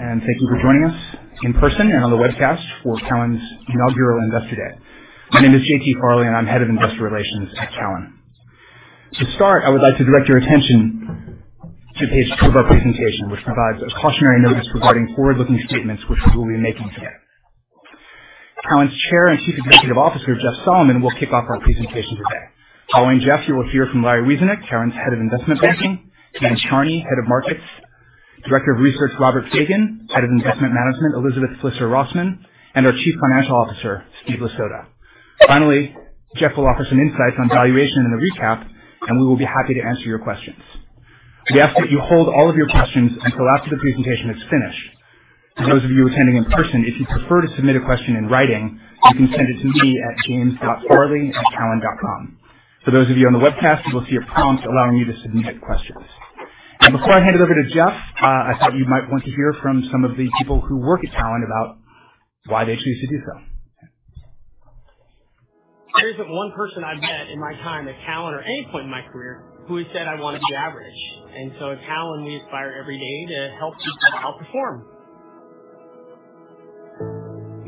Thank you for joining us in person and on the webcast for Cowen's Inaugural Investor Day. My name is J.T. Farley, and I'm Head of Investor Relations at Cowen. To start, I would like to direct your attention to page two of our presentation, which provides a cautionary notice regarding forward-looking statements which we will be making today. Cowen's Chair and Chief Executive Officer, Jeff Solomon, will kick off our presentation today. Following Jeff, you will hear from Larry Wieseneck, Cowen's Head of Investment Banking, Dan Charney, Head of Markets, Director of Research, Robert Fagin, Head of Investment Management, Elizabeth Flisser Rosman, and our Chief Financial Officer, Stephen Lasota. Finally, Jeff will offer some insights on valuation and a recap, and we will be happy to answer your questions. We ask that you hold all of your questions until after the presentation is finished. For those of you attending in person, if you prefer to submit a question in writing, you can send it to me at james.farley@cowen.com. For those of you on the webcast, you will see a prompt allowing you to submit questions. Before I hand it over to Jeff, I thought you might want to hear from some of the people who work at Cowen about why they choose to do so. There isn't one person I've met in my time at Cowen or any point in my career who has said, "I want to be average." At Cowen, we aspire every day to help people outperform.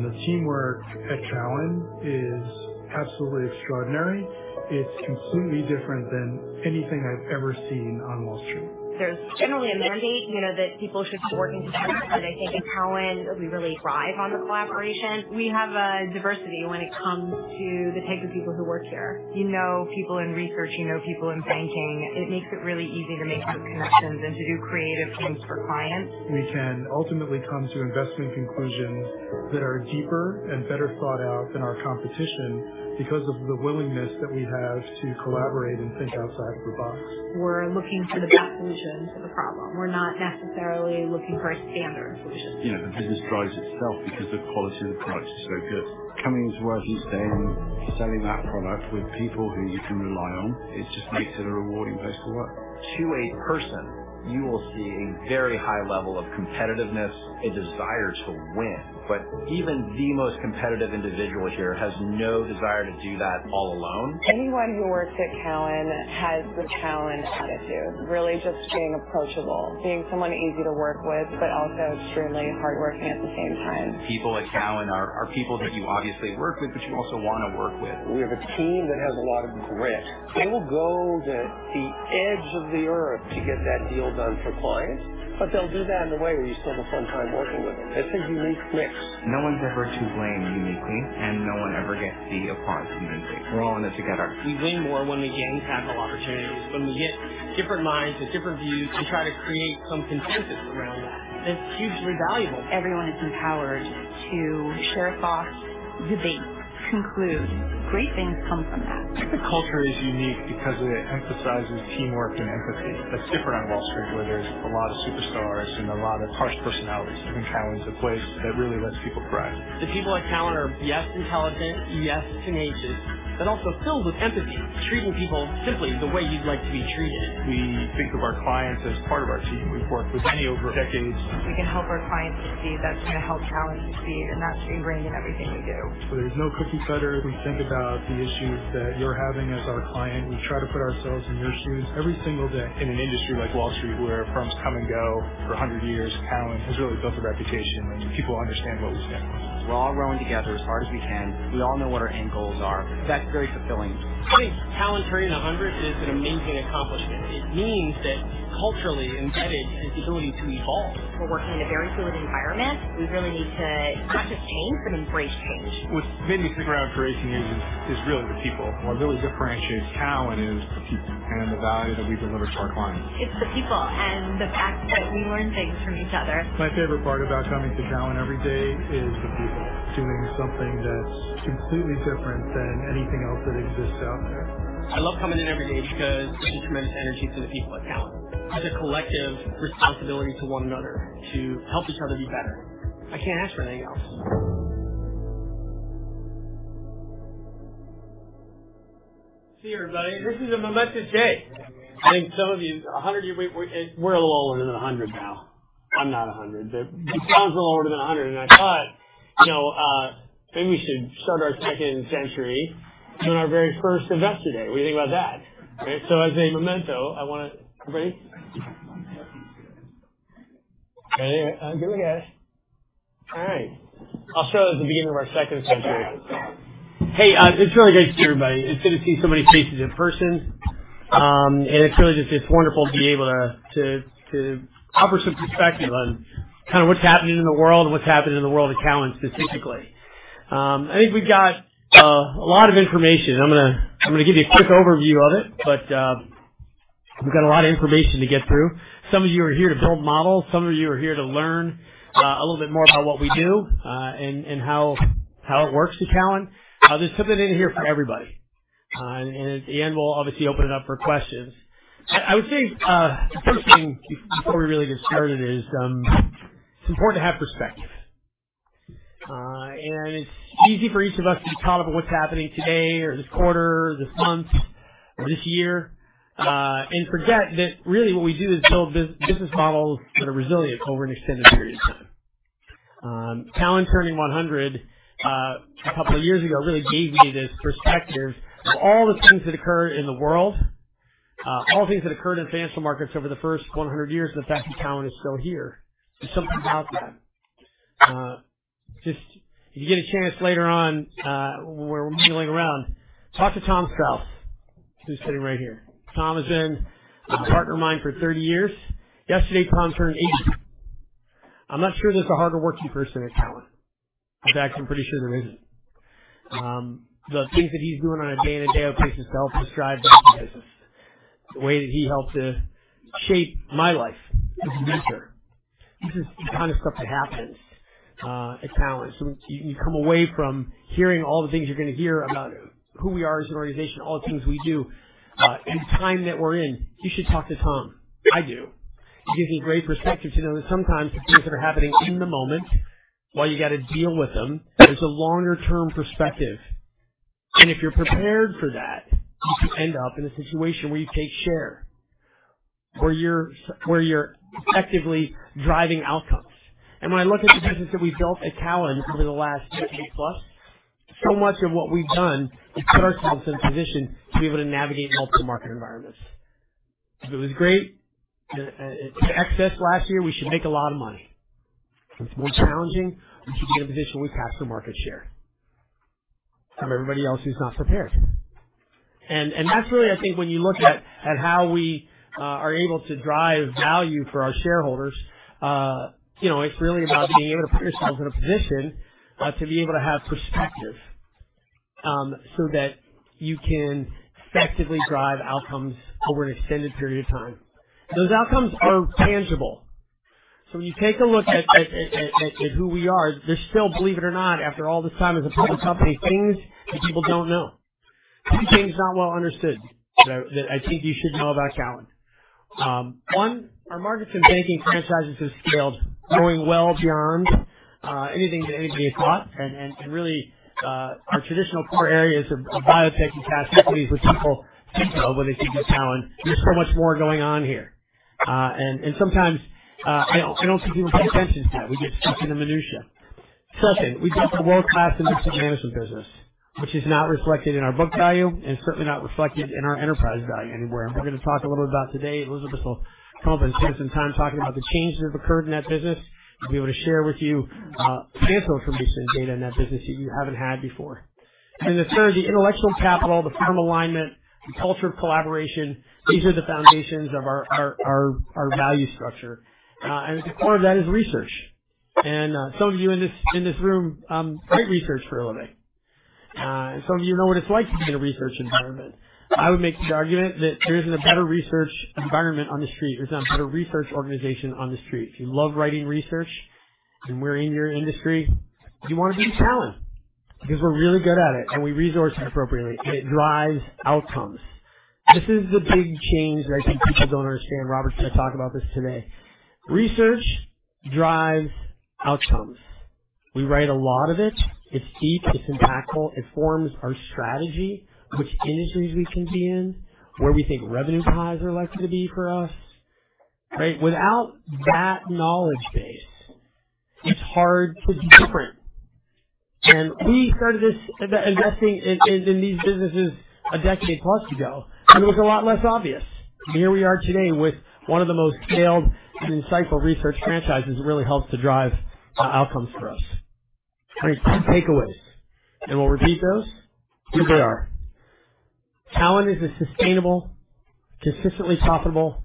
The teamwork at Cowen is absolutely extraordinary. It's completely different than anything I've ever seen on Wall Street. There's generally a mandate, you know, that people should be working together, but I think at Cowen we really thrive on the collaboration. We have a diversity when it comes to the type of people who work here. You know people in research, you know people in banking. It makes it really easy to make those connections and to do creative things for clients. We can ultimately come to investment conclusions that are deeper and better thought out than our competition because of the willingness that we have to collaborate and think outside of the box. We're looking for the best solution to the problem. We're not necessarily looking for a standard solution. You know, the business drives itself because the quality of the product is so good. Coming to work each day and selling that product with people who you can rely on, it just makes it a rewarding place to work. To a person, you will see a very high level of competitiveness, a desire to win. But even the most competitive individual here has no desire to do that all alone. Anyone who works at Cowen has the Cowen attitude, really just being approachable, being someone easy to work with, but also extremely hardworking at the same time. People at Cowen are people that you obviously work with, but you also wanna work with. We have a team that has a lot of grit. They will go to the edge of the earth to get that deal done for clients, but they'll do that in a way where you still have a fun time working with them. It's a unique mix. No one's ever to blame uniquely, and no one ever gets the applause individually. We're all in it together. We win more when we gain capital opportunities. When we get different minds with different views to try to create some consensus around that's hugely valuable. Everyone is empowered to share thoughts, debate, conclude. Great things come from that. The culture is unique because it emphasizes teamwork and empathy. That's different on Wall Street, where there's a lot of superstars and a lot of harsh personalities. I think Cowen's a place that really lets people thrive. The people at Cowen are, yes, intelligent, yes, tenacious, but also filled with empathy. Treating people simply the way you'd like to be treated. We think of our clients as part of our team. We've worked with many over decades. We can help our clients succeed, that's gonna help Cowen succeed, and that should be ingrained in everything we do. There's no cookie cutter. We think about the issues that you're having as our client. We try to put ourselves in your shoes every single day. In an industry like Wall Street, where firms come and go, for 100 years, Cowen has really built a reputation, and people understand what we stand for. We're all rowing together as hard as we can. We all know what our end goals are. That's very fulfilling. I think Cowen turning 100 is an amazing accomplishment. It means that culturally embedded is the ability to evolve. We're working in a very fluid environment. We really need to not just change, but embrace change. What's made me stick around for 18 years is really the people. What really differentiates Cowen is the people and the value that we deliver to our clients. It's the people and the fact that we learn things from each other. My favorite part about coming to Cowen every day is the people. Doing something that's completely different than anything else that exists out there. I love coming in every day because of the tremendous energy from the people at Cowen. There's a collective responsibility to one another to help each other be better. I can't ask for anything else. Thank you, everybody. This is a momentous day. I think some of you. We're a little older than 100 now. I'm not 100. The Cowen is a little older than 100, and I thought, you know, maybe we should start our second century on our very first Investor Day. What do you think about that? Okay. As a memento, I want to everybody. I'm giving it. All right. I'll show it at the beginning of our second century. Hey, it's really great to see everybody. It's good to see so many faces in person, and it's really just, it's wonderful to be able to offer some perspective on kind of what's happening in the world and what's happening in the world at Cowen specifically. I think we've got a lot of information. I'm gonna give you a quick overview of it, but we've got a lot of information to get through. Some of you are here to build models, some of you are here to learn a little bit more about what we do, and how it works at Cowen. There's something in here for everybody. At the end, we'll obviously open it up for questions. I would say the first thing before we really get started is it's important to have perspective. It's easy for each of us to be caught up in what's happening today or this quarter, this month or this year, and forget that really what we do is build business models that are resilient over an extended period of time. Cowen turning 100, a couple of years ago really gave me this perspective of all the things that occur in the world, all the things that occurred in financial markets over the first 100 years, and the fact that Cowen is still here. There's something about that. Just if you get a chance later on, when we're mingling around, talk to Tom Strauss, who's sitting right here. Tom has been a partner of mine for 30 years. Yesterday, Tom turned 80. I'm not sure there's a harder working person at Cowen. In fact, I'm pretty sure there isn't. The things that he's doing on a day-in and day-out basis to help us drive the business, the way that he helped to shape my life as a mentor. This is the kind of stuff that happens at Cowen. You come away from hearing all the things you're gonna hear about who we are as an organization, all the things we do, and the time that we're in. You should talk to Tom. I do. He gives me great perspective to know that sometimes the things that are happening in the moment, while you got to deal with them, there's a longer term perspective, and if you're prepared for that, you can end up in a situation where you take share, where you're effectively driving outcomes. When I look at the business that we built at Cowen over the last decade plus, so much of what we've done is put ourselves in position to be able to navigate multiple market environments. If it was great excess last year, we should make a lot of money. If it's more challenging, we should be in a position where we capture market share from everybody else who's not prepared. That's really, I think, when you look at how we are able to drive value for our shareholders, you know, it's really about being able to put ourselves in a position to be able to have perspective, so that you can effectively drive outcomes over an extended period of time. Those outcomes are tangible. When you take a look at who we are, there's still, believe it or not, after all this time as a public company, things that people don't know. A few things not well understood that I think you should know about Cowen. One, our markets and banking franchises have scaled going well beyond anything that anybody had thought. Really, our traditional core areas of biotech and specialties, which people think of when they think of Cowen, there's so much more going on here. Sometimes, I don't think people pay attention to that. We get stuck in the minutiae. Second, we've got the world-class investment management business, which is not reflected in our book value and certainly not reflected in our enterprise value anywhere. We're going to talk a little bit about today. Elizabeth will come up and spend some time talking about the changes that have occurred in that business. We'll be able to share with you financial information data in that business that you haven't had before. Then third, the intellectual capital, the firm alignment, the culture of collaboration, these are the foundations of our value structure. At the core of that is research. Some of you in this room write research for a living. Some of you know what it's like to be in a research environment. I would make the argument that there isn't a better research environment on the Street. There's not a better research organization on the Street. If you love writing research and we're in your industry, you want to be at Cowen because we're really good at it, and we resource it appropriately, and it drives outcomes. This is the big change that I think people don't understand. Robert's gonna talk about this today. Research drives outcomes. We write a lot of it. It's deep, it's impactful. It forms our strategy, which industries we can be in, where we think revenue pies are likely to be for us, right? Without that knowledge base, it's hard to be different. We started this, investing in these businesses a decade plus ago, and it was a lot less obvious. Here we are today with one of the most scaled and insightful research franchises that really helps to drive outcomes for us. All right, key takeaways, and we'll repeat those. Here they are. Cowen is a sustainable, consistently profitable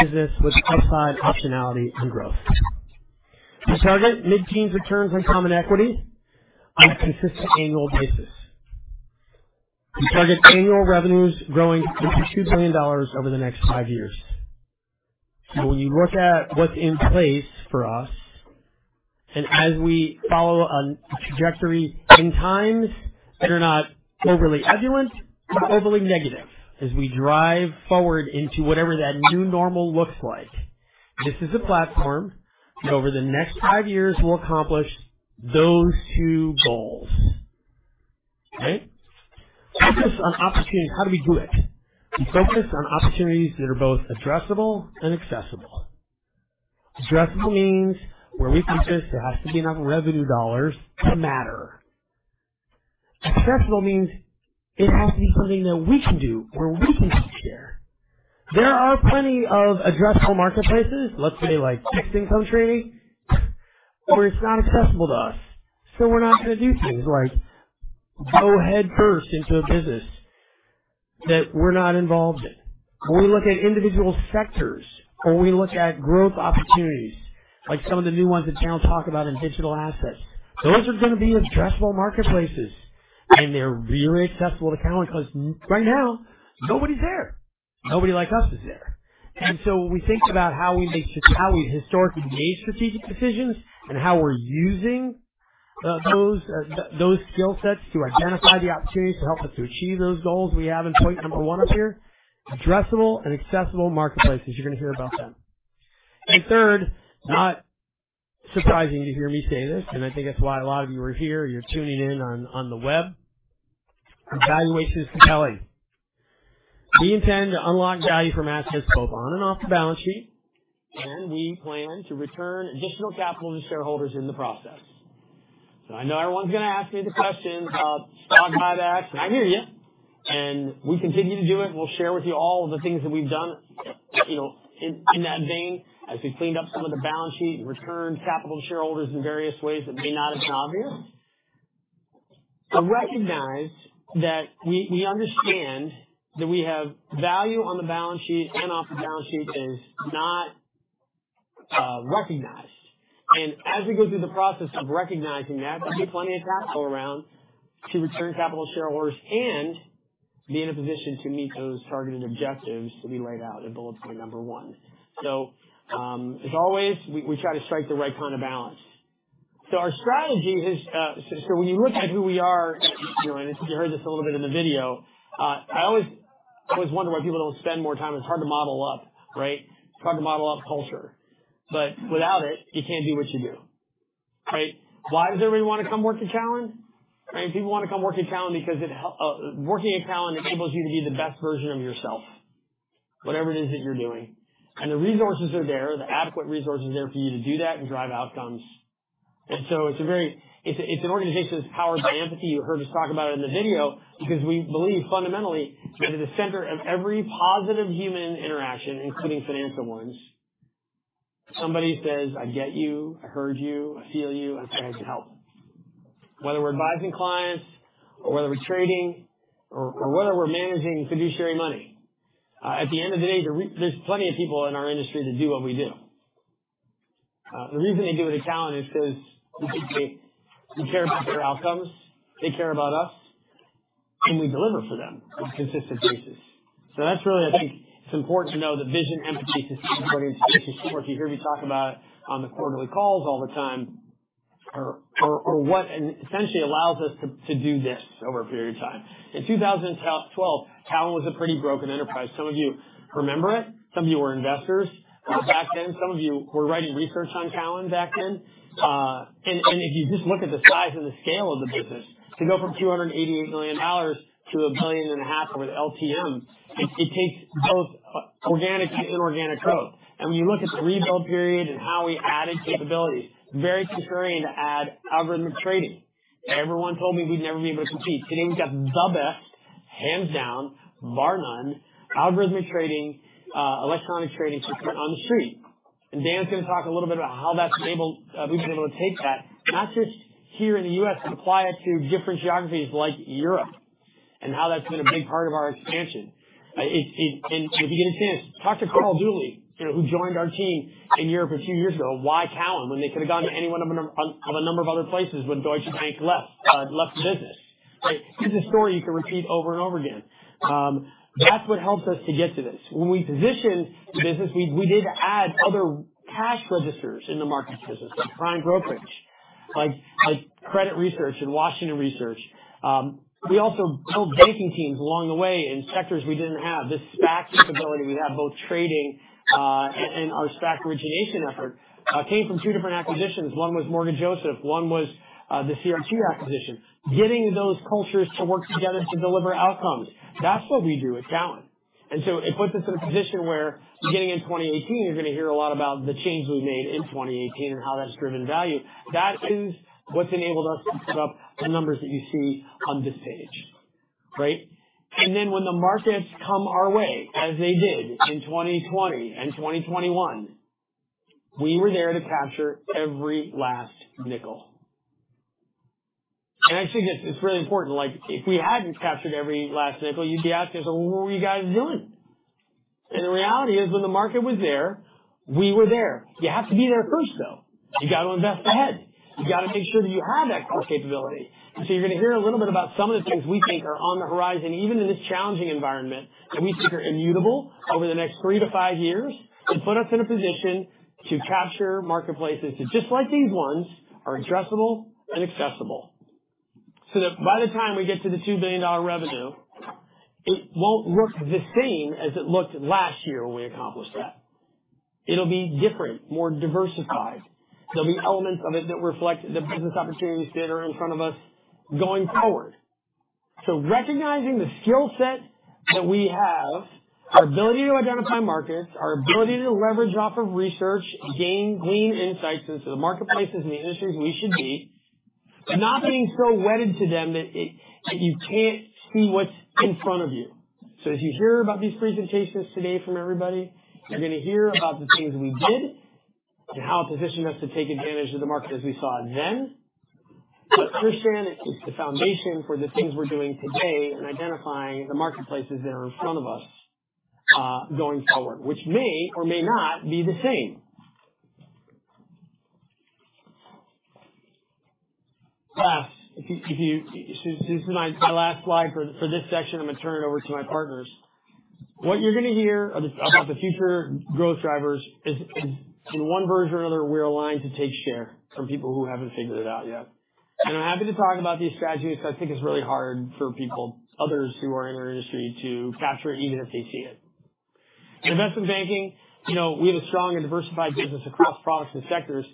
business with upside optionality and growth. We target mid-teens returns on common equity on a consistent annual basis. We target annual revenues growing to $2 billion over the next five years. When you look at what's in place for us and as we follow a trajectory in times that are not overly ebullient or overly negative, as we drive forward into whatever that new normal looks like, this is a platform that over the next five years will accomplish those two goals. Okay. We focus on opportunities. How do we do it? We focus on opportunities that are both addressable and accessible. Addressable means where we compete, there has to be enough revenue dollars to matter. Accessible means it has to be something that we can do, where we can take share. There are plenty of addressable marketplaces, let's say like fixed income trading, where it's not accessible to us, so we're not going to do things like go headfirst into a business that we're not involved in. When we look at individual sectors or we look at growth opportunities like some of the new ones that Dan will talk about in digital assets, those are going to be addressable marketplaces and they're very accessible to Cowen because right now nobody's there. Nobody like us is there. When we think about how we historically gauge strategic decisions and how we're using those skill sets to identify the opportunities to help us to achieve those goals we have in point number one up here, addressable and accessible marketplaces, you're going to hear about them. Third, not surprising to hear me say this, and I think that's why a lot of you are here. You're tuning in on the web. Valuation is compelling. We intend to unlock value from assets both on and off the balance sheet, and we plan to return additional capital to shareholders in the process. I know everyone's gonna ask me the question of stock buybacks, and I hear you. We continue to do it. We'll share with you all of the things that we've done, you know, in that vein as we've cleaned up some of the balance sheet and returned capital to shareholders in various ways that may not have been obvious. Recognize that we understand that we have value on the balance sheet and off the balance sheet is not recognized. As we go through the process of recognizing that, there'll be plenty of capital around to return capital to shareholders and be in a position to meet those targeted objectives that we laid out in bullet point number one. As always, we try to strike the right kind of balance. Our strategy is, so when you look at who we are, you know, and you heard this a little bit in the video. I always wonder why people don't spend more time. It's hard to model up, right? It's hard to model up culture, but without it, you can't do what you do, right? Why does everybody wanna come work at Cowen, right? People wanna come work at Cowen because working at Cowen enables you to be the best version of yourself, whatever it is that you're doing. The resources are there, the adequate resources are there for you to do that and drive outcomes. It's an organization that's powered by empathy. You heard us talk about it in the video because we believe fundamentally that at the center of every positive human interaction, including financial ones, somebody says, "I get you, I heard you, I feel you. I think I can help." Whether we're advising clients or whether we're trading or whether we're managing fiduciary money. At the end of the day, there's plenty of people in our industry that do what we do. The reason they do it at Cowen is 'cause we think they, we care about their outcomes, they care about us, and we deliver for them on a consistent basis. That's really I think it's important to know the vision, empathy, consistency, and support. You hear me talk about it on the quarterly calls all the time are what essentially allows us to do this over a period of time. In 2012, Cowen was a pretty broken enterprise. Some of you remember it. Some of you were investors back then. Some of you were writing research on Cowen back then. If you just look at the size and the scale of the business, to go from $288 million to $1.5 billion of an LTM, it takes both organic and inorganic growth. When you look at the rebuild period and how we added capabilities, very contrarian to add algorithmic trading. Everyone told me we'd never be able to compete. Today, we've got the best, hands down, bar none, algorithmic trading, electronic trading system on The Street. Dan's gonna talk a little bit about how we've been able to take that not just here in the U.S., but apply it to different geographies like Europe and how that's been a big part of our expansion. If you get a chance, talk to Carl Dooley, you know, who joined our team in Europe a few years ago, why Cowen, when they could have gone to any one of a number of other places when Deutsche Bank left the business, right? It's a story you can repeat over and over again. That's what helps us to get to this. When we positioned the business, we did add other cash registers in the markets business, like prime brokerage, like credit research and Washington research. We also built banking teams along the way in sectors we didn't have. This SPAC capability, we have both trading and our SPAC origination effort came from two different acquisitions. One was Morgan Joseph, one was the CRT acquisition. Getting those cultures to work together to deliver outcomes, that's what we do at Cowen. It puts us in a position where beginning in 2018, you're gonna hear a lot about the changes we've made in 2018 and how that's driven value. That is what's enabled us to put up the numbers that you see on this page, right? Then when the markets come our way, as they did in 2020 and 2021, we were there to capture every last nickel. Actually, this is really important. Like, if we hadn't captured every last nickel, you'd be asking us, "Well, what were you guys doing?" The reality is, when the market was there, we were there. You have to be there first, though. You gotta invest ahead. You gotta make sure that you have that core capability. So you're gonna hear a little bit about some of the things we think are on the horizon, even in this challenging environment, that we think are immutable over the next three to five years and put us in a position to capture marketplaces that, just like these ones, are addressable and accessible. That by the time we get to the $2 billion revenue, it won't look the same as it looked last year when we accomplished that. It'll be different, more diversified. There'll be elements of it that reflect the business opportunities that are in front of us going forward. Recognizing the skill set that we have, our ability to identify markets, our ability to leverage off of research and gain insights into the marketplaces and the industries we should be. Not getting so wedded to them that it, that you can't see what's in front of you. As you hear about these presentations today from everybody, you're gonna hear about the things we did and how it positioned us to take advantage of the market as we saw it then. Christian, it's the foundation for the things we're doing today and identifying the marketplaces that are in front of us, going forward, which may or may not be the same. This is my last slide for this section. I'm gonna turn it over to my partners. What you're gonna hear about the future growth drivers is in one version or another, we're aligned to take share from people who haven't figured it out yet. I'm happy to talk about these strategies because I think it's really hard for people, others who are in our industry to capture it even if they see it. In investment banking, you know, we have a strong and diversified business across products and sectors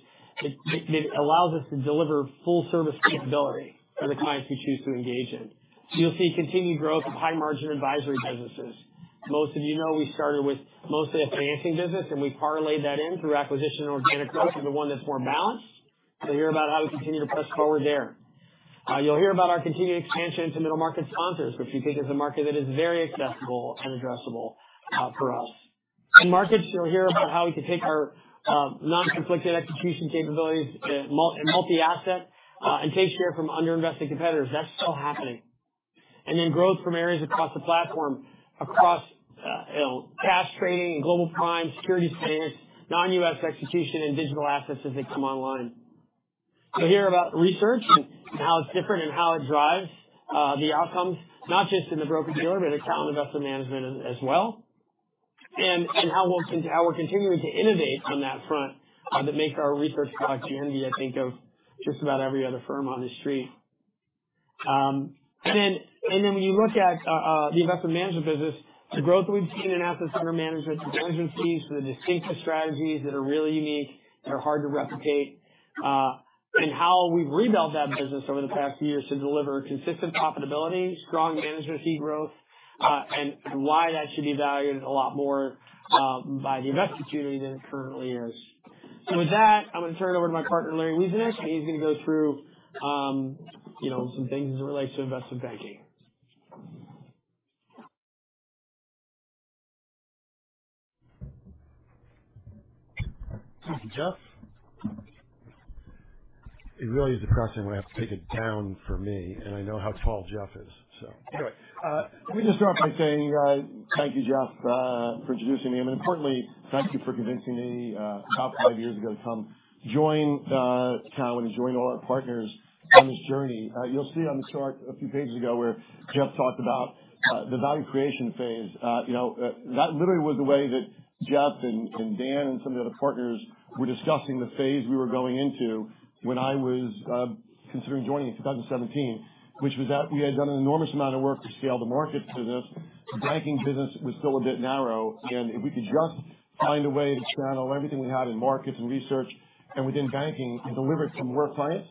that allows us to deliver full service capability for the clients we choose to engage in. You'll see continued growth of high margin advisory businesses. Most of you know we started with mostly a financing business and we've parlayed that in through acquisition and organic growth into one that's more balanced. You'll hear about how we continue to press forward there. You'll hear about our continued expansion into middle market sponsors, which we think is a market that is very accessible and addressable, for us. In markets, you'll hear about how we can take our non-conflicted execution capabilities in multi-asset, and take share from underinvested competitors. That's still happening. Growth from areas across the platform, across, cash trading and global prime, security clearance, non-US execution and digital assets as they come online. You'll hear about research and how it's different and how it drives the outcomes, not just in the broker-dealer but in Cowen Investment Management as well. How we're continuing to innovate on that front that make our research product the envy, I think, of just about every other firm on the Street. When you look at the investment management business, the growth that we've seen in assets under management and agency fees for the distinctive strategies that are really unique, that are hard to replicate, and how we've rebuilt that business over the past few years to deliver consistent profitability, strong management fee growth, and why that should be valued a lot more by the investment community than it currently is. With that, I'm gonna turn it over to my partner, Larry Wieseneck. He's gonna go through, you know, some things as it relates to investment banking. Thank you, Jeff. It really is depressing when I have to take the mic from me, and I know how tall Jeff is, so. Anyway, let me just start by saying, thank you, Jeff, for introducing me. Importantly, thank you for convincing me, about five years ago to come join Cowen and join all our partners on this journey. You'll see on the chart a few pages ago where Jeff talked about the value creation phase. You know, that literally was the way that Jeff and Dan and some of the other partners were discussing the phase we were going into when I was considering joining in 2017, which was that we had done an enormous amount of work to scale the markets business. The banking business was still a bit narrow, and if we could just find a way to channel everything we had in markets and research and within banking and deliver it from more clients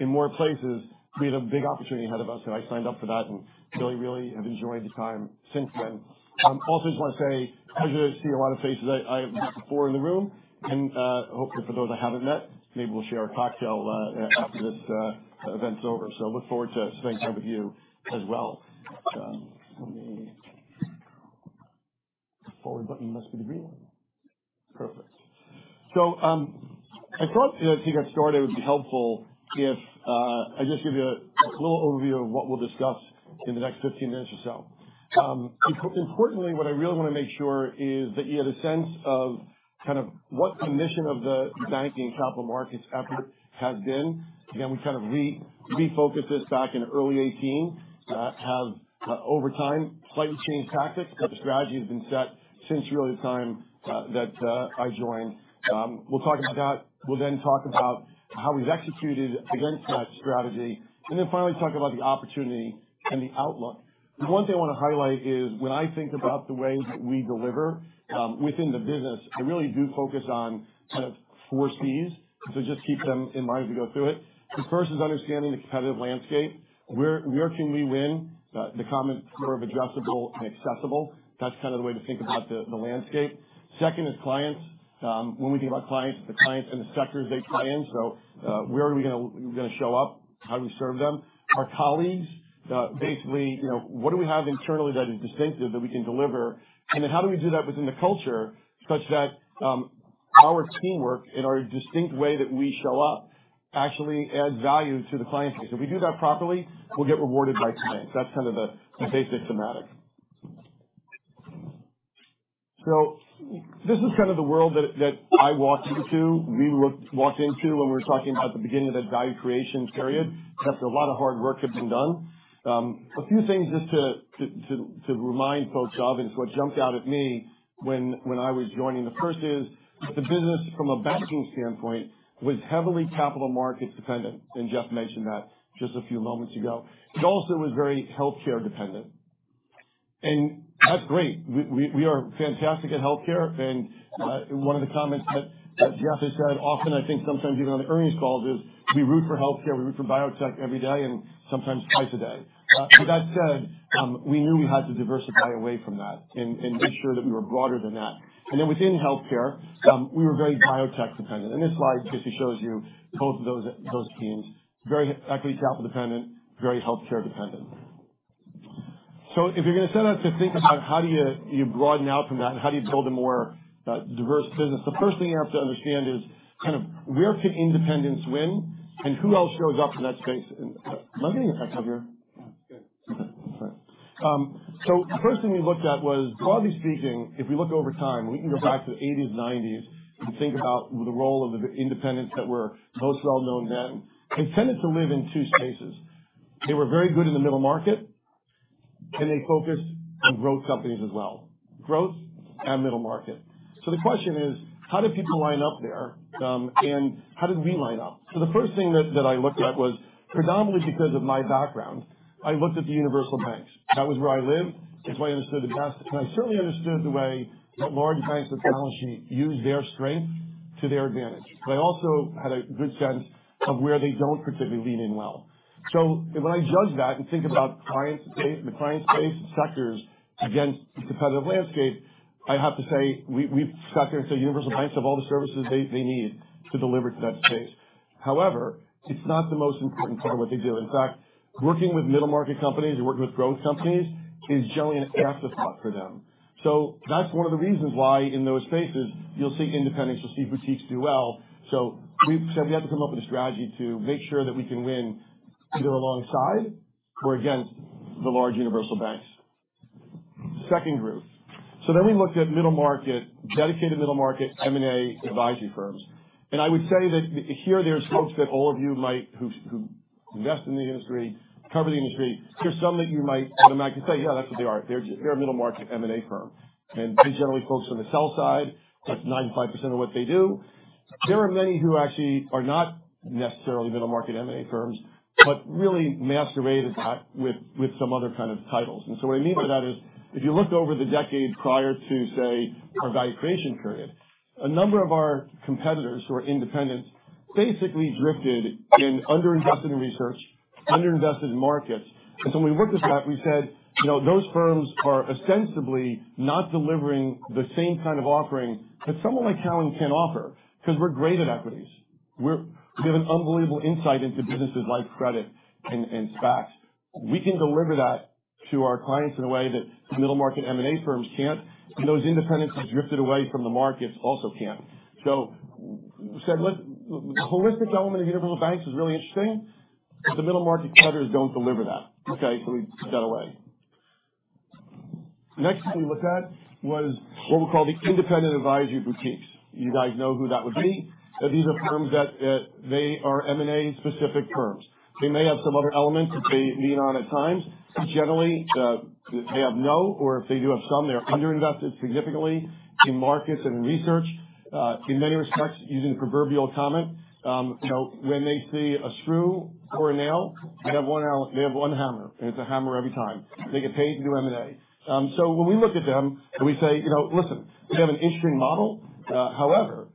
in more places, we had a big opportunity ahead of us. I signed up for that, and really, really have enjoyed the time since then. Also just wanna say, pleasure to see a lot of faces I have met before in the room, and hopefully for those I haven't met, maybe we'll share a cocktail after this event's over. Look forward to spending time with you as well. Let me. The forward button must be the green one. Perfect. I thought to get us started, it would be helpful if I just give you a little overview of what we'll discuss in the next 15 minutes or so. Importantly, what I really wanna make sure is that you have a sense of kind of what the mission of the banking capital markets effort has been. Again, we kind of refocused this back in early 2018. Over time, slightly changed tactics, but the strategy has been set since really the time that I joined. We'll then talk about how we've executed against that strategy, and then finally talk about the opportunity and the outlook. The one thing I wanna highlight is when I think about the way that we deliver within the business, I really do focus on kind of four C's. Just keep them in mind as we go through it. The first is understanding the competitive landscape. Where can we win? The commitment sort of adjustable and accessible. That's kind of the way to think about the landscape. Second is clients. When we think about clients, the clients and the sectors they play in. Where are we gonna show up? How do we serve them? Our colleagues. Basically, you know, what do we have internally that is distinctive that we can deliver? And then how do we do that within the culture such that, our teamwork in our distinct way that we show up actually adds value to the client base? If we do that properly, we'll get rewarded by clients. That's kind of the basic theme. This is kind of the world that I walked into, we walked into when we were talking about the beginning of that value creation period. That's a lot of hard work that's been done. A few things just to remind folks of, and it's what jumped out at me when I was joining. The first is that the business from a banking standpoint was heavily capital markets dependent, and Jeff mentioned that just a few moments ago. It also was very healthcare dependent. That's great. We are fantastic at healthcare. One of the comments that Jeff has said often, I think sometimes even on the earnings calls, is we root for healthcare, we root for biotech every day and sometimes twice a day. With that said, we knew we had to diversify away from that and make sure that we were broader than that. Then within healthcare, we were very biotech dependent. This slide just shows you both of those teams. Very equity capital dependent, very healthcare dependent. If you're gonna set out to think about how do you broaden out from that and how do you build a more diverse business, the first thing you have to understand is kind of where can independents win and who else shows up in that space? Am I getting the slide to appear? Yeah. Okay. All right. First thing we looked at was, broadly speaking, if we look over time, we can go back to the 1980s, 1990s and think about the role of the independents that were most well known then. They tended to live in two spaces. They were very good in the middle market, and they focused on growth companies as well. Growth and middle market. The question is, how do people line up there, and how did we line up? First thing that I looked at was predominantly because of my background, I looked at the universal banks. That was where I lived. It's what I understood the best. I certainly understood the way that large banks with balance sheets use their strength to their advantage. I also had a good sense of where they don't particularly lean in well. When I judge that and think about the client space and sectors against the competitive landscape, I have to say we've sat here and said universal banks have all the services they need to deliver to that space. However, it's not the most important part of what they do. In fact, working with middle market companies or working with growth companies is generally an afterthought for them. That's one of the reasons why in those spaces you'll see independents, you'll see boutiques do well. We said we have to come up with a strategy to make sure that we can win either alongside or against the large universal banks. Second group. We looked at middle market dedicated middle market M&A advisory firms. I would say that here there's folks that all of you might. Who invest in the industry, cover the industry. Here's some that you might automatically say, "Yeah, that's what they are. They're a middle market M&A firm." These are generally folks from the sell side. That's 95% of what they do. There are many who actually are not necessarily middle market M&A firms, but really masquerade as that with some other kind of titles. What I mean by that is, if you looked over the decades prior to, say, our value creation period, a number of our competitors who are independents basically drifted and underinvested in research, underinvested in markets. When we looked at that, we said, you know, those firms are ostensibly not delivering the same kind of offering that someone like Cowen can offer because we're great at equities. We have an unbelievable insight into businesses like credit and SPACs. We can deliver that to our clients in a way that middle market M&A firms can't, and those independents who drifted away from the markets also can't. We said. The holistic element of universal banks is really interesting, but the middle market cutters don't deliver that. Okay? We put that away. Next thing we looked at was what we call the independent advisory boutiques. You guys know who that would be. These are firms that they are M&A specific firms. They may have some other elements that they lean on at times. Generally, they have no, or if they do have some, they're underinvested significantly in markets and in research. In many respects, using the proverbial comment, you know, when they see a screw or a nail, they have one hammer, and it's a hammer every time. They get paid to do M&A. When we look at them and we say, you know, listen, they have an interesting model. However,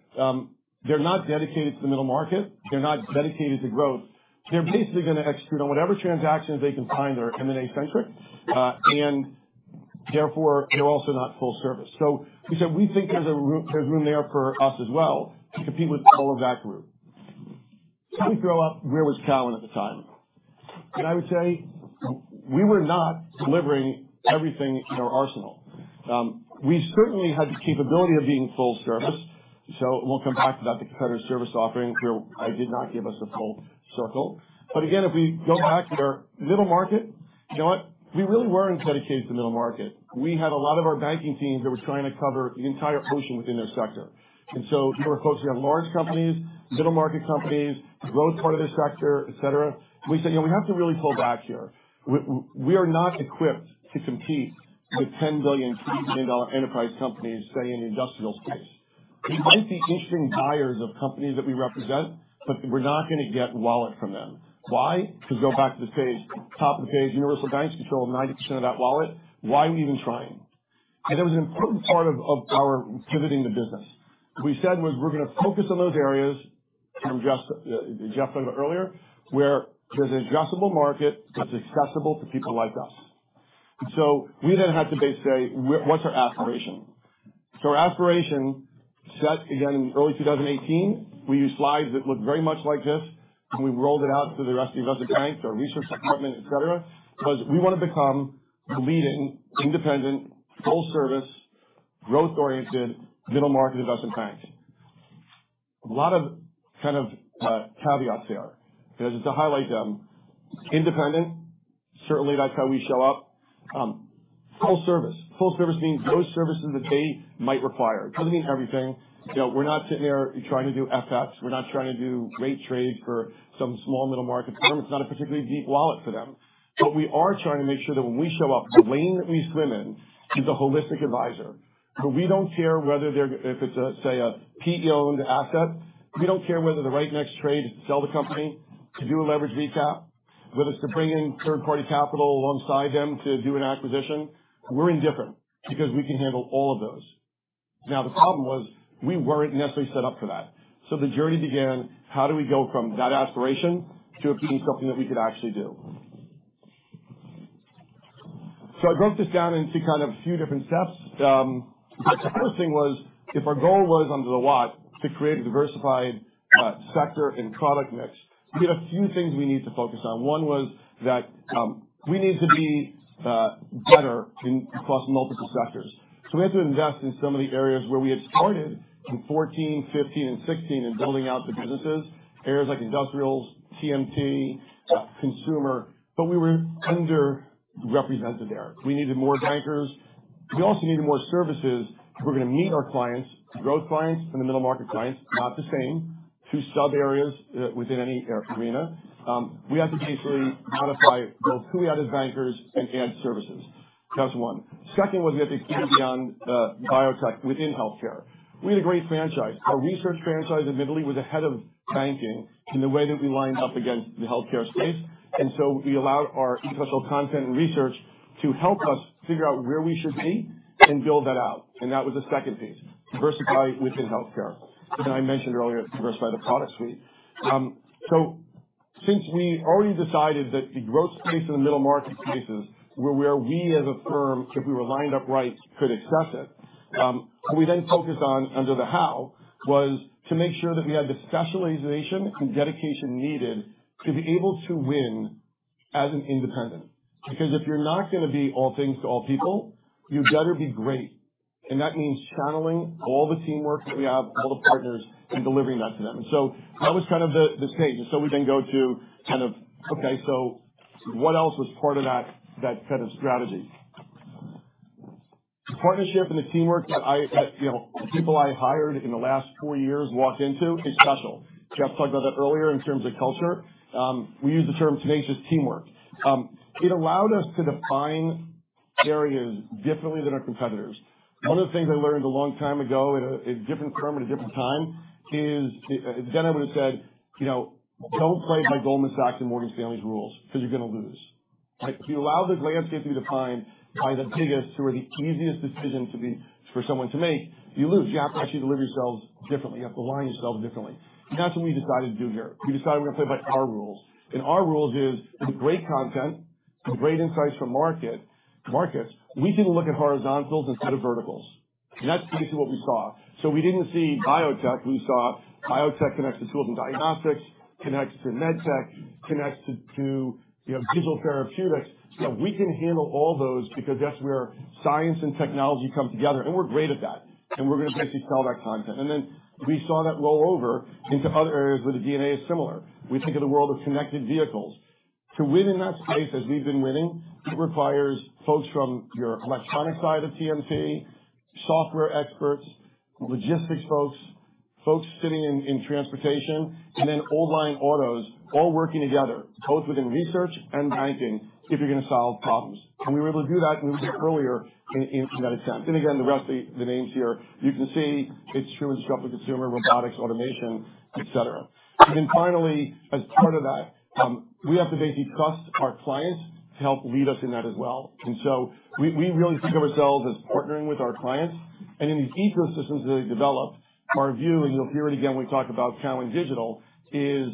they're not dedicated to the middle market. They're not dedicated to growth. They're basically gonna execute on whatever transactions they can find that are M&A centric, and therefore they're also not full service. We said we think there's room there for us as well to compete with all of that group. As we grow up, where was Cowen at the time? I would say we were not delivering everything in our arsenal. We certainly had the capability of being full service, we'll come back to that. The competitor service offering here, I did not give us full credit. Again, if we go back to our middle market, you know what? We really weren't dedicated to the middle market. We had a lot of our banking teams that were trying to cover the entire ocean within their sector. These were folks who have large companies, middle market companies, growth part of the sector, et cetera. We said, you know, we have to really pull back here. We are not equipped to compete with $10 billion, $15 billion enterprise companies, say, in the industrial space. They might be interesting buyers of companies that we represent, but we're not gonna get wallet from them. Why? Because, go back to the page, top of the page, universal banks control 90% of that wallet. Why are we even trying? That was an important part of our pivoting the business. We said we're gonna focus on those areas from just a bit earlier, where there's an addressable market that's accessible to people like us. We then had to basically say, "What's our aspiration?" Our aspiration set again in early 2018. We used slides that looked very much like this, and we rolled it out to the rest of the investment bank, to our research department, etc. Because we wanna become the leading independent, full service, growth-oriented middle market investment bank. A lot of kind of caveats there. You know, just to highlight them. Independent, certainly that's how we show up. Full service. Full service means those services that they might require. It doesn't mean everything. You know, we're not sitting there trying to do FX. We're not trying to do rate trade for some small middle market firm. It's not a particularly deep wallet for them. We are trying to make sure that when we show up, the lane that we swim in is a holistic advisor. We don't care if it's, say, a PE-owned asset. We don't care whether the right next trade is to sell the company, to do a leverage recap, whether it's to bring in third party capital alongside them to do an acquisition. We're indifferent because we can handle all of those. Now, the problem was we weren't necessarily set up for that. The journey began. How do we go from that aspiration to it being something that we could actually do? I broke this down into kind of a few different steps. The first thing was, if our goal was to create a diversified sector and product mix, we had a few things we needed to focus on. One was that we needed to be better across multiple sectors. We had to invest in some of the areas where we had started in 2014, 2015, and 2016 in building out the businesses. Areas like industrials, TMT, consumer, but we were underrepresented there. We needed more bankers. We also needed more services if we're gonna meet our clients, growth clients and the middle market clients, not the same two sub areas within any arena. We have to basically modify both who we have as bankers and add services. That's one. Second was we have to expand beyond biotech within healthcare. We had a great franchise. Our research franchise admittedly was ahead of banking in the way that we lined up against the healthcare space, and so we allowed our intellectual content and research to help us figure out where we should be and build that out. That was the second piece, diversify within healthcare. I mentioned earlier, diversify the product suite. Since we already decided that the growth space in the middle market spaces were where we as a firm, if we were lined up right, could access it, what we then focused on under the how was to make sure that we had the specialization and dedication needed to be able to win as an independent. Because if you're not gonna be all things to all people, you better be great. That means channeling all the teamwork that we have, all the partners, and delivering that to them. That was kind of the stage. We then go to kind of, okay, so what else was part of that kind of strategy? Partnership and the teamwork that, you know, people I hired in the last four years walked into is special. Jeff talked about that earlier in terms of culture. We use the term tenacious teamwork. It allowed us to define areas differently than our competitors. One of the things I learned a long time ago at a different firm at a different time is then I would have said, you know, "Don't play by Goldman Sachs and Morgan Stanley's rules because you're gonna lose." If you allow the landscape to be defined by the biggest or the easiest decision for someone to make, you lose. You have to actually deliver yourselves differently. You have to align yourselves differently. That's what we decided to do here. We decided we're gonna play by our rules. Our rules are with great content and great insights from markets, we need to look at horizontals instead of verticals. That's basically what we saw. We didn't see biotech. We saw biotech connects to tools and diagnostics, connects to med tech, connects to you know, digital therapeutics. You know, we can handle all those because that's where science and technology come together, and we're great at that, and we're gonna basically sell that content. Then we saw that roll over into other areas where the DNA is similar. We think of the world of connected vehicles. To win in that space as we've been winning, it requires folks from your electronic side of TMT, software experts, logistics folks sitting in transportation, and then old line autos all working together, both within research and banking, if you're gonna solve problems. We were able to do that, and we did it earlier in that extent. Again, the rest of the names here, you can see it's true in structured consumer, robotics, automation, et cetera. Then finally, as part of that, we have to basically trust our clients to help lead us in that as well. So we really think of ourselves as partnering with our clients. In these ecosystems that we develop, our view, and you'll hear it again when we talk about Cowen Digital, is,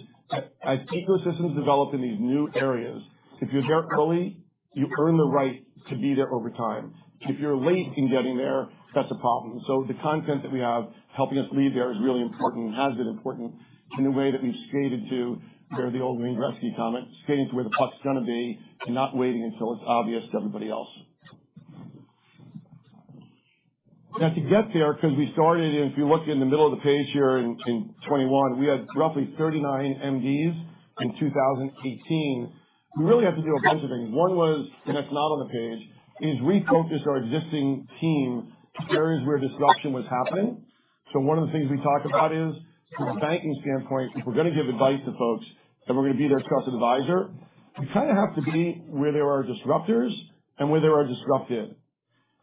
as ecosystems develop in these new areas, if you're there early, you earn the right to be there over time. If you're late in getting there, that's a problem. The content that we have helping us lead there is really important and has been important in the way that we've skated to where the old Wayne Gretzky comment, skating to where the puck's gonna be and not waiting until it's obvious to everybody else. Now to get there, because we started, and if you look in the middle of the page here in 2021, we had roughly 39 MDs in 2018. We really had to do a bunch of things. One was, and that's not on the page, is refocus our existing team to areas where disruption was happening. One of the things we talk about is from a banking standpoint, if we're gonna give advice to folks and we're gonna be their trusted advisor, you kind of have to be where there are disruptors and where there are disrupted.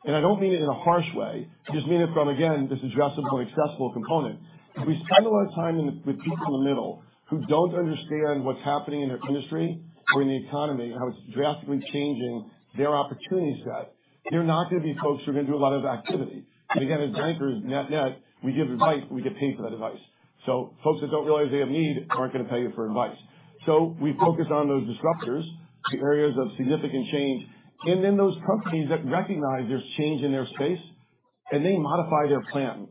I don't mean it in a harsh way. I just mean it from, again, this addressable and accessible component. If we spend a lot of time with people in the middle who don't understand what's happening in their industry or in the economy and how it's drastically changing their opportunity set, they're not gonna be folks who are gonna do a lot of activity. Again, as bankers, net net, we give advice, and we get paid for that advice. Folks that don't realize they have need aren't gonna pay you for advice. We focus on those disruptors, the areas of significant change, and then those companies that recognize there's change in their space, and they modify their plan.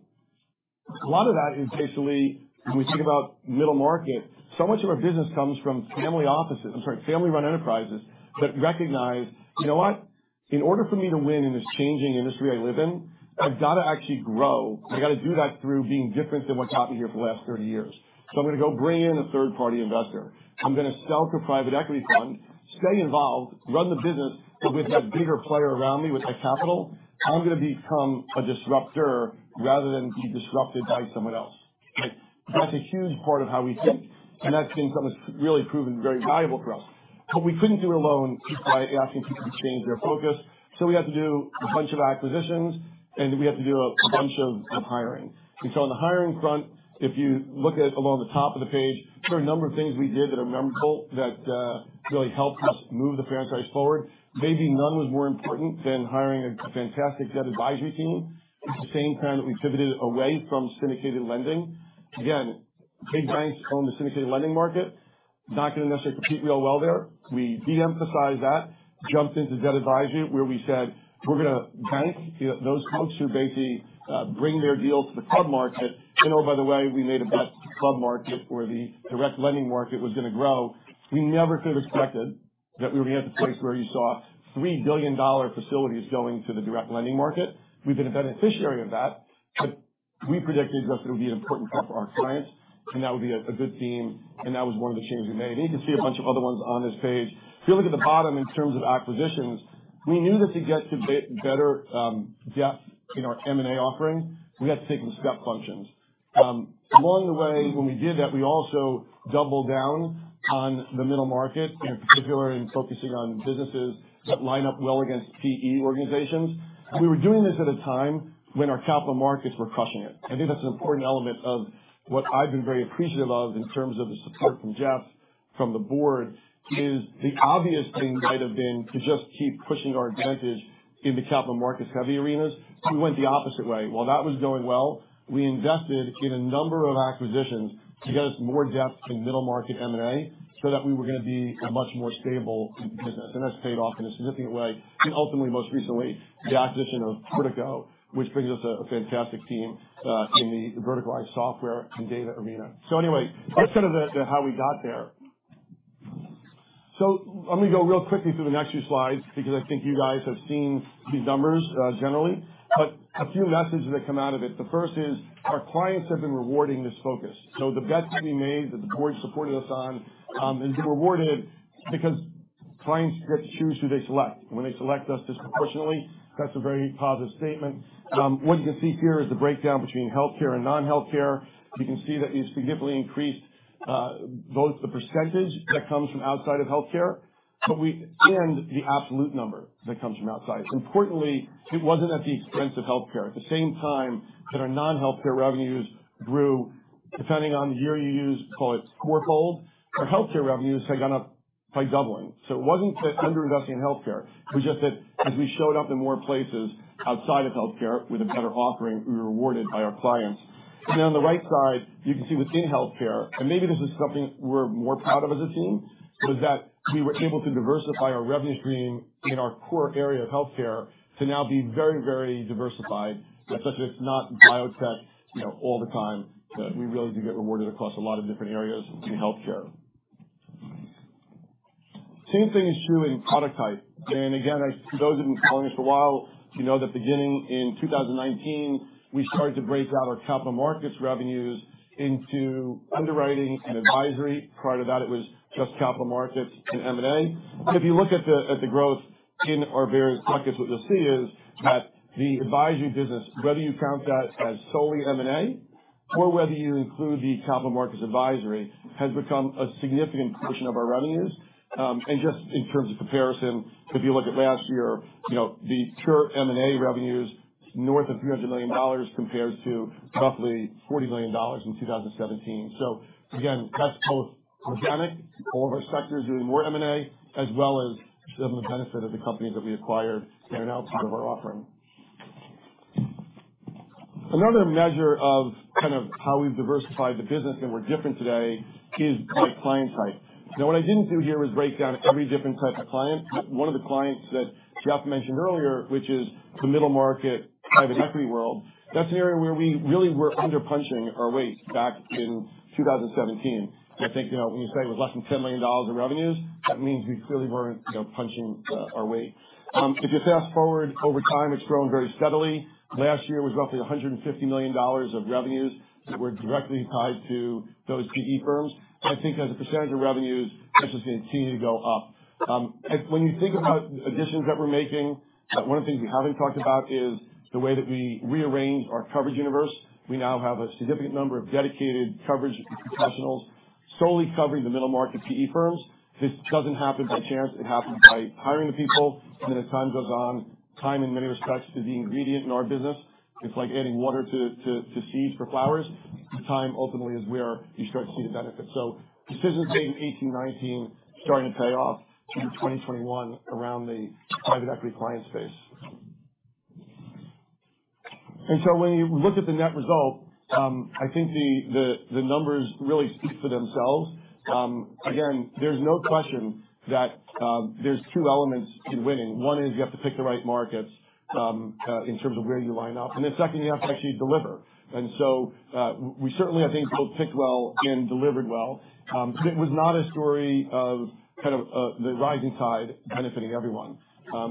A lot of that is basically when we think about middle market, so much of our business comes from family-run enterprises that recognize, "You know what? In order for me to win in this changing industry I live in, I've got to actually grow. I've got to do that through being different than what's happened here for the last 30 years. So I'm gonna go bring in a third-party investor. I'm gonna sell to private equity funds, stay involved, run the business, but with that bigger player around me with that capital, I'm gonna become a disruptor rather than be disrupted by someone else." Like, that's a huge part of how we think. That's been something that's really proven very valuable for us. We couldn't do it alone just by asking people to change their focus. We had to do a bunch of acquisitions, and we had to do a bunch of hiring. On the hiring front, if you look along the top of the page, there are a number of things we did that are memorable that really helped us move the franchise forward. Maybe none was more important than hiring a fantastic debt advisory team at the same time that we pivoted away from syndicated lending. Again, big banks own the syndicated lending market. Not gonna necessarily compete real well there. We de-emphasized that, jumped into debt advisory, where we said, "We're gonna bank, you know, those folks who basically bring their deals to the club market." Oh, by the way, we made a bet that the club market or the direct lending market was gonna grow. We never could have expected that we were gonna be at the place where you saw $3 billion facilities going to the direct lending market. We've been a beneficiary of that, but we predicted that it would be an important bet for our clients and that would be a good team, and that was one of the changes we made. You can see a bunch of other ones on this page. If you look at the bottom in terms of acquisitions, we knew that to get to better depth in our M&A offering, we had to take the step functions. Along the way, when we did that, we also doubled down on the middle market, in particular in focusing on businesses that line up well against PE organizations. We were doing this at a time when our capital markets were crushing it. I think that's an important element of what I've been very appreciative of in terms of the support from Jeff, from the board, is the obvious thing might have been to just keep pushing our advantage in the capital markets heavy arenas. We went the opposite way. While that was going well, we invested in a number of acquisitions to get us more depth in middle market M&A so that we were gonna be a much more stable business. That's paid off in a significant way. Ultimately, most recently, the acquisition of Portico, which brings us a fantastic team in the verticalized software and data arena. Anyway, that's kind of the how we got there. I'm gonna go real quickly through the next few slides because I think you guys have seen these numbers, generally. A few lessons that come out of it. The first is our clients have been rewarding this focus. The bets we made, that the board supported us on, have been rewarded because clients get to choose who they select. When they select us disproportionately, that's a very positive statement. What you can see here is the breakdown between healthcare and non-healthcare. You can see that we significantly increased both the percentage that comes from outside of healthcare and the absolute number that comes from outside. Importantly, it wasn't at the expense of healthcare. At the same time that our non-healthcare revenues grew, depending on the year you use, call it fourfold, our healthcare revenues had gone up by doubling. It wasn't that under investing in healthcare. It was just that as we showed up in more places outside of healthcare with a better offering, we were rewarded by our clients. On the right side, you can see within healthcare, and maybe this is something we're more proud of as a team, was that we were able to diversify our revenue stream in our core area of healthcare to now be very, very diversified, such that it's not biotech, you know, all the time, that we really do get rewarded across a lot of different areas in healthcare. Same thing is true in product type. Again, those of you who've known us a while, you know that beginning in 2019, we started to break out our capital markets revenues into underwriting and advisory. Prior to that, it was just capital markets and M&A. If you look at the growth in our various buckets, what you'll see is that the advisory business, whether you count that as solely M&A or whether you include the capital markets advisory, has become a significant portion of our revenues. Just in terms of comparison, if you look at last year, you know, the pure M&A revenues north of $300 million compared to roughly $40 million in 2017. Again, that's both organic, all of our sectors doing more M&A, as well as the benefit of the companies that we acquired that are now part of our offering. Another measure of kind of how we've diversified the business and we're different today is by client type. Now, what I didn't do here was break down every different type of client. One of the clients that Jeff mentioned earlier, which is the middle market private equity world, that's an area where we really were punching below our weight back in 2017. I think, you know, when you say it was less than $10 million in revenues, that means we clearly weren't, you know, punching our weight. If you fast-forward over time, it's grown very steadily. Last year was roughly $150 million of revenues that were directly tied to those PE firms. I think as a percentage of revenues, that's just gonna continue to go up. When you think about additions that we're making, one of the things we haven't talked about is the way that we rearranged our coverage universe. We now have a significant number of dedicated coverage professionals solely covering the middle market PE firms. This doesn't happen by chance. It happens by hiring the people. Then as time goes on, time in many respects is the ingredient in our business. It's like adding water to seeds for flowers. Time ultimately is where you start to see the benefits. Decisions made in 2018, 2019 starting to pay off through 2021 around the private equity client space. When you look at the net result, I think the numbers really speak for themselves. Again, there's no question that there's two elements to winning. One is you have to pick the right markets in terms of where you line up. Then second, you have to actually deliver. We certainly I think both picked well and delivered well. It was not a story of kind of, the rising tide benefiting everyone.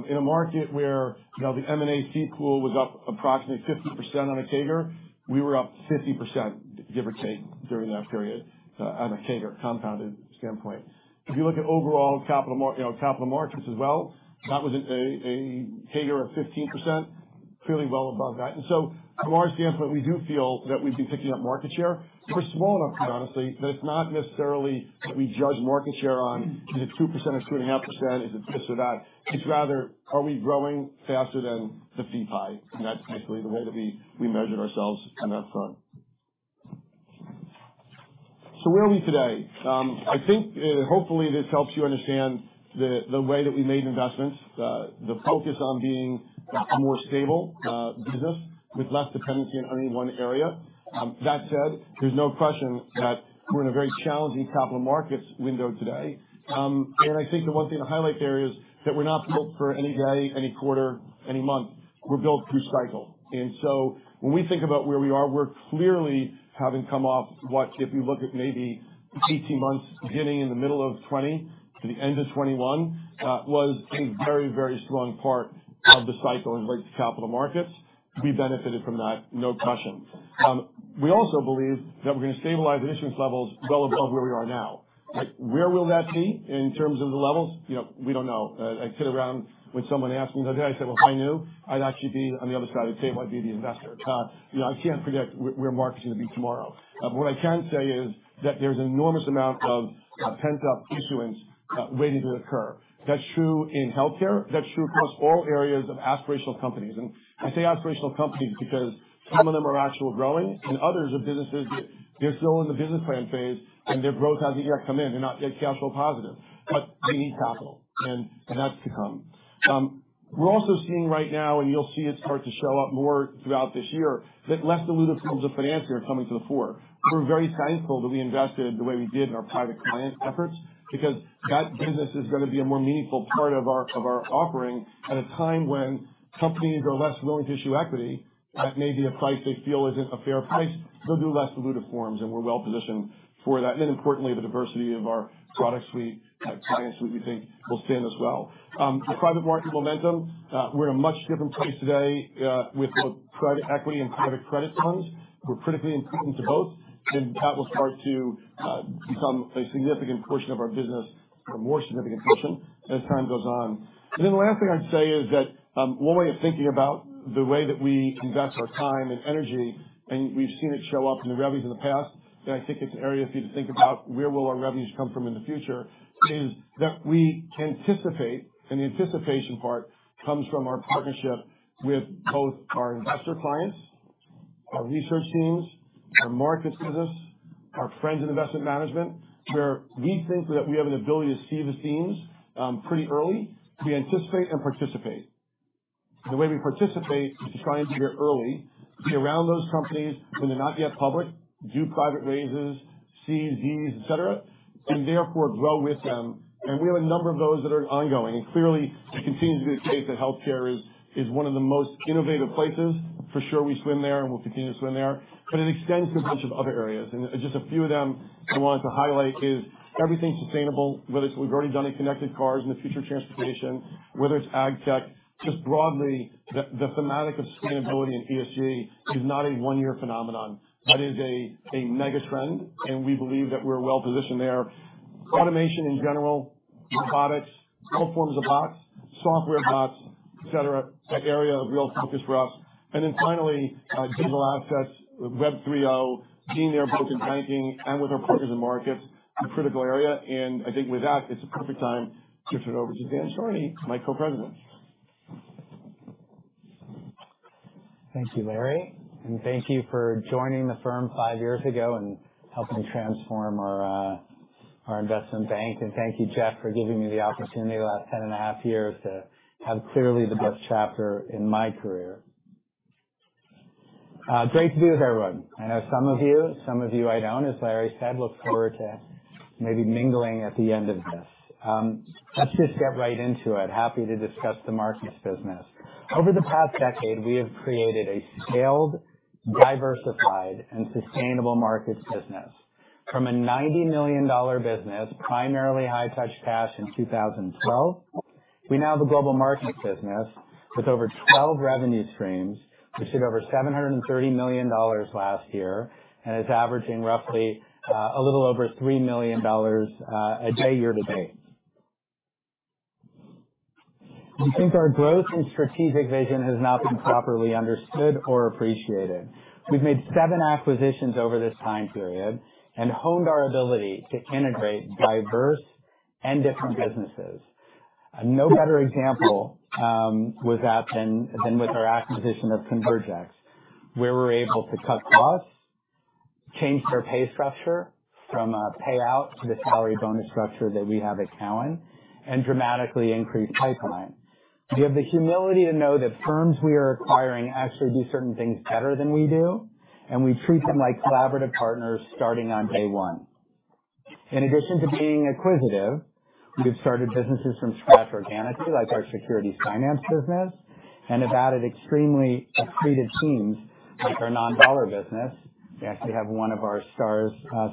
In a market where, you know, the M&A fee pool was up approximately 50% on a CAGR, we were up 50%, give or take, during that period, on a CAGR compounded standpoint. If you look at overall capital markets as well, that was a CAGR of 15%, clearly well above that. From our standpoint, we do feel that we've been picking up market share. We're small enough, quite honestly, that it's not necessarily that we judge market share on is it 2% or 2.5%? Is it this or that? It's rather are we growing faster than the fee pie? That's basically the way that we measured ourselves and that front. Where are we today? I think hopefully this helps you understand the way that we made investments, the focus on being a more stable business with less dependency on any one area. That said, there's no question that we're in a very challenging capital markets window today. I think the one thing I'd highlight there is that we're not built for any day, any quarter, any month. We're built through cycle. When we think about where we are, we're clearly having come off what, if you look at maybe 18 months beginning in the middle of 2020 to the end of 2021, was a very, very strong part of the cycle in regards to capital markets. We benefited from that, no question. We also believe that we're gonna stabilize issuance levels well above where we are now. Like, where will that be in terms of the levels? You know, we don't know. I kid around when someone asks me that. I say, "Well, if I knew, I'd actually be on the other side of the table. I'd be the investor." You know, I can't predict where markets are gonna be tomorrow. But what I can say is that there's an enormous amount of pent-up issuance waiting to occur. That's true in healthcare. That's true across all areas of aspirational companies. I say aspirational companies because some of them are actually growing and others are businesses that they're still in the business plan phase, and their growth hasn't yet come in. They're not yet cash flow positive, but they need capital, and that's to come. We're also seeing right now, and you'll see it start to show up more throughout this year, that less dilutive forms of finance are coming to the fore. We're very thankful that we invested the way we did in our private client efforts because that business is gonna be a more meaningful part of our offering at a time when companies are less willing to issue equity at maybe a price they feel isn't a fair price. They'll do less dilutive forms, and we're well positioned for that. Importantly, the diversity of our product suite, client suite, we think will stand as well. The private market momentum, we're in a much different place today with both private equity and private credit funds. We're critically important to both, and that will start to become a significant portion of our business, or more significant portion as time goes on. The last thing I'd say is that, one way of thinking about the way that we invest our time and energy, and we've seen it show up in the revenues in the past, and I think it's an area for you to think about where will our revenues come from in the future, is that we can anticipate, and the anticipation part comes from our partnership with both our investor clients, our research teams, our markets business, our friends in investment management, where we think that we have an ability to see the seams, pretty early. We anticipate and participate. The way we participate is to try and be here early, be around those companies when they're not yet public, do private raises, CVs, et cetera, and therefore grow with them. We have a number of those that are ongoing. Clearly it continues to be the case that healthcare is one of the most innovative places. For sure we swim there, and we'll continue to swim there, but it extends to a bunch of other areas. Just a few of them I wanted to highlight is everything sustainable, whether it's we've already done in connected cars and the future of transportation, whether it's ag tech, just broadly, the thematic of sustainability and ESG is not a one-year phenomenon. That is a mega trend, and we believe that we're well positioned there. Automation in general, robotics, all forms of bots, software bots, et cetera, an area of real focus for us. Then finally, digital assets, Web 3.0, being there both in banking and with our partners in markets, a critical area. I think with that, it's a perfect time to turn it over to Dan Charney, my co-president. Thank you, Larry, and thank you for joining the firm five years ago and helping transform our investment bank. Thank you, Jeff, for giving me the opportunity the last 10 and a half years to have clearly the best chapter in my career. Great to be with everyone. I know some of you. Some of you I don't. As Larry said, look forward to maybe mingling at the end of this. Let's just get right into it. Happy to discuss the markets business. Over the past decade, we have created a scaled, diversified and sustainable markets business. From a $90 million business, primarily high touch cash in 2012, we now have a global markets business with over 12 revenue streams, which did over $730 million last year, and is averaging roughly a little over $3 million a day year to date. We think our growth and strategic vision has not been properly understood or appreciated. We've made seven acquisitions over this time period and honed our ability to integrate diverse and different businesses. No better example than with our acquisition of Convergex, where we're able to cut costs, change their pay structure from a payout to the salary bonus structure that we have at Cowen and dramatically increase pipeline. We have the humility to know that firms we are acquiring actually do certain things better than we do, and we treat them like collaborative partners starting on day one. In addition to being acquisitive, we have started businesses from scratch organically, like our securities finance business, and have added extremely accretive teams like our non-dollar business. We actually have one of our stars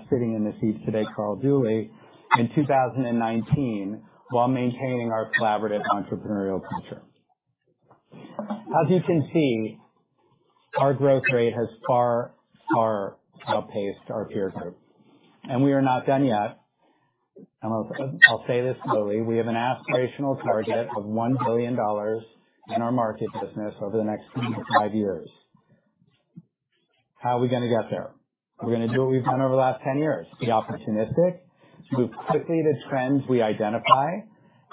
sitting in the seats today, Carl Dooley, in 2019, while maintaining our collaborative entrepreneurial culture. As you can see, our growth rate has far, far outpaced our peer group. We are not done yet. I'll say this boldly, we have an aspirational target of $1 billion in our markets business over the next three to five years. How are we gonna get there? We're gonna do what we've done over the last 10 years, be opportunistic, move quickly to trends we identify,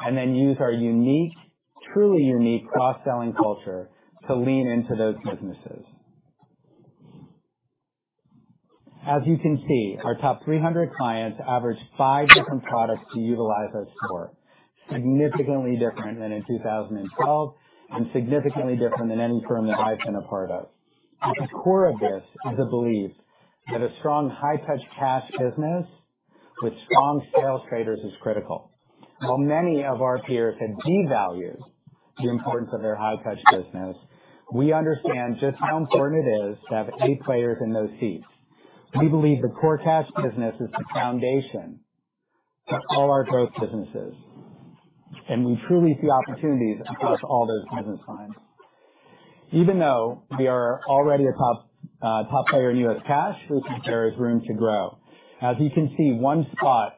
and then use our unique, truly unique cross-selling culture to lean into those businesses. As you can see, our top 300 clients average five different products to utilize us for, significantly different than in 2012 and significantly different than any firm that I've been a part of. At the core of this is a belief that a strong, high touch cash business with strong sales traders is critical. While many of our peers have devalued the importance of their high touch business, we understand just how important it is to have A players in those seats. We believe the core cash business is the foundation to all our growth businesses. We truly see opportunities across all those business lines. Even though we are already a top player in U.S. cash, we think there is room to grow. As you can see, one spot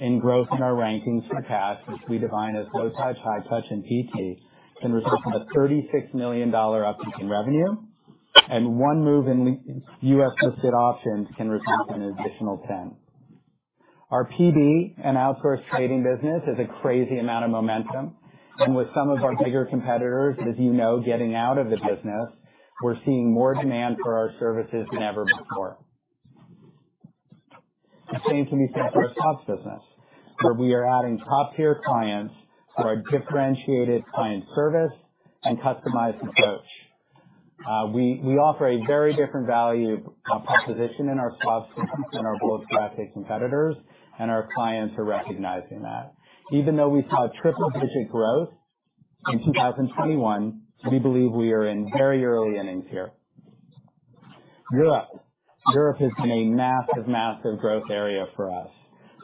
in growth in our rankings for cash, which we define as low touch, high touch, and ET, can result in a $36 million uptick in revenue, and one move in U.S. listed options can result in an additional $10 million. Our PB and outsourced trading business has a crazy amount of momentum. With some of our bigger competitors, as you know, getting out of the business, we're seeing more demand for our services than ever before. The same can be said for our subs business, where we are adding top-tier clients for our differentiated client service and customized approach. We offer a very different value proposition in our subs business than our biggest competitors, and our clients are recognizing that. Even though we saw triple-digit growth in 2021, we believe we are in very early innings here. Europe. Europe has been a massive growth area for us.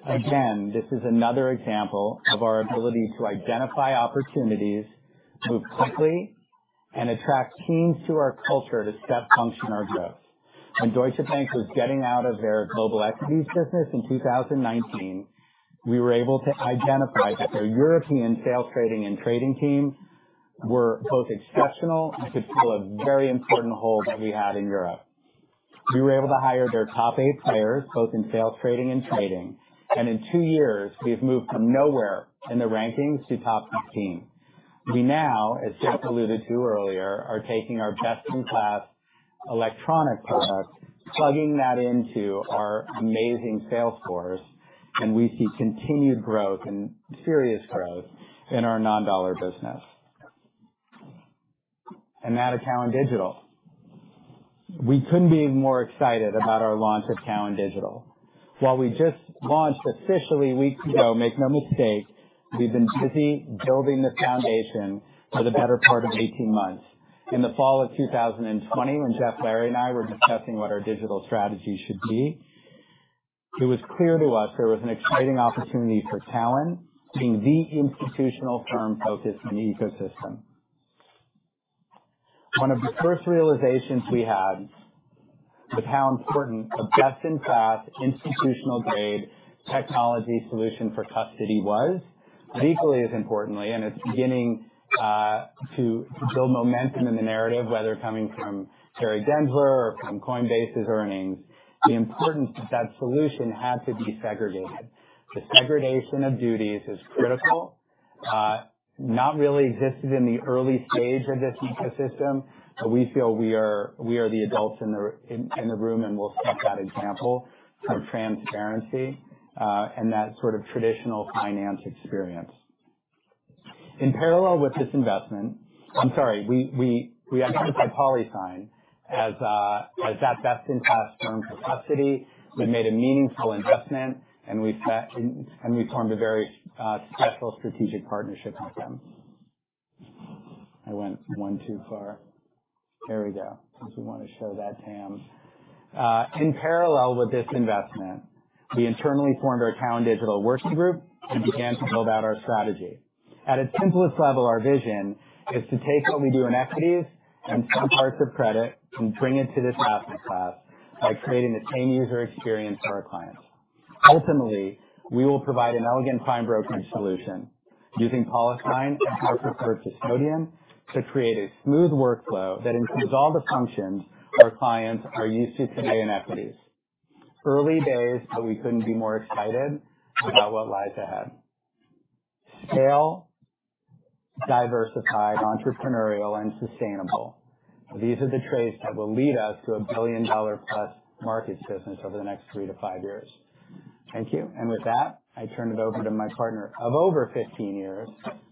Again, this is another example of our ability to identify opportunities, move quickly, and attract teams to our culture to step function our growth. When Deutsche Bank was getting out of their global equities business in 2019, we were able to identify that their European sales and trading teams were both exceptional and could fill a very important hole that we had in Europe. We were able to hire their top eight players, both in sales and trading. In two years, we've moved from nowhere in the rankings to top 15. We now, as Jeff alluded to earlier, are taking our best-in-class electronic product, plugging that into our amazing sales force, and we see continued growth and serious growth in our non-dollar business. Now to Cowen Digital. We couldn't be more excited about our launch at Cowen Digital. While we just launched officially a week ago, make no mistake, we've been busy building the foundation for the better part of 18 months. In the fall of 2020, when Jeff, Larry and I were discussing what our digital strategy should be, it was clear to us there was an exciting opportunity for Cowen being the institutional firm focused on the ecosystem. One of the first realizations we had was how important a best-in-class institutional-grade technology solution for custody was. Equally as importantly, it's beginning to build momentum in the narrative, whether coming from Gary Gensler or from Coinbase's earnings, the importance that that solution had to be segregated. The segregation of duties is critical, not really existed in the early stage of this ecosystem, but we feel we are the adults in the room, and we'll set that example of transparency, and that sort of traditional finance experience. In parallel with this investment. I'm sorry. We identified PolySign as that best-in-class firm for custody. We made a meaningful investment, and we formed a very special strategic partnership with them. I went one too far. There we go. Since we wanna show that, Tam. In parallel with this investment, we internally formed our Cowen Digital working group and began to build out our strategy. At its simplest level, our vision is to take what we do in equities and some parts of credit and bring it to this asset class by creating the same user experience for our clients. Ultimately, we will provide an elegant prime brokerage solution using PolySign and our preferred custodian to create a smooth workflow that includes all the functions our clients are used to today in equities. Early days, but we couldn't be more excited about what lies ahead. Scale, diversified, entrepreneurial, and sustainable. These are the traits that will lead us to a billion-dollar-plus markets business over the next three to five years. Thank you. With that, I turn it over to my partner of over fifteen years,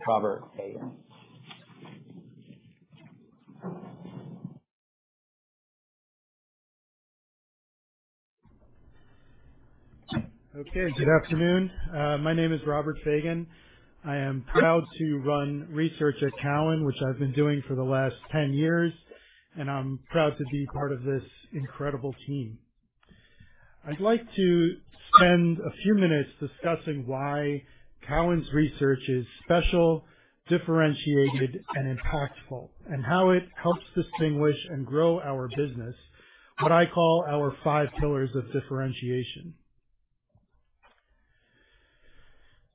Robert Fagin. Okay. Good afternoon. My name is Robert Fagin. I am proud to run research at Cowen, which I've been doing for the last 10 years, and I'm proud to be part of this incredible team. I'd like to spend a few minutes discussing why Cowen's research is special, differentiated, and impactful, and how it helps distinguish and grow our business, what I call our five pillars of differentiation.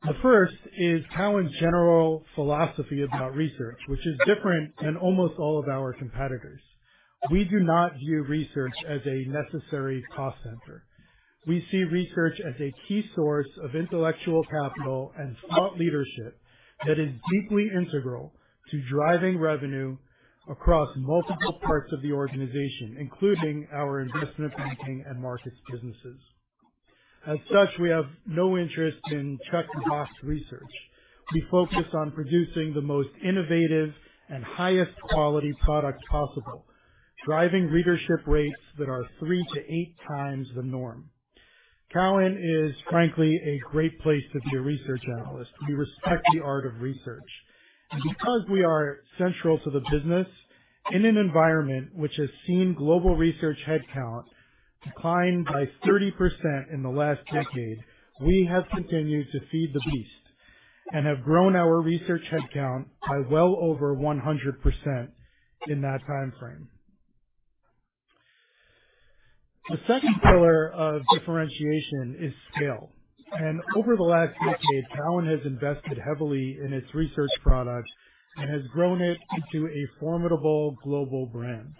The first is Cowen's general philosophy about research, which is different than almost all of our competitors. We do not view research as a necessary cost center. We see research as a key source of intellectual capital and thought leadership that is deeply integral to driving revenue across multiple parts of the organization, including our investment banking and markets businesses. As such, we have no interest in check-the-box research. We focus on producing the most innovative and highest quality product possible, driving readership rates that are three to eight times the norm. Cowen is, frankly, a great place to be a research analyst. We respect the art of research. Because we are central to the business in an environment which has seen global research headcount decline by 30% in the last decade, we have continued to feed the beast and have grown our research headcount by well over 100% in that time frame. The second pillar of differentiation is scale. Over the last decade, Cowen has invested heavily in its research products and has grown it into a formidable global brand.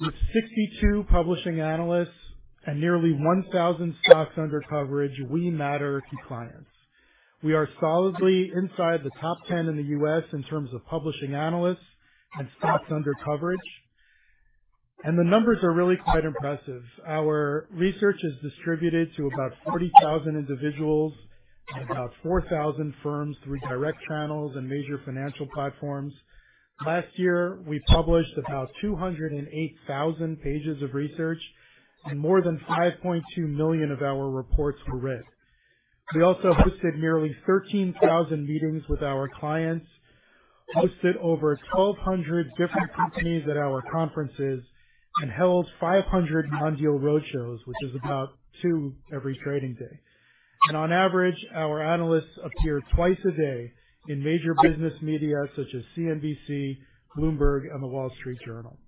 With 62 publishing analysts and nearly 1,000 stocks under coverage, we matter to clients. We are solidly inside the top 10 in the U.S. in terms of publishing analysts and stocks under coverage, and the numbers are really quite impressive. Our research is distributed to about 40,000 individuals and about 4,000 firms through direct channels and major financial platforms. Last year, we published about 208,000 pages of research and more than 5.2 million of our reports were read. We also hosted nearly 13,000 meetings with our clients, hosted over 1,200 different companies at our conferences, and held 500 non-deal roadshows, which is about two every trading day. On average, our analysts appear twice a day in major business media such as CNBC, Bloomberg, and The Wall Street Journal.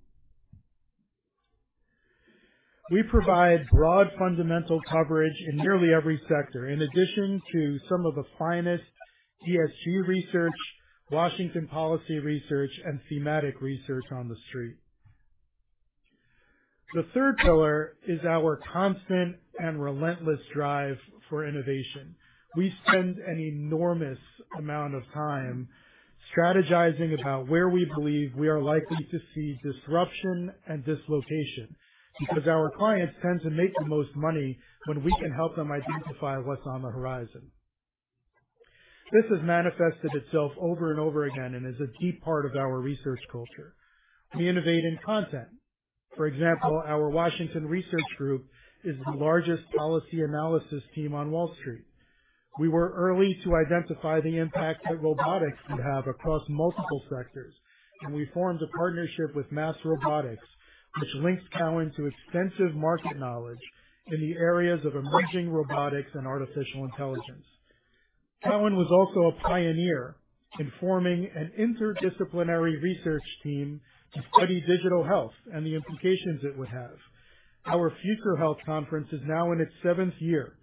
We provide broad fundamental coverage in nearly every sector. In addition to some of the finest equity research, Washington policy research, and thematic research on The Street. The third pillar is our constant and relentless drive for innovation. We spend an enormous amount of time strategizing about where we believe we are likely to see disruption and dislocation, because our clients tend to make the most money when we can help them identify what's on the horizon. This has manifested itself over and over again and is a key part of our research culture. We innovate in content. For example, our Washington Research Group is the largest policy analysis team on Wall Street. We were early to identify the impact that robotics would have across multiple sectors, and we formed a partnership with MassRobotics, which links Cowen to extensive market knowledge in the areas of emerging robotics and artificial intelligence. Cowen was also a pioneer in forming an interdisciplinary research team to study digital health and the implications it would have. Our Future Health Conference is now in its seventh year.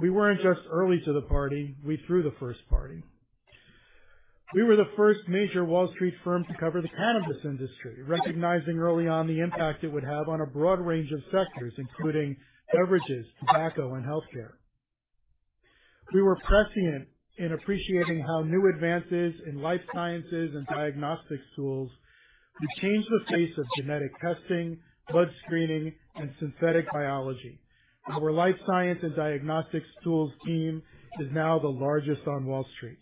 We weren't just early to the party, we threw the first party. We were the first major Wall Street firm to cover the cannabis industry, recognizing early on the impact it would have on a broad range of sectors, including beverages, tobacco, and healthcare. We were prescient in appreciating how new advances in life sciences and diagnostics tools would change the face of genetic testing, blood screening, and synthetic biology. Our life science and diagnostics tools team is now the largest on Wall Street.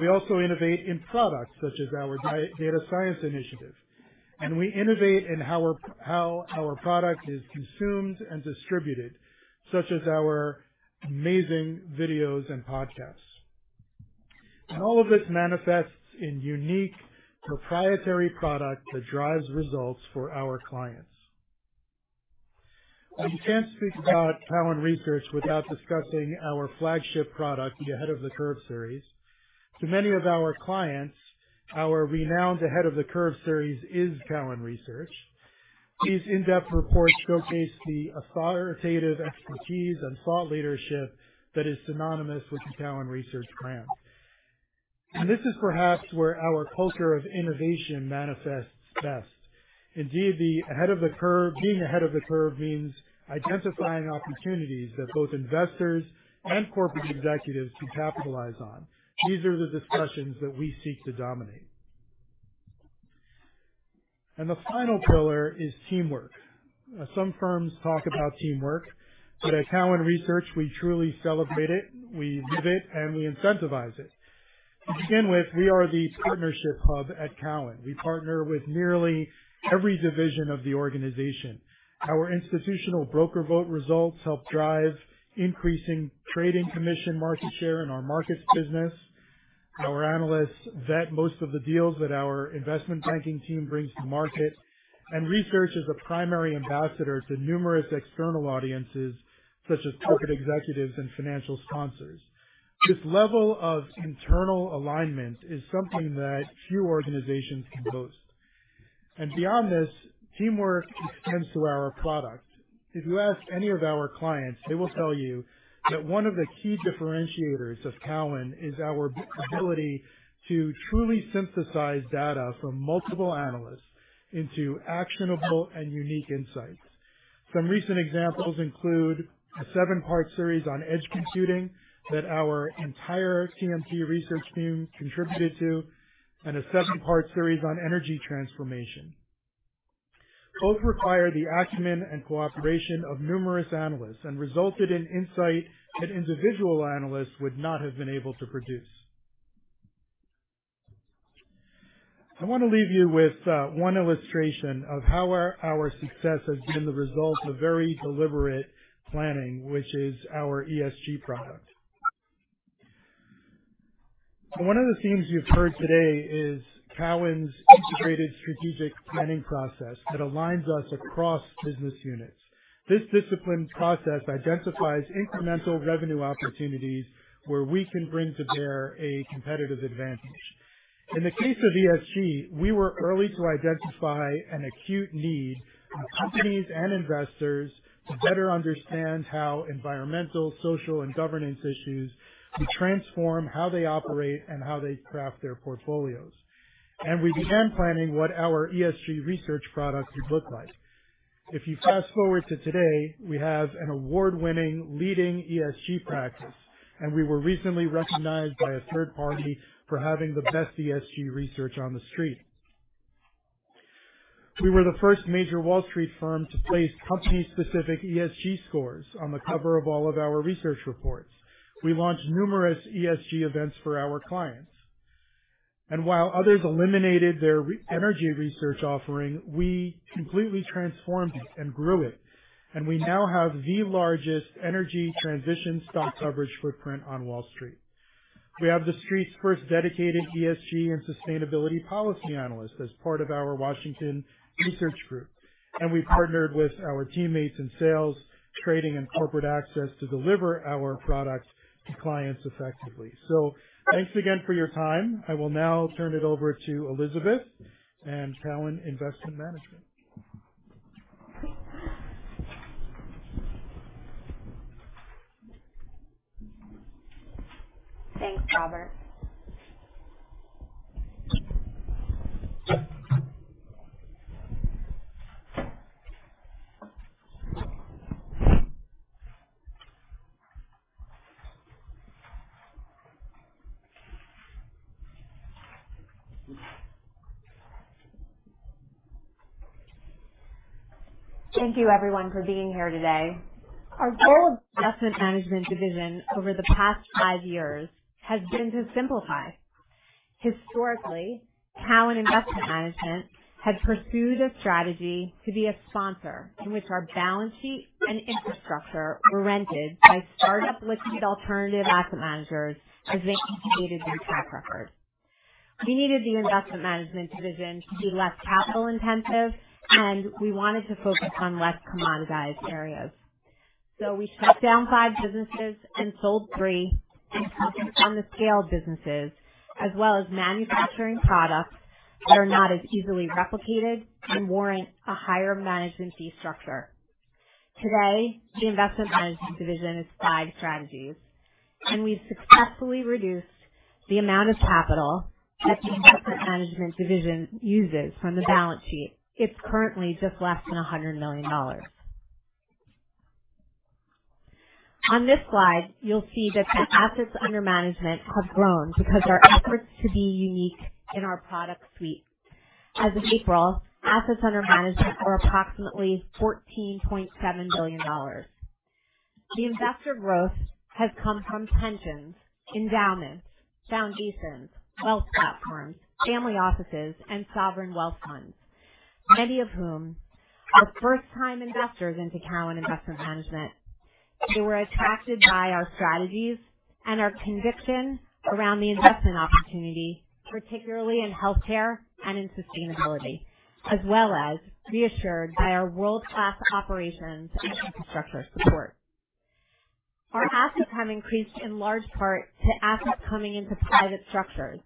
We also innovate in products such as our data science initiative, and we innovate in how our product is consumed and distributed, such as our amazing videos and podcasts. All of this manifests in unique proprietary product that drives results for our clients. You can't speak about Cowen Research without discussing our flagship product, the Ahead of the Curve series. To many of our clients, our renowned Ahead of the Curve series is Cowen Research. These in-depth reports showcase the authoritative expertise and thought leadership that is synonymous with the Cowen Research brand. This is perhaps where our culture of innovation manifests best. Indeed, the ahead of the curve, being ahead of the curve means identifying opportunities that both investors and corporate executives can capitalize on. These are the discussions that we seek to dominate. The final pillar is teamwork. Some firms talk about teamwork, but at Cowen Research we truly celebrate it. We live it, and we incentivize it. To begin with, we are the partnership hub at Cowen. We partner with nearly every division of the organization. Our institutional broker vote results help drive increasing trading commission market share in our markets business. Our analysts vet most of the deals that our investment banking team brings to market, and research is a primary ambassador to numerous external audiences such as corporate executives and financial sponsors. This level of internal alignment is something that few organizations can boast. Beyond this, teamwork extends to our product. If you ask any of our clients, they will tell you that one of the key differentiators of Cowen is our ability to truly synthesize data from multiple analysts into actionable and unique insights. Some recent examples include a seven-part series on edge computing that our entire TMT research team contributed to, and a seven-part series on energy transformation. Both require the acumen and cooperation of numerous analysts and resulted in insight that individual analysts would not have been able to produce. I want to leave you with one illustration of how our success has been the result of very deliberate planning, which is our ESG product. One of the themes you've heard today is Cowen's integrated strategic planning process that aligns us across business units. This disciplined process identifies incremental revenue opportunities where we can bring to bear a competitive advantage. In the case of ESG, we were early to identify an acute need for companies and investors to better understand how environmental, social, and governance issues transform how they operate and how they craft their portfolios. We began planning what our ESG research product would look like. If you fast-forward to today, we have an award-winning leading ESG practice, and we were recently recognized by a third party for having the best ESG research on the street. We were the first major Wall Street firm to place company-specific ESG scores on the cover of all of our research reports. We launched numerous ESG events for our clients, and while others eliminated their energy research offering, we completely transformed it and grew it. We now have the largest energy transition stock coverage footprint on Wall Street. We have the street's first dedicated ESG and sustainability policy analyst as part of our Washington Research Group, and we've partnered with our teammates in sales, trading, and corporate access to deliver our products to clients effectively. Thanks again for your time. I will now turn it over to Elizabeth and Cowen Investment Management. Thanks, Robert. Thank you everyone for being here today. Our goal of investment management division over the past five years has been to simplify. Historically, Cowen Investment Management has pursued a strategy to be a sponsor in which our balance sheet and infrastructure were rented by startup liquid alternative asset managers as they completed their track record. We needed the investment management division to be less capital-intensive, and we wanted to focus on less commoditized areas. We shut down five businesses and sold three and focused on the scale businesses as well as manufacturing products that are not as easily replicated and warrant a higher management fee structure. Today, the investment management division is five strategies, and we've successfully reduced the amount of capital that the investment management division uses from the balance sheet. It's currently just less than $100 million. On this slide, you'll see that the assets under management have grown because our efforts to be unique in our product suite. As of April, assets under management are approximately $14.7 billion. The investor growth has come from pensions, endowments, foundations, wealth platforms, family offices, and sovereign wealth funds, many of whom are first-time investors into Cowen Investment Management. They were attracted by our strategies and our conviction around the investment opportunity, particularly in healthcare and in sustainability, as well as reassured by our world-class operations and infrastructure support. Our assets have increased in large part to assets coming into private structures.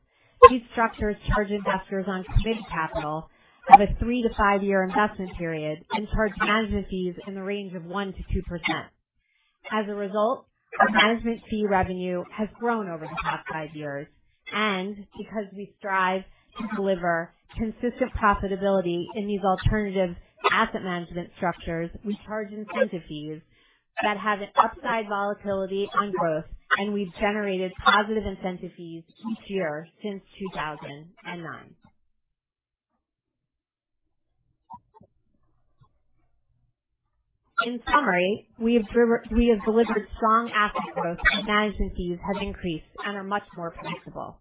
These structures charge investors on committed capital of a three to five-year investment period and charge management fees in the range of 1%-2%. As a result, our management fee revenue has grown over the past five years, and because we strive to deliver consistent profitability in these alternative asset management structures, we charge incentive fees that have an upside volatility on growth, and we've generated positive incentive fees each year since 2009. In summary, we have delivered strong asset growth, and management fees have increased and are much more predictable.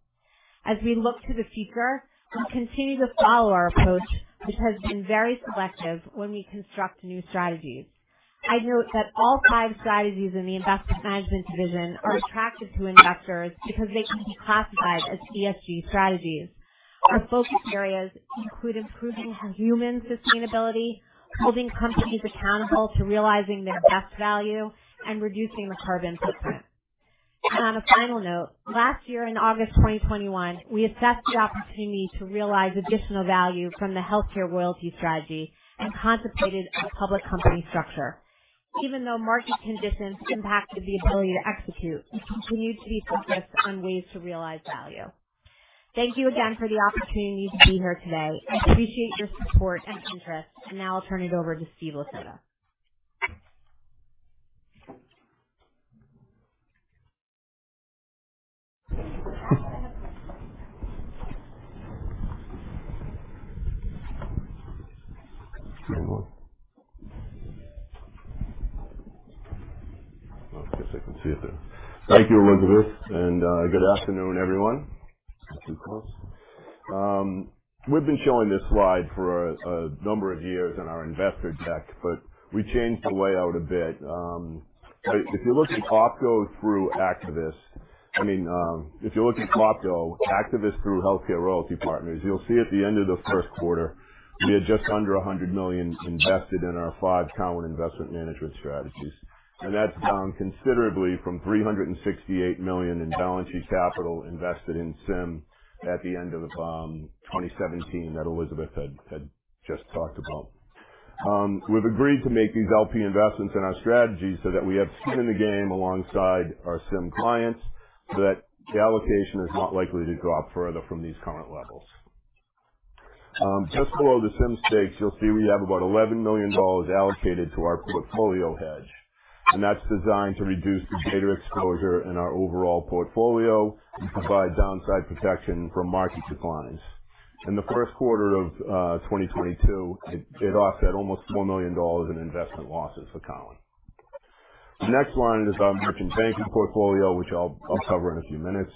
As we look to the future, we continue to follow our approach, which has been very selective when we construct new strategies. I'd note that all five strategies in the investment management division are attractive to investors because they can be classified as ESG strategies. Our focus areas include improving human sustainability, holding companies accountable to realizing their best value, and reducing the carbon footprint. On a final note, last year in August 2021, we assessed the opportunity to realize additional value from the healthcare royalty strategy and contemplated a public company structure. Even though market conditions impacted the ability to execute, we continue to be focused on ways to realize value. Thank you again for the opportunity to be here today. I appreciate your support and interest. Now I'll turn it over to Steve Lasota. Thank you, Elizabeth, and good afternoon, everyone. We've been showing this slide for a number of years in our investor deck, but we changed the layout a bit. If you look at Topco, Activist through Healthcare Royalty Partners, you'll see at the end of the first quarter, we had just under $100 million invested in our five Cowen investment management strategies. That's down considerably from $368 million in balance sheet capital invested in CIM at the end of 2017 that Elizabeth had just talked about. We've agreed to make these LP investments in our strategy so that we have skin in the game alongside our CIM clients, so that the allocation is not likely to drop further from these current levels. Just below the CIM stakes, you'll see we have about $11 million allocated to our portfolio hedge, and that's designed to reduce the beta exposure in our overall portfolio to provide downside protection from market declines. In the first quarter of 2022, it offset almost $4 million in investment losses for Cowen. The next line is our merchant banking portfolio, which I'll cover in a few minutes.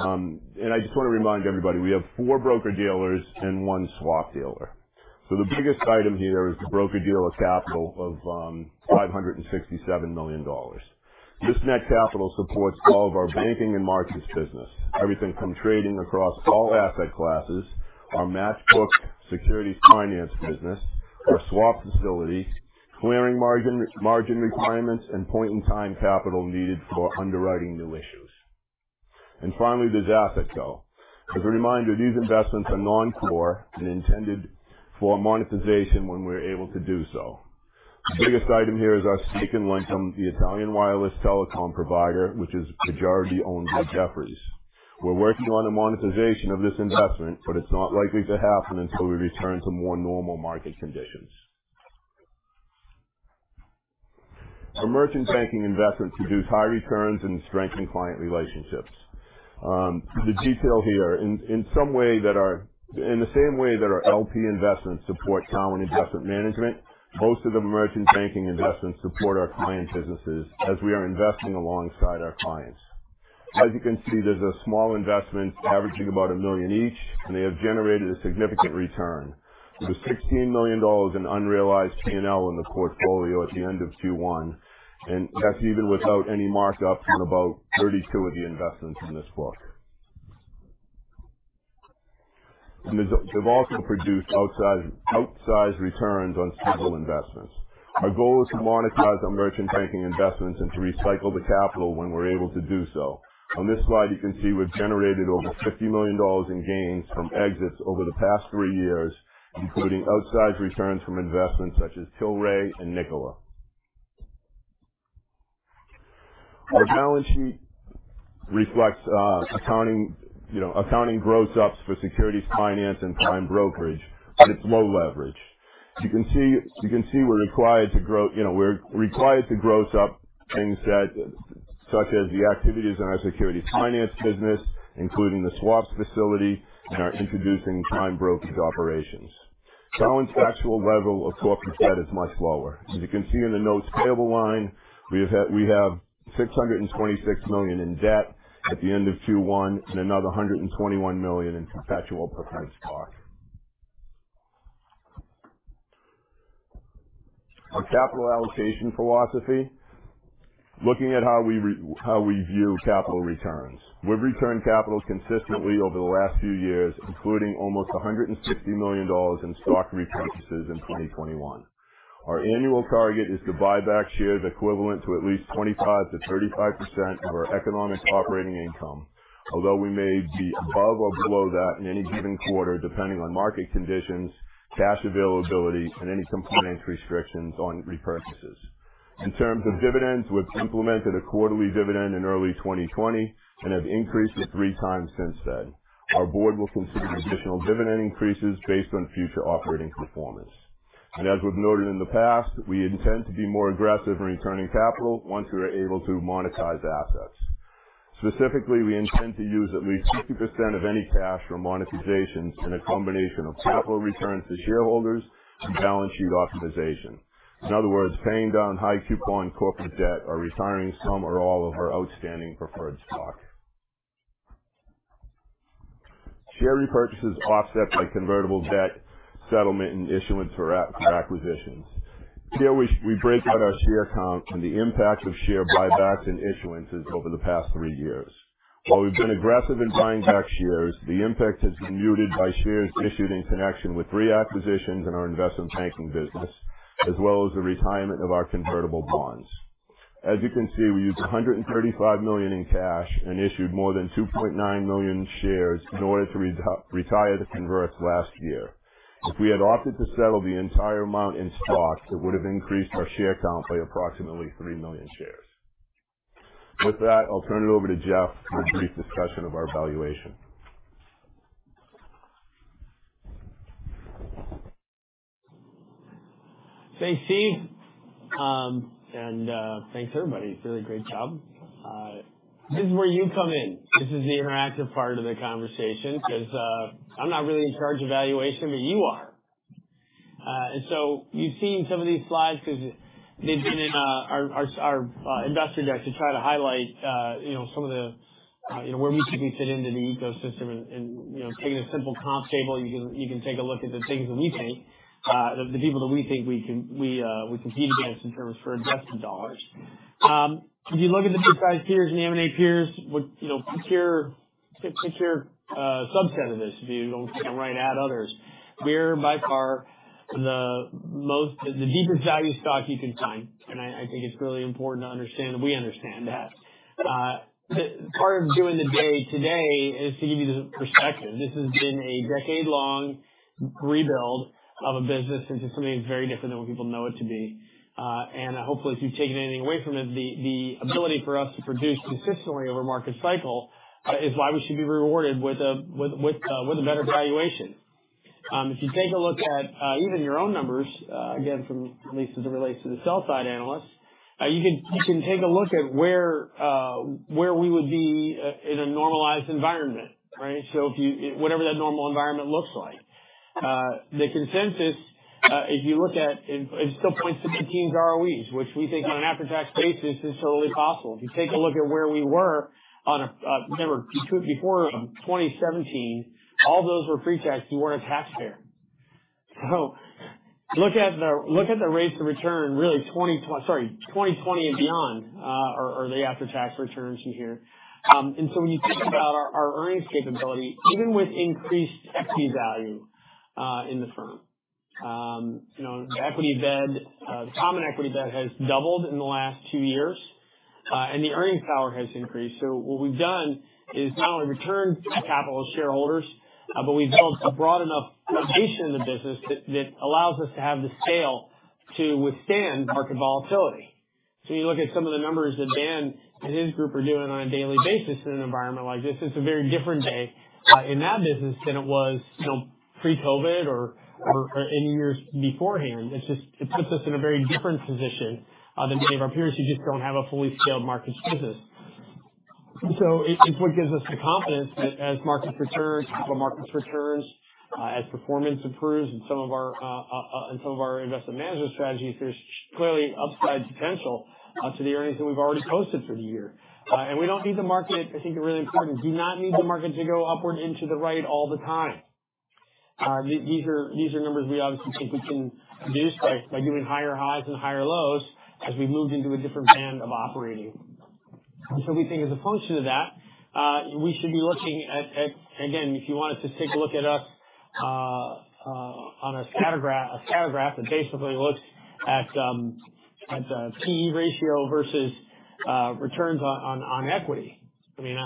I just wanna remind everybody, we have four broker-dealers and one swap dealer. The biggest item here is the broker-dealer capital of $567 million. This net capital supports all of our banking and markets business. Everything from trading across all asset classes, our matched book securities finance business, our swap facility, clearing margin requirements, and point-in-time capital needed for underwriting new issues. Finally, there's AssetCo. As a reminder, these investments are non-core and intended for monetization when we're able to do so. The biggest item here is our stake in Wind Tre, the Italian wireless telecom provider, which is majority-owned by Jefferies. We're working on a monetization of this investment, but it's not likely to happen until we return to more normal market conditions. Our merchant banking investments produce high returns and strengthen client relationships. The detail here. In the same way that our LP investments support Cowen Investment Management, most of the merchant banking investments support our client businesses as we are investing alongside our clients. As you can see, there's a small investment averaging about a million each, and they have generated a significant return. There's $16 million in unrealized P&L in the portfolio at the end of Q1, and that's even without any markups on about 32 of the investments in this book. They've also produced outsized returns on several investments. Our goal is to monetize our merchant banking investments and to recycle the capital when we're able to do so. On this slide, you can see we've generated over $50 million in gains from exits over the past three years, including outsized returns from investments such as Tilray and Nikola. Our balance sheet reflects, you know, accounting gross ups for securities finance and prime brokerage, but it's low leverage. You can see we're required to grow. You know, we're required to gross up things such as the activities in our securities finance business, including the swaps facility and our introducing prime brokerage operations. Cowen's actual level of corporate debt is much lower. As you can see in the notes payable line, we have $626 million in debt at the end of Q1 and another $121 million in perpetual preferred stock. Our capital allocation philosophy. Looking at how we view capital returns. We've returned capital consistently over the last few years, including almost $160 million in stock repurchases in 2021. Our annual target is to buy back shares equivalent to at least 25%-35% of our economic operating income. Although we may be above or below that in any given quarter, depending on market conditions, cash availability, and any compliance restrictions on repurchases. In terms of dividends, we've implemented a quarterly dividend in early 2020 and have increased it three times since then. Our board will consider additional dividend increases based on future operating performance. As we've noted in the past, we intend to be more aggressive in returning capital once we are able to monetize assets. Specifically, we intend to use at least 50% of any cash from monetizations in a combination of capital returns to shareholders and balance sheet optimization. In other words, paying down high coupon corporate debt or retiring some or all of our outstanding preferred stock. Share repurchases offset by convertible debt settlement and issuance for acquisitions. Here we break out our share count and the impact of share buybacks and issuances over the past three years. While we've been aggressive in buying back shares, the impact is offset by shares issued in connection with acquisitions in our investment banking business, as well as the retirement of our convertible bonds. As you can see, we used $135 million in cash and issued more than 2.9 million shares in order to retire the converts last year. If we had opted to settle the entire amount in stocks, it would have increased our share count by approximately three million shares. With that, I'll turn it over to Jeff for a brief discussion of our valuation. Thanks, Steve. Thanks, everybody. You did a great job. This is where you come in. This is the interactive part of the conversation 'cause I'm not really in charge of valuation, but you are. You've seen some of these slides because they've been in our investor deck to try to highlight, you know, some of the, you know, where we typically sit in the new ecosystem and, you know, taking a simple comp table, you can take a look at the people that we think we can compete against in terms for invested dollars. If you look at the book size peers and the M&A peers, you know, pick your subset of this if you don't wanna single out others. We're by far the most, the deepest value stock you can find. I think it's really important to understand that we understand that. Part of doing the day-to-day is to give you the perspective. This has been a decade-long rebuild of a business into something very different than what people know it to be. Hopefully, if you've taken anything away from it, the ability for us to produce consistently over market cycle is why we should be rewarded with a better valuation. If you take a look at even your own numbers, again, from at least as it relates to the sell-side analysts, you can take a look at where we would be in a normalized environment, right? Whatever that normal environment looks like, the consensus, if you look at it, still points to mid-teens ROEs, which we think on an after-tax basis is totally possible. If you take a look at where we were, remember, before 2017, all those were pre-tax. We weren't a taxpayer. Look at the rates of return. Really, 2020 and beyond are the after-tax returns you hear. When you think about our earnings capability, even with increased equity value in the firm. You know, equity debt, the common equity debt has doubled in the last two years, and the earnings power has increased. What we've done is not only returned capital to shareholders, but we've built a broad enough foundation in the business that allows us to have the scale to withstand market volatility. You look at some of the numbers that Dan and his group are doing on a daily basis in an environment like this, it's a very different day in that business than it was, you know, pre-COVID or any years beforehand. It's just. It puts us in a very different position than many of our peers who just don't have a fully scaled markets business. It's what gives us the confidence that as markets return, public markets returns, as performance improves and some of our investment management strategies, there's clearly upside potential to the earnings that we've already posted for the year. We don't need the market. I think it really important, do not need the market to go upward and to the right all the time. These are numbers we obviously think we can produce by doing higher highs and higher lows as we moved into a different band of operating. We think as a function of that, we should be looking at again, if you wanted to take a look at us on a scatter graph that basically looks at the PE ratio versus returns on equity. I mean,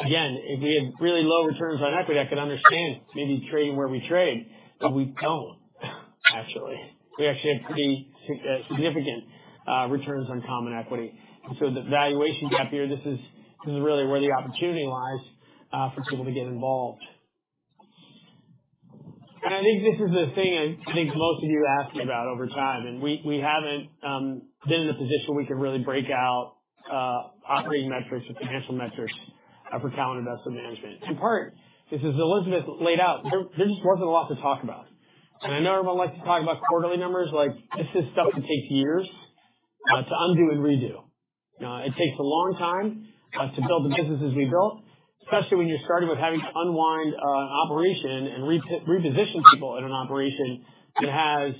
again, if we had really low returns on equity, I could understand maybe trading where we trade, but we don't actually. We actually have pretty significant returns on common equity. The valuation gap here, this is really where the opportunity lies for people to get involved. I think this is the thing I think most of you ask me about over time, and we haven't been in the position where we can really break out operating metrics or financial metrics for Cowen Investment Management. In part, this is Elizabeth laid out. There just wasn't a lot to talk about. I know everyone likes to talk about quarterly numbers, like, this is stuff that takes years to undo and redo. It takes a long time to build the businesses we built, especially when you're starting with having to unwind an operation and reposition people in an operation that has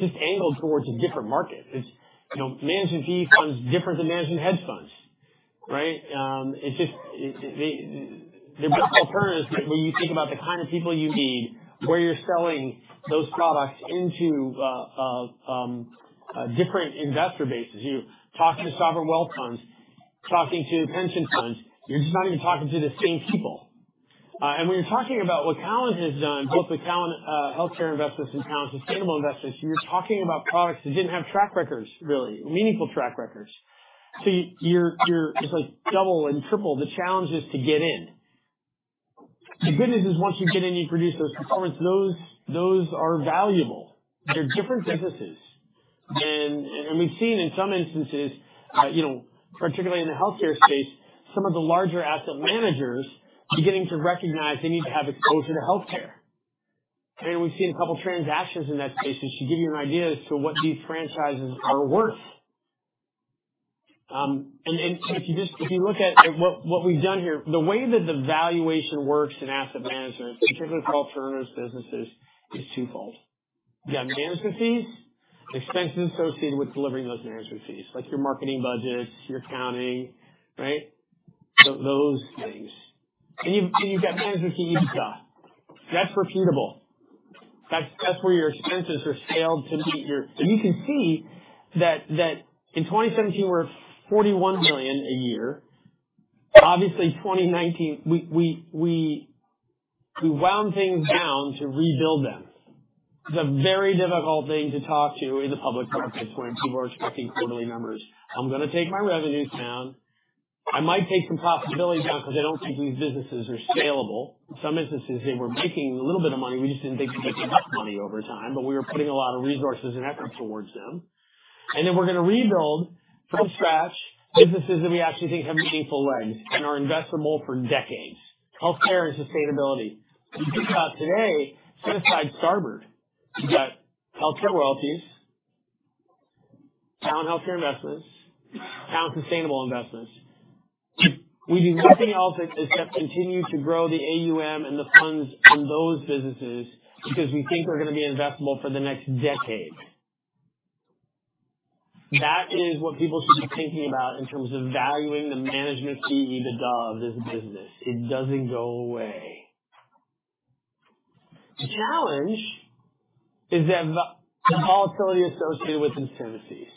just angled towards a different market. It's, you know, managing fee funds different than managing hedge funds, right? It's just they're both alternatives, but when you think about the kind of people you need, where you're selling those products into different investor bases. You're talking to sovereign wealth funds, talking to pension funds. You're just not even talking to the same people. When you're talking about what Cowen has done, both the Cowen healthcare investors and Cowen sustainable investors, you're talking about products that didn't have track records, really, meaningful track records. You're just like double and triple the challenges to get in. The good news is, once you get in, you produce those performance, those are valuable. They're different businesses. We've seen in some instances, you know, particularly in the healthcare space, some of the larger asset managers beginning to recognize they need to have exposure to healthcare. We've seen a couple transactions in that space, which should give you an idea as to what these franchises are worth. If you look at what we've done here, the way that the valuation works in asset management, particularly for alternatives businesses, is twofold. You have management fees, expenses associated with delivering those management fees, like your marketing budgets, your accounting, right? Those things. You've got management fee income. That's repeatable. That's where your expenses are scaled to meet your... You can see that in 2017 we're at $41 million a year. Obviously, 2019, we wound things down to rebuild them. It's a very difficult thing to talk to in the public markets when people are expecting quarterly numbers. I'm gonna take my revenues down. I might take some profitability down because I don't think these businesses are scalable. Some businesses, hey, we're making a little bit of money. We just didn't think you could make enough money over time, but we were putting a lot of resources and effort towards them. We're gonna rebuild from scratch businesses that we actually think have meaningful legs and are investable for decades. Healthcare and sustainability. If you think about today, set aside Starboard. You got healthcare royalties, Cowen Healthcare Investments, Cowen Sustainable Investments. If we do nothing else except continue to grow the AUM and the funds in those businesses because we think they're gonna be investable for the next decade. That is what people should be thinking about in terms of valuing the management fee EBITDA of this business. It doesn't go away. The challenge is that the volatility associated with incentives.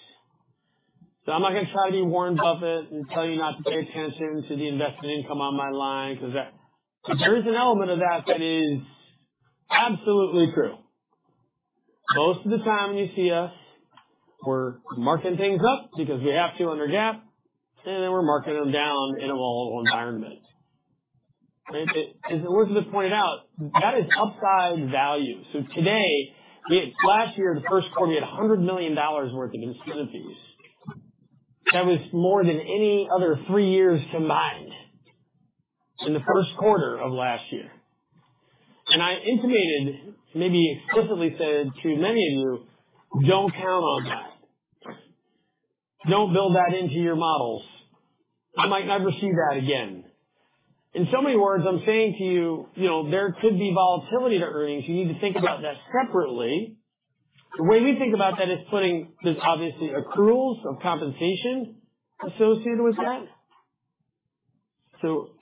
I'm not gonna try to be Warren Buffett and tell you not to pay attention to the investment income on my line because there is an element of that that is absolutely true. Most of the time when you see us, we're marking things up because we have to under GAAP, and then we're marking them down in a volatile environment. Right. As Elizabeth pointed out, that is upside value. Last year, the first quarter, we had $100 million worth of incentives. That was more than any other three years combined in the first quarter of last year. I intimated, maybe explicitly said to many of you, "Don't count on that. Don't build that into your models. I might not receive that again." In so many words, I'm saying to you know, there could be volatility to earnings. You need to think about that separately. The way we think about that is. There's obviously accruals of compensation associated with that.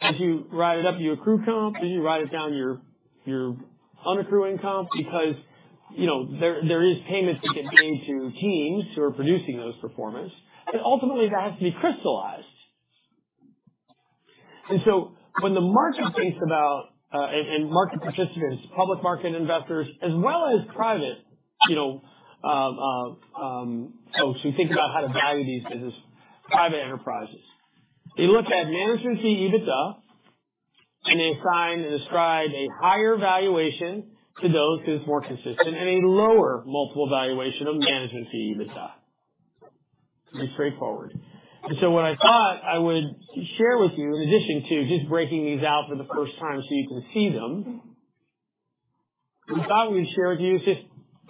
As you write it up, you accrue comp. As you write it down, you're unaccruing comp because, you know, there is payments that get made to teams who are producing those performance, but ultimately that has to be crystallized. When the market thinks about, and market participants, public market investors as well as private, you know, folks who think about how to value these business, private enterprises, they look at management fee EBITDA, and they assign and ascribe a higher valuation to those because it's more consistent and a lower multiple valuation of management fee EBITDA. It's pretty straightforward. What I thought I would share with you, in addition to just breaking these out for the first time so you can see them, we thought we'd share with you just,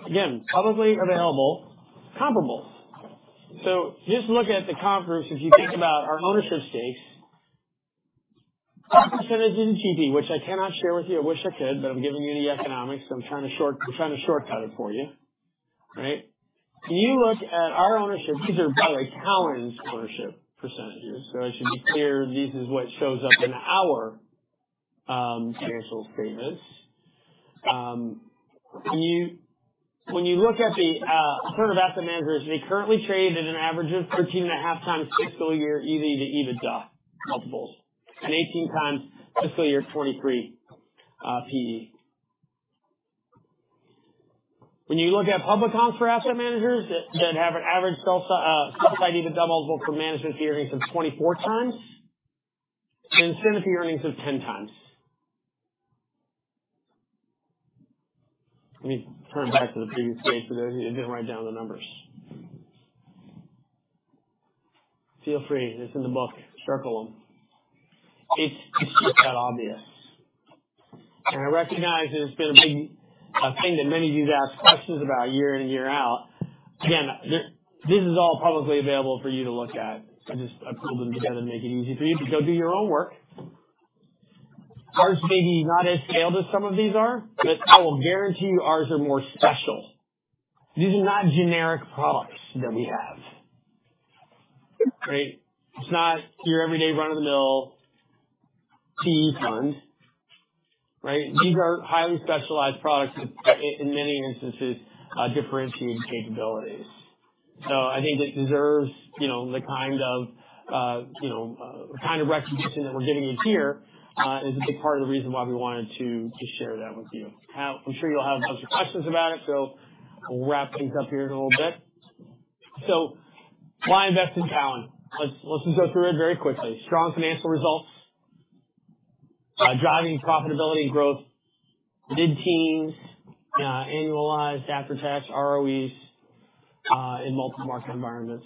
again, publicly available comparables. Just look at the comp groups as you think about our ownership stakes. Percentage in GP, which I cannot share with you. I wish I could, but I'm giving you the economics. I'm trying to shortcut it for you, right? When you look at our ownership, these are, by the way, Cowen's ownership percentages. I should be clear, this is what shows up in our financial statements. When you look at the alternative asset managers, they currently trade at an average of 13.5 times fiscal year EV to EBITDA multiples and 18 times fiscal year 2023 PE. When you look at public comps for asset managers that have an average fiscal year EBITDA multiple for management fee earnings of 24 times and incentive fee earnings of 10 times. Let me turn it back to the previous page for those of you who didn't write down the numbers. Feel free. It's in the book. Circle them. It's just that obvious. I recognize that it's been a big thing that many of you have asked questions about year in and year out. Again, this is all publicly available for you to look at. I just pulled them together to make it easy for you to go do your own work. Ours may be not as scaled as some of these are, but I will guarantee you ours are more special. These are not generic products that we have. Right? It's not your everyday run-of-the-mill PE fund, right? These are highly specialized products with in many instances, differentiated capabilities. I think it deserves, you know, the kind of, you know, kind of recognition that we're giving it here, is a big part of the reason why we wanted to share that with you. I'm sure you'll have lots of questions about it, so we'll wrap things up here in a little bit. Why invest in Cowen? Let's just go through it very quickly. Strong financial results, driving profitability and growth, mid-teens annualized after-tax ROEs in multiple market environments.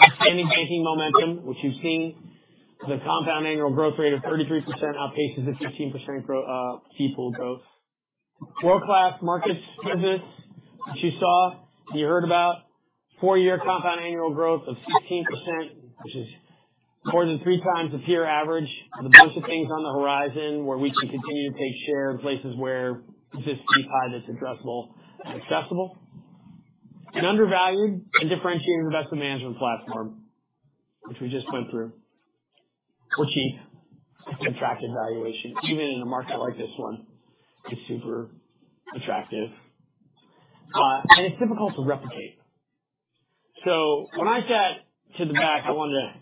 Expanding banking momentum, which you've seen with a compound annual growth rate of 33% outpaces the 15% fee pool growth. World-class market presence, which you saw and you heard about. Four-year compound annual growth of 16%, which is more than three times the peer average. With a bunch of things on the horizon where we can continue to take share in places where there's just deep pie that's addressable and accessible. An undervalued and differentiated investment management platform, which we just went through. We're cheap. It's an attractive valuation. Even in a market like this one, it's super attractive. And it's difficult to replicate. So when I sat in the back, I wanted to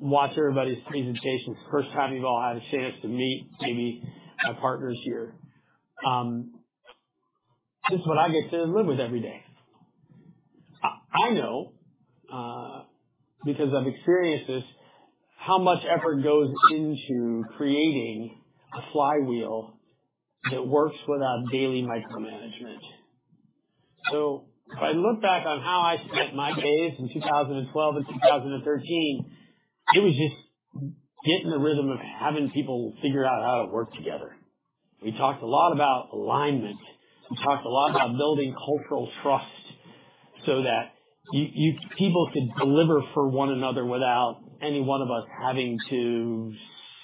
watch everybody's presentations. First time you've all had a chance to meet maybe my partners here. This is what I get to live with every day. I know, because I've experienced this, how much effort goes into creating a flywheel that works without daily micromanagement. If I look back on how I spent my days in 2012 and 2013, it was just getting the rhythm of having people figure out how to work together. We talked a lot about alignment. We talked a lot about building cultural trust so that people could deliver for one another without any one of us having to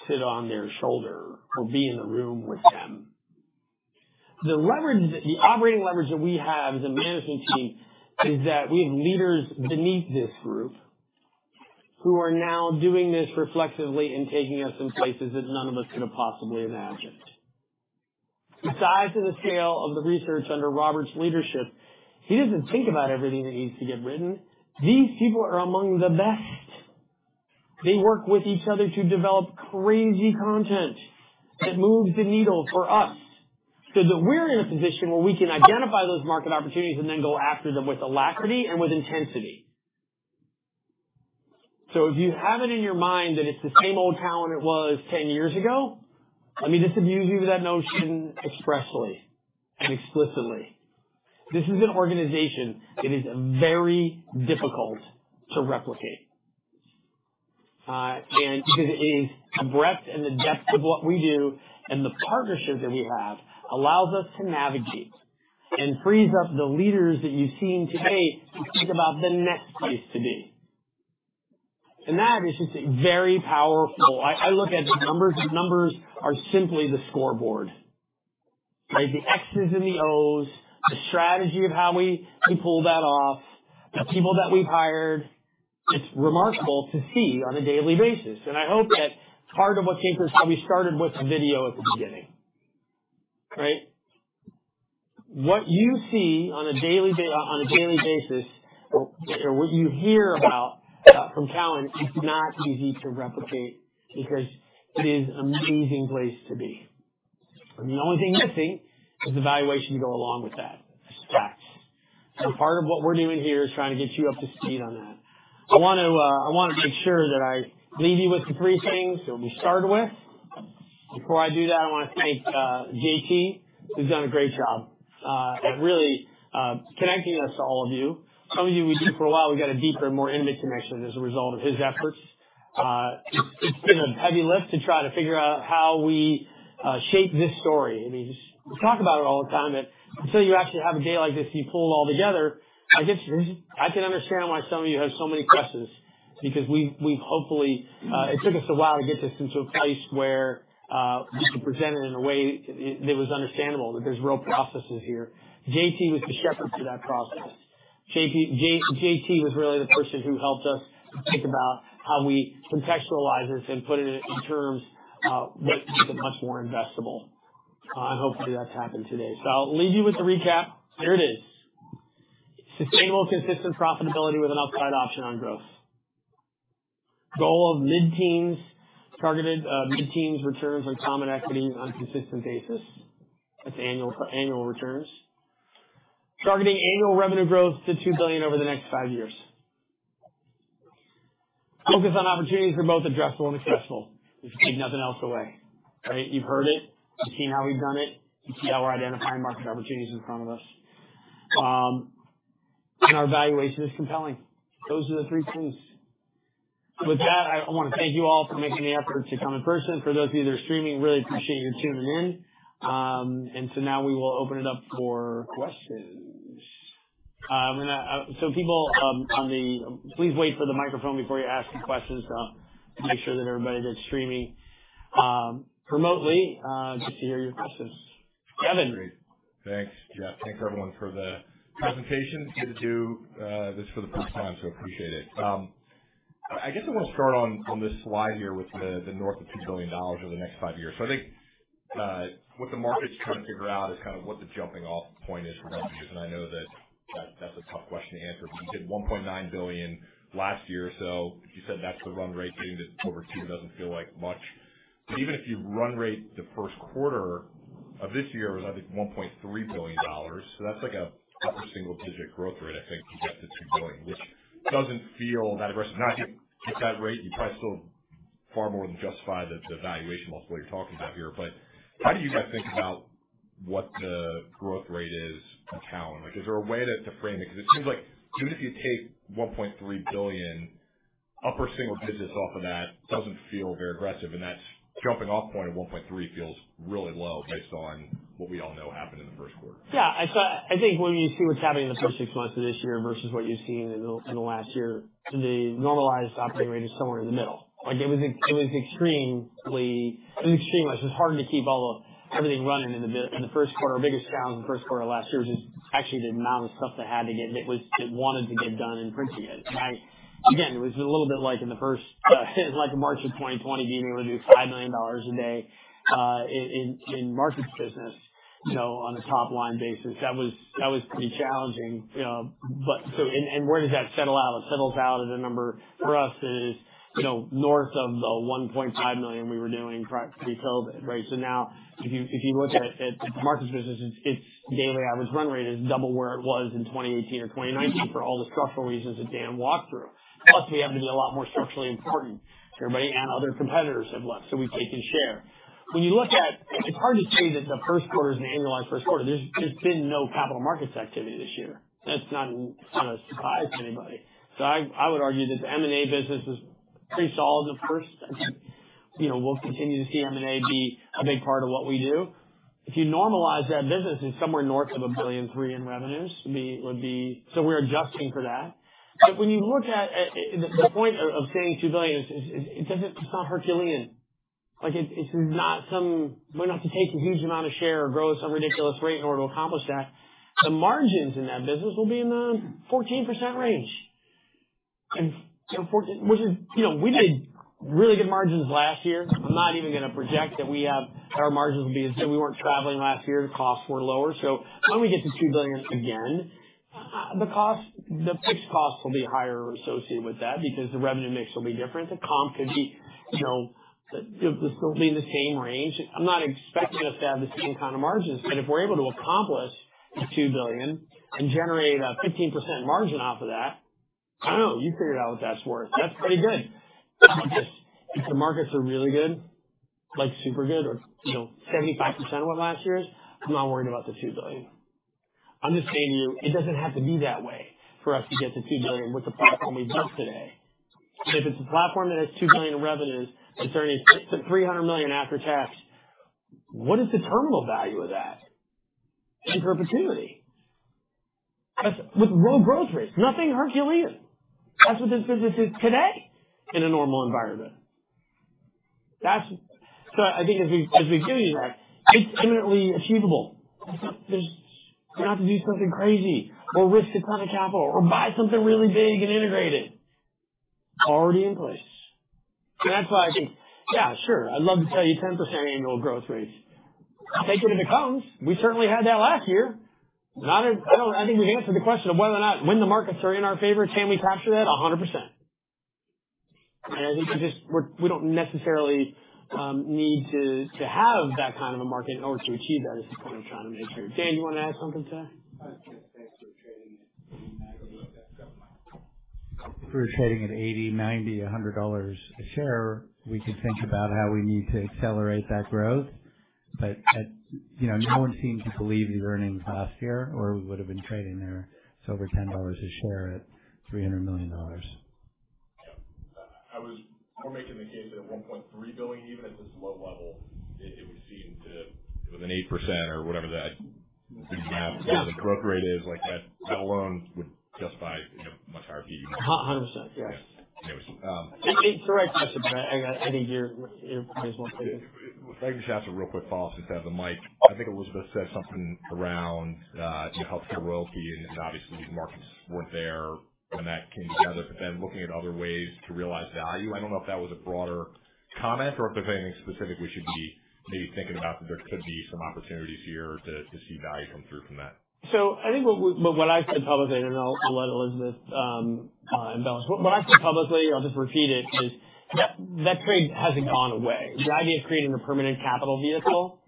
sit on their shoulder or be in the room with them. The leverage, the operating leverage that we have as a management team is that we have leaders beneath this group who are now doing this reflexively and taking us in places that none of us could have possibly imagined. The size and the scale of the research under Robert's leadership. He doesn't think about everything that needs to get written. These people are among the best. They work with each other to develop crazy content that moves the needle for us so that we're in a position where we can identify those market opportunities and then go after them with alacrity and with intensity. If you have it in your mind that it's the same old Cowen it was 10 years ago, let me disabuse you of that notion expressly and explicitly. This is an organization that is very difficult to replicate, and because it is the breadth and the depth of what we do and the partnerships that we have allows us to navigate and frees up the leaders that you've seen today to think about the next place to be. That is just very powerful. I look at the numbers. The numbers are simply the scoreboard, right? The X's and the O's, the strategy of how we pull that off, the people that we've hired. It's remarkable to see on a daily basis, and I hope that part of what came through is how we started with video at the beginning, right? What you see on a daily basis or what you hear about from Cowen is not easy to replicate because it is an amazing place to be. The only thing missing is the valuation to go along with that. It's facts. Part of what we're doing here is trying to get you up to speed on that. I want to make sure that I leave you with the three things that we started with. Before I do that, I wanna thank J.T., who's done a great job at really connecting us to all of you. Some of you we knew for a while, we've got a deeper and more intimate connection as a result of his efforts. It's been a heavy lift to try to figure out how we shape this story. I mean, we talk about it all the time, and until you actually have a day like this, you pull all together. I guess I can understand why some of you have so many questions because we've hopefully it took us a while to get this into a place where we could present it in a way that was understandable, that there's real processes here. J.T. was the shepherd to that process. J.T. was really the person who helped us think about how we contextualize this and put it in terms that make it much more investable. And hopefully, that's happened today. I'll leave you with the recap. There it is. Sustainable, consistent profitability with an upside option on growth. Goal of mid-teens targeted mid-teens returns on common equity on a consistent basis. That's annual returns. Targeting annual revenue growth to $2 billion over the next five years. Focus on opportunities that are both addressable and accessible. If you take nothing else away, right? You've heard it. You've seen how we've done it. You see how we're identifying market opportunities in front of us. And our valuation is compelling. Those are the three Cs. With that, I wanna thank you all for making the effort to come in person. For those of you that are streaming, really appreciate you tuning in. Now we will open it up for questions. Please wait for the microphone before you ask any questions, to make sure that everybody that's streaming remotely gets to hear your questions. Kevin. Great. Thanks, Jeff. Thank you, everyone, for the presentation. Good to do this for the first time, so appreciate it. I guess I want to start on this slide here with the north of $2 billion over the next five years. I think what the market's trying to figure out is kind of what the jumping off point is from that view. I know that's a tough question to answer, but you said $1.9 billion last year. You said that's the run rate getting to over $2 billion, doesn't feel like much. Even if you run rate the first quarter of this year was I think $1.3 billion. That's like a upper single digit growth rate I think to get to $2 billion, which doesn't feel that aggressive. Now, if you keep that rate, you probably still far more than justify the valuation, most of what you're talking about here. How do you guys think about what the growth rate is at Cowen? Like, is there a way to frame it? Because it seems like even if you take $1.3 billion upper single digits off of that doesn't feel very aggressive. That jumping off point of 1.3 feels really low based on what we all know happened in the first quarter. Yeah. I think when you see what's happening in the first six months of this year versus what you've seen in the last year, the normalized operating rate is somewhere in the middle. Like it was extremely. It's hard to keep all of everything running in the first quarter. Our biggest challenge in the first quarter of last year was just actually the amount of stuff that wanted to get done and printing it. Again, it was a little bit like March of 2020 being able to do $5 million a day in markets business, you know, on a top line basis. That was pretty challenging. You know, where does that settle out? It settles out at a number for us that is, you know, north of the $1.5 million we were doing pre-COVID, right? Now if you look at the markets business, its daily average run rate is double where it was in 2018 or 2019 for all the structural reasons that Dan walked through. Plus, we happen to be a lot more structurally important to everybody and other competitors have left, so we've taken share. When you look at its hard to say that the first quarter is an annualized first quarter. There's been no capital markets activity this year. That's not a surprise to anybody. I would argue that the M&A business was pretty solid the first. You know, we'll continue to see M&A be a big part of what we do. If you normalize that business, it's somewhere north of $1.3 billion in revenues. To me, it would be. We're adjusting for that. But when you look at the point of saying 2 billion is, it doesn't, it's not Herculean. Like, it's not some. We don't have to take a huge amount of share or grow at some ridiculous rate in order to accomplish that. The margins in that business will be in the 14% range. 14, which is, you know, we made really good margins last year. I'm not even gonna project that our margins will be as good. We weren't traveling last year. The costs were lower. When we get to $2 billion again, the fixed costs will be higher associated with that because the revenue mix will be different. The comp could be, you know, still be in the same range. I'm not expecting us to have the same kind of margins. If we're able to accomplish the $2 billion and generate a 15% margin off of that, I don't know. You figured out what that's worth. That's pretty good. If the markets are really good, like super good or, you know, 75% of what last year is, I'm not worried about the $2 billion. I'm just saying to you, it doesn't have to be that way for us to get to $2 billion with the platform we built today. If it's a platform that has $2 billion in revenues and turning $300 million after tax, what is the terminal value of that in perpetuity? That's with low growth rates, nothing Herculean. That's what this business is today in a normal environment. I think as we do that, it's eminently achievable. It's not this. We don't have to do something crazy or risk a ton of capital or buy something really big and integrate it. Already in place. That's why I think, yeah, sure, I'd love to tell you 10% annual growth rates. I'll take it if it comes. We certainly had that last year. I think we've answered the question of whether or not when the markets are in our favor, can we capture that? 100%. I think we just don't necessarily need to have that kind of a market in order to achieve that is the point I'm trying to make here. Dan, you want to add something to that? I was just saying if we were trading at $80, $90, $100 a share, we could think about how we need to accelerate that growth. At, you know, no one seemed to believe these earnings last year, or we would've been trading there. It's over $10 a share at $300 million. Yeah. I was more making the case that at $1.3 billion, even at this low level, it would seem to. With an 8% or whatever that discount to the growth rate is, like, that alone would justify, you know, a much higher P/E multiple. 100%. Yeah. Anyways. It's the right question, but I need your point as well. If I could just ask a real quick follow-up since I have the mic. I think Elizabeth said something around, you know, HealthCare Royalty, and obviously these markets weren't there when that came together. Looking at other ways to realize value. I don't know if that was a broader comment or if there's anything specific we should be maybe thinking about that there could be some opportunities here to see value come through from that. I think what I've said publicly, I don't know, I'll let Elizabeth embellish. What I've said publicly, I'll just repeat it, is that trade hasn't gone away. The idea of creating a permanent capital vehicle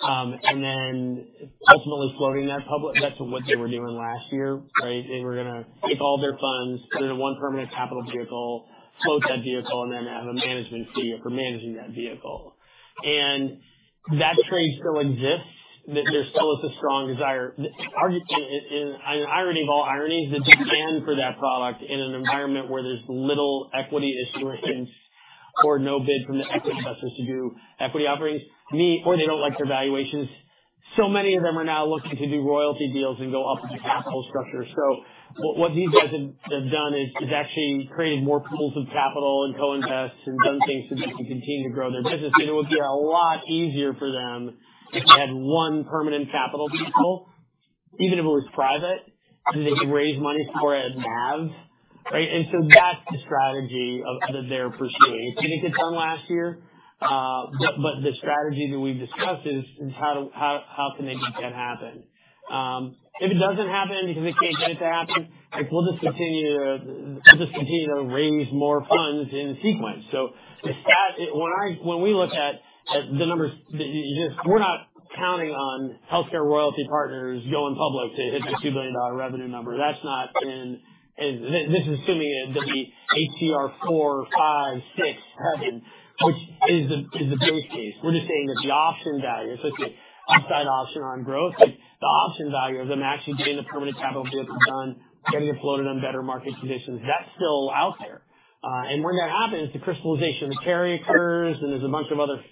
and then ultimately floating that public, that's what they were doing last year, right? They were gonna take all their funds, put it in one permanent capital vehicle, float that vehicle, and then have a management fee for managing that vehicle. That trade still exists. There still is a strong desire. The argument is, in irony of all ironies, the demand for that product in an environment where there's little equity issuance or no bid from the equity sponsors to do equity offerings means or they don't like their valuations. Many of them are now looking to do royalty deals and go up in the capital structure. What these guys have done is actually created more pools of capital and co-invest and done things to continue to grow their business. It would be a lot easier for them if they had one permanent capital vehicle, even if it was private, and they could raise money for it as NAV, right? That's the strategy that they're pursuing. They didn't get it done last year. The strategy that we've discussed is how can they make that happen? If it doesn't happen because we can't get it to happen, like, we'll just continue to raise more funds in sequence. When we look at the numbers that you just... We're not counting on HealthCare Royalty Partners going public to hit the $2 billion revenue number. That's not in. This is assuming it would be HRP four, five, six, seven, which is the base case. We're just saying that the option value, so it's an upside option on growth. Like, the option value of them actually getting the permanent capital vehicle done, getting it floated on better market conditions, that's still out there. And when that happens, the crystallization of the carry occurs, and there's a bunch of other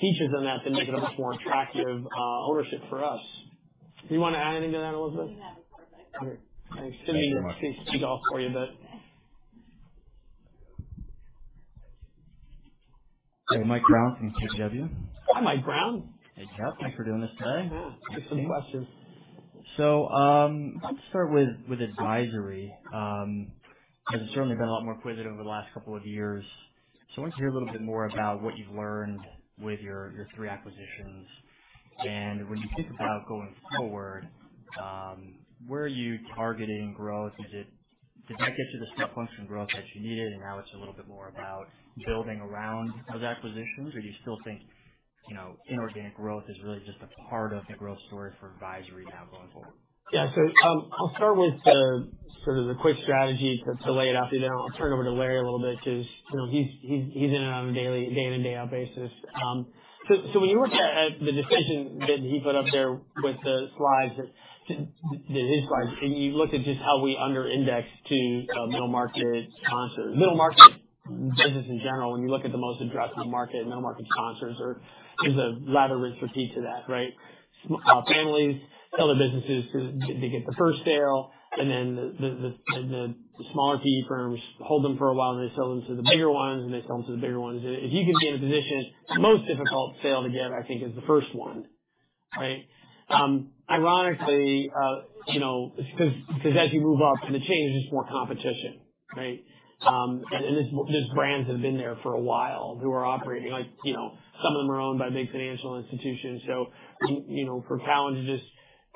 features in that that make it a much more attractive ownership for us. Do you wanna add anything to that, Elizabeth? No. We're good. Okay. Thanks. Sending you to take over for you a bit. Okay. Mike Brown from KBW. Hi, Mike Brown. Hey, Jeff Solomon. Thanks for doing this today. Yeah. Get some questions. I'd like to start with advisory. Because it's certainly been a lot more quizzed over the last couple of years. I want to hear a little bit more about what you've learned with your three acquisitions. When you think about going forward, where are you targeting growth? Did that get you the step function growth that you needed, and now it's a little bit more about building around those acquisitions? Or do you still think, you know, inorganic growth is really just a part of the growth story for advisory now going forward? Yeah. I'll start with the sort of quick strategy to lay it out. I'll turn it over to Larry a little bit because, you know, he's in it on a daily, day-in and day-out basis. When you look at the decision that he put up there with the slides. These slides, and you look at just how we under-index to middle market sponsors. Middle market business in general, when you look at the most addressable market, middle market sponsors are, there's a ladder that's related to that, right? Families sell their businesses to, they get the first sale, and then the smaller PE firms hold them for a while, then they sell them to the bigger ones, and they sell them to the bigger ones. If you can be in a position, the most difficult sale to get, I think, is the first one, right? Ironically, you know, because as you move up in the chain, there's just more competition, right? And there's brands that have been there for a while who are operating like, you know, some of them are owned by big financial institutions. So you know, for Cowen to just,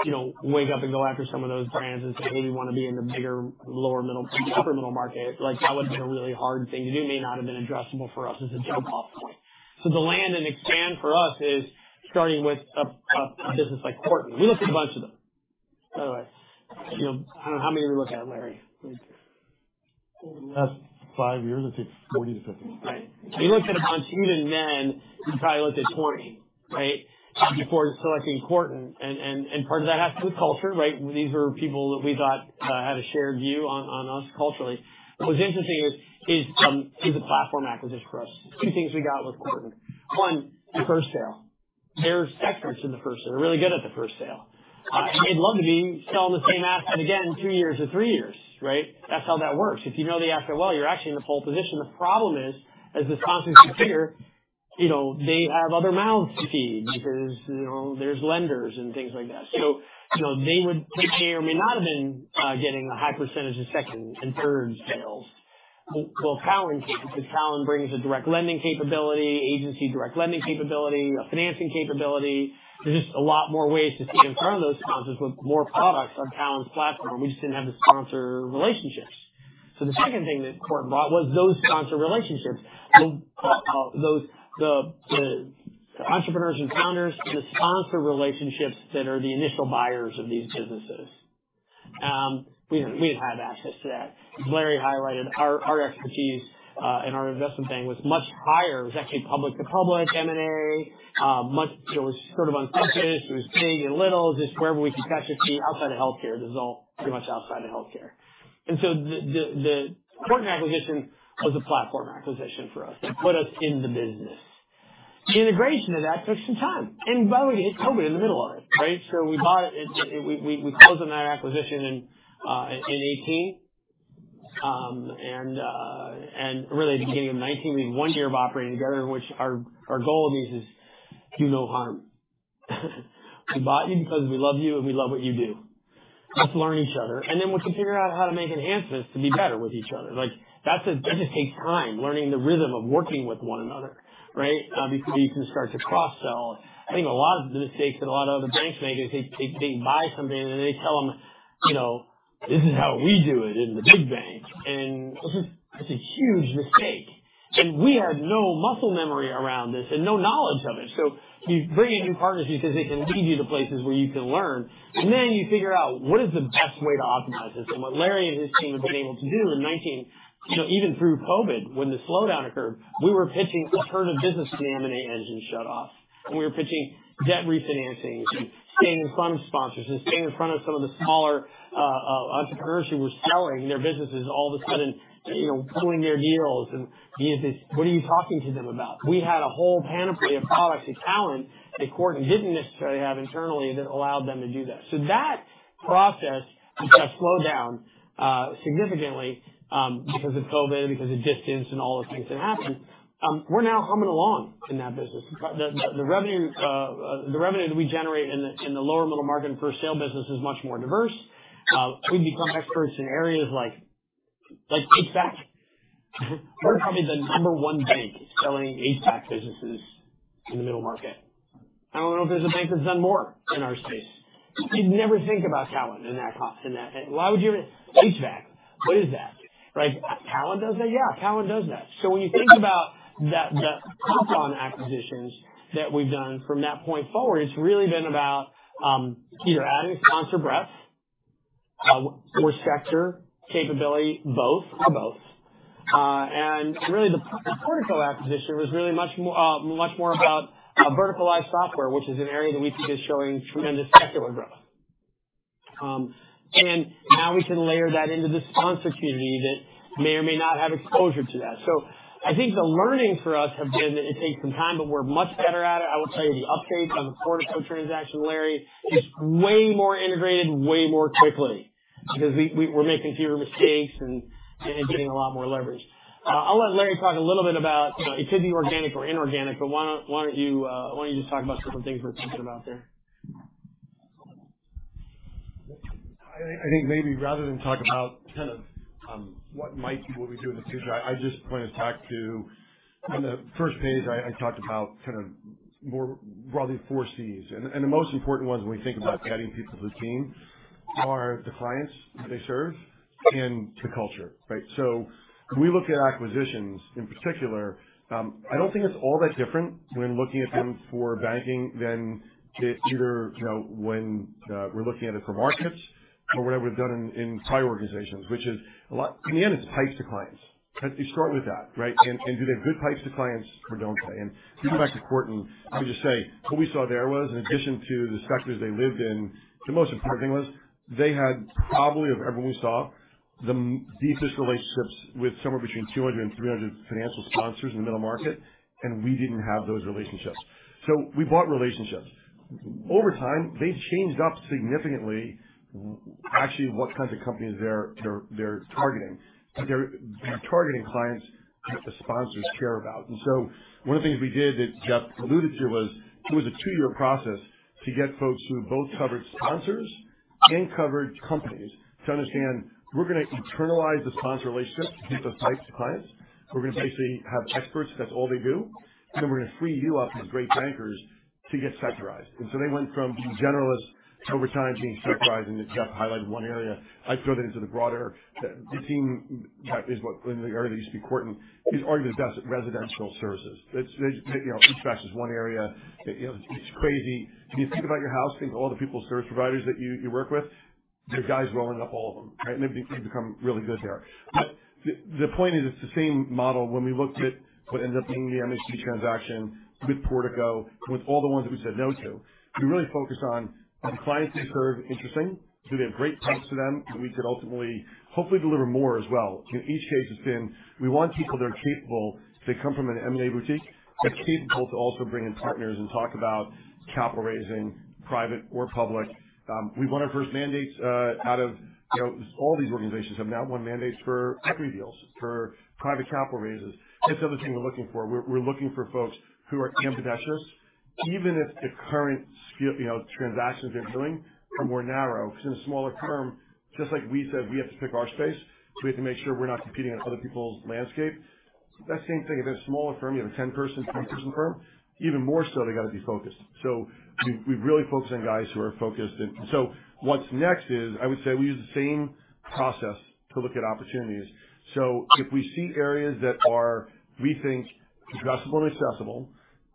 you know, wake up and go after some of those brands and say, "Hey, we want to be in the bigger lower middle, upper middle market," like that would have been a really hard thing to do. May not have been addressable for us as a choke off point. So the land and expand for us is starting with a business like Quarton. We looked at a bunch of them, by the way. You know, I don't know, how many did we look at, Larry? Over the last five years, I'd say 40-50. Right. We looked at a bunch. Even then, we probably looked at 20, right? Before selecting Quarton. Part of that has to do with culture, right? These were people that we thought had a shared view on us culturally. What's interesting is a platform acquisition for us. Two things we got with Quarton. One, the first sale. They're experts in the first sale. They're really good at the first sale. They'd love to be selling the same asset again in two years or three years, right? That's how that works. If you know the exit well, you're actually in the pole position. The problem is, as the sponsors get bigger, you know, they have other mouths to feed because, you know, there's lenders and things like that. You know, they would may or may not have been getting a high percentage of second and third sales. Well, Cowen can because Cowen brings a direct lending capability, agency direct lending capability, a financing capability. There's just a lot more ways to get in front of those sponsors with more products on Cowen's platform. We just didn't have the sponsor relationships. The second thing that Quarton brought was those sponsor relationships. The entrepreneurs and founders, the sponsor relationships that are the initial buyers of these businesses. We didn't have access to that. As Larry highlighted our expertise and our investment bank was much higher. It was actually public to public M&A. Much, you know, it was sort of unfinished. It was big and little, just wherever we could catch a fee outside of healthcare. This was all pretty much outside of healthcare. The Quarton acquisition was a platform acquisition for us. It put us in the business. The integration of that took some time, and by the way, hit COVID in the middle of it, right? We bought it. We closed on that acquisition in 2018, and really at the beginning of 2019, we had one year of operating together in which our goal with you is do no harm. We bought you because we love you and we love what you do. Let's learn each other, and then we can figure out how to make enhancements to be better with each other. Like, that just takes time, learning the rhythm of working with one another, right? Before you can start to cross-sell. I think a lot of the mistakes that a lot of other banks make is they buy something and then they tell them, you know, "This is how we do it in the big bank." That's a huge mistake. We had no muscle memory around this and no knowledge of it. You bring in new partners because they can lead you to places where you can learn, and then you figure out what is the best way to optimize this. What Larry and his team have been able to do in 2019, you know, even through COVID, when the slowdown occurred, we were pitching. We heard a business M&A engine shut off. We were pitching debt refinancing and staying in front of sponsors and staying in front of some of the smaller entrepreneurs who were selling their businesses all of a sudden, you know, pulling their deals. Me and Vince, "What are you talking to them about?" We had a whole panoply of products at Cowen that Quarton didn't necessarily have internally that allowed them to do that. That process got slowed down significantly because of COVID, because of distance and all the things that happened. We're now humming along in that business. The revenue that we generate in the lower middle market and first sale business is much more diverse. We've become experts in areas like HVAC. We're probably the number one bank selling HVAC businesses in the middle market. I don't know if there's a bank that's done more in our space. You'd never think about Cowen in that. Why would you even HVAC? What is that? Right? Cowen does that? Yeah, Cowen does that. When you think about the compound acquisitions that we've done from that point forward, it's really been about either adding sponsor breadth or sector capability, both. Really, the Portico acquisition was really much more about verticalized software, which is an area that we think is showing tremendous secular growth. Now we can layer that into the sponsor community that may or may not have exposure to that. I think the learnings for us have been that it takes some time, but we're much better at it. I will tell you the updates on the Portico transaction, Larry. It's way more integrated, way more quickly because we're making fewer mistakes and getting a lot more leverage. I'll let Larry talk a little bit about, you know, it could be organic or inorganic, but why don't you just talk about some of the things we're thinking about there? I think maybe rather than talk about kind of what might be what we do in the future, I just want to talk to on the first page. I talked about kind of more broadly four Cs. The most important ones when we think about adding people to the team, who are the clients that they serve and the culture, right? When we look at acquisitions in particular, I don't think it's all that different when looking at them for banking than it either, you know, when we're looking at it for markets or what we've done in prior organizations, which is a lot. In the end, it's pipes to clients. Has to start with that, right? Do they have good pipes to clients or don't they? If you go back to Quarton, I would just say what we saw there was, in addition to the sectors they lived in, the most important thing was they had probably of everyone we saw the deepest relationships with somewhere between 200 and 300 financial sponsors in the middle market, and we didn't have those relationships. So we bought relationships. Over time, they changed up significantly actually what kinds of companies they're targeting. They're targeting clients that the sponsors care about. One of the things we did that Jeff alluded to was it was a two-year process to get folks who both covered sponsors and covered companies to understand we're gonna internalize the sponsor relationship to keep those types of clients. We're gonna basically have experts, that's all they do. We're gonna free you up as great bankers to get sectorized. They went from generalists over time to being sectorized. Jeff highlighted one area. I'd throw that into the broader team. That is what in the area that used to be Cowen, his argument is best at residential services. It's, you know, each batch is one area. You know, it's crazy. If you think about your house, think of all the people, service providers that you work with. The guy's rolling up all of them, right? They've become really good there. The point is, it's the same model when we looked at what ended up being the M&A transaction with Portico and with all the ones that we said no to, we really focus on are the clients they serve interesting? Do they have great ties to them that we could ultimately, hopefully deliver more as well? In each case, it's been we want people that are capable. They come from an M&A boutique, but capable to also bring in partners and talk about capital raising, private or public. We won our first mandates out of, you know, all these organizations have now won mandates for three deals, for private capital raises. That's the other thing we're looking for. We're looking for folks who are ambitious, even if the current skill, you know, transactions they're doing are more narrow. So in a smaller firm, just like we said, we have to pick our space. So we have to make sure we're not competing on other people's landscape. That same thing, if they're a smaller firm, you have a 10-person, 20-person firm, even more so, they gotta be focused. We've really focused on guys who are focused. What's next is I would say we use the same process to look at opportunities. If we see areas that are, we think, addressable and accessible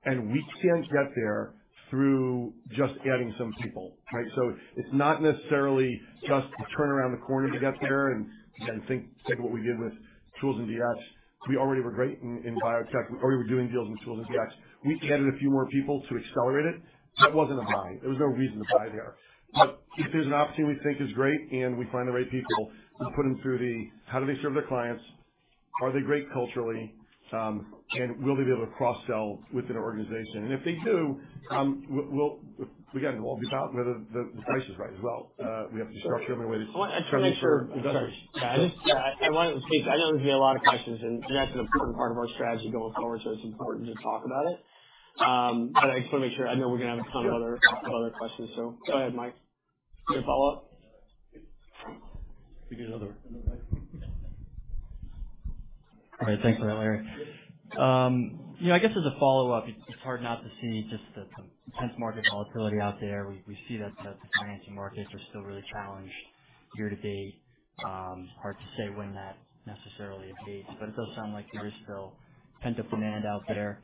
and we can't get there through just adding some people, right? It's not necessarily just turn around the corner to get there and think, take what we did with tools and DX. We already were great in biotech. We already were doing deals in tools and DX. We added a few more people to accelerate it. That wasn't a buy. There was no reason to buy there. If there's an opportunity we think is great and we find the right people and put them through the how do they serve their clients? Are they great culturally? Will they be able to cross-sell within our organization? If they do, we'll be talking whether the price is right as well. We have to structure them in a way that's friendly for investors. I just wanted to speak. I know there's gonna be a lot of questions and that's an important part of our strategy going forward, so it's important to talk about it. But I just want to make sure I know we're gonna have a ton of other questions, so go ahead, Mike. You have a follow-up? You get another. All right. Thanks for that, Larry. You know, I guess as a follow-up, it's hard not to see just the intense market volatility out there. We see that the financing markets are still really challenged year to date. Hard to say when that necessarily abates, but it does sound like there is still pent-up demand out there.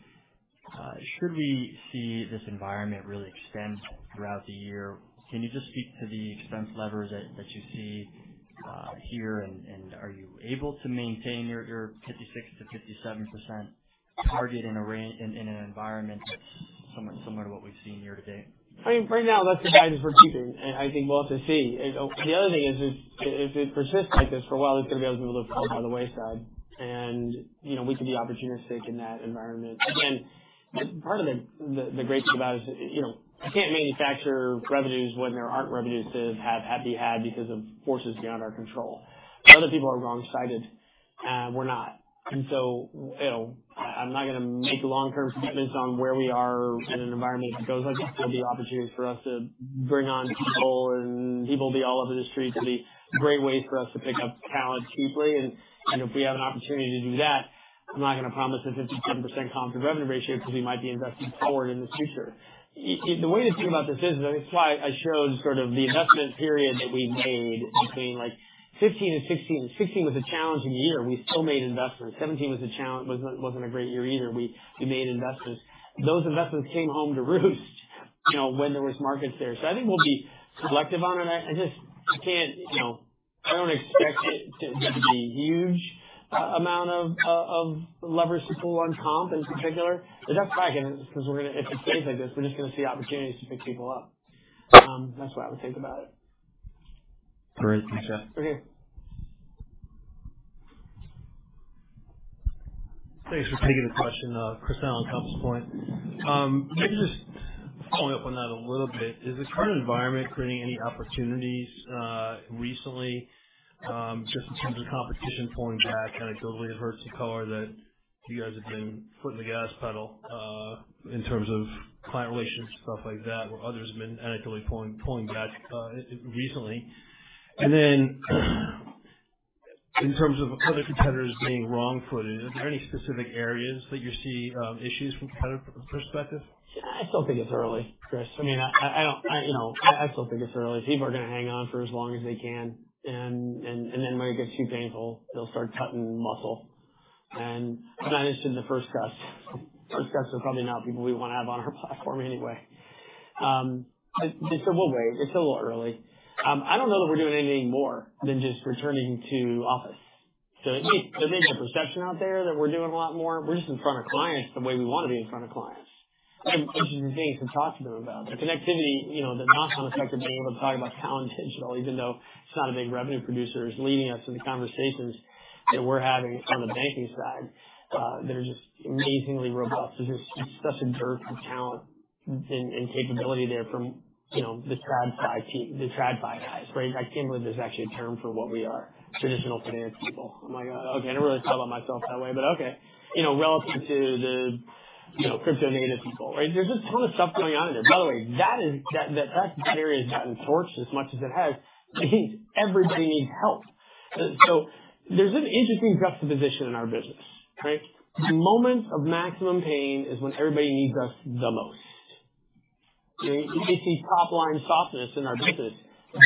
Should we see this environment really extend throughout the year, can you just speak to the expense levers that you see here? Are you able to maintain your 56%-57% target in an environment that's somewhat similar to what we've seen year to date? I mean, right now that's the guidance we're keeping. I think we'll have to see. The other thing is if it persists like this for a while, there's going to be able to be a little blood on the wayside. You know, we could be opportunistic in that environment. Again, part of the great thing about it is, you know, I can't manufacture revenues when there aren't revenues to be had because of forces beyond our control. A lot of people are wrong-sided. We're not. You know, I'm not gonna make long-term statements on where we are in an environment that goes like this. There'll be opportunities for us to bring on people and people will be all over the Street. It'll be great ways for us to pick up talent cheaply. You know, if we have an opportunity to do that, I'm not gonna promise a 57% comp to revenue ratio because we might be investing forward in the future. The way to think about this is, and it's why I showed sort of the investment period that we made between like 2015 and 2016. 2016 was a challenging year. We still made investments. 2017 was a challenge. Wasn't a great year either. We made investments. Those investments came home to roost, you know, when there was markets there. I think we'll be selective on it. I just, I can't, you know, I don't expect it to be a huge amount of levers to pull on comp in particular. That's why, again, it's because we're gonna if it stays like this, we're just gonna see opportunities to pick people up. That's the way I would think about it. Great. Thanks, Jeff. Okay. Thanks for taking the question. Chris Allen, Compass Point. Maybe just following up on that a little bit, is this current environment creating any opportunities recently, just in terms of competition pulling back? Anecdotally, I've heard some color that you guys have been flooring the gas pedal in terms of client relations, stuff like that, where others have been anecdotally pulling back recently. Then in terms of other competitors being wrong-footed, is there any specific areas that you see issues from competitive perspective? I still think it's early, Chris. I mean, you know, I still think it's early. People are gonna hang on for as long as they can and then when it gets too painful, they'll start cutting muscle. I'm not interested in the first cuts. First cuts are probably not people we want to have on our platform anyway. We'll wait. It's a little early. I don't know that we're doing anything more than just returning to office. There may be a perception out there that we're doing a lot more. We're just in front of clients the way we want to be in front of clients, questions and things to talk to them about. The connectivity, you know, the knock-on effect of being able to talk about talent intentionally, even though it's not a big revenue producer, is leading us into conversations that we're having on the banking side, that are just amazingly robust. There's just such a dearth of talent and capability there from, you know, the TradFi team, the TradFi guys, right? I can't believe there's actually a term for what we are traditional finance people. I'm like, okay, I never really thought about myself that way, but okay. You know, relative to the, you know, crypto native people, right? There's just a ton of stuff going on in there. By the way, that area has gotten torched as much as it has. I mean, everybody needs help. There's an interesting juxtaposition in our business, right? The moment of maximum pain is when everybody needs us the most. You see top line softness in our business.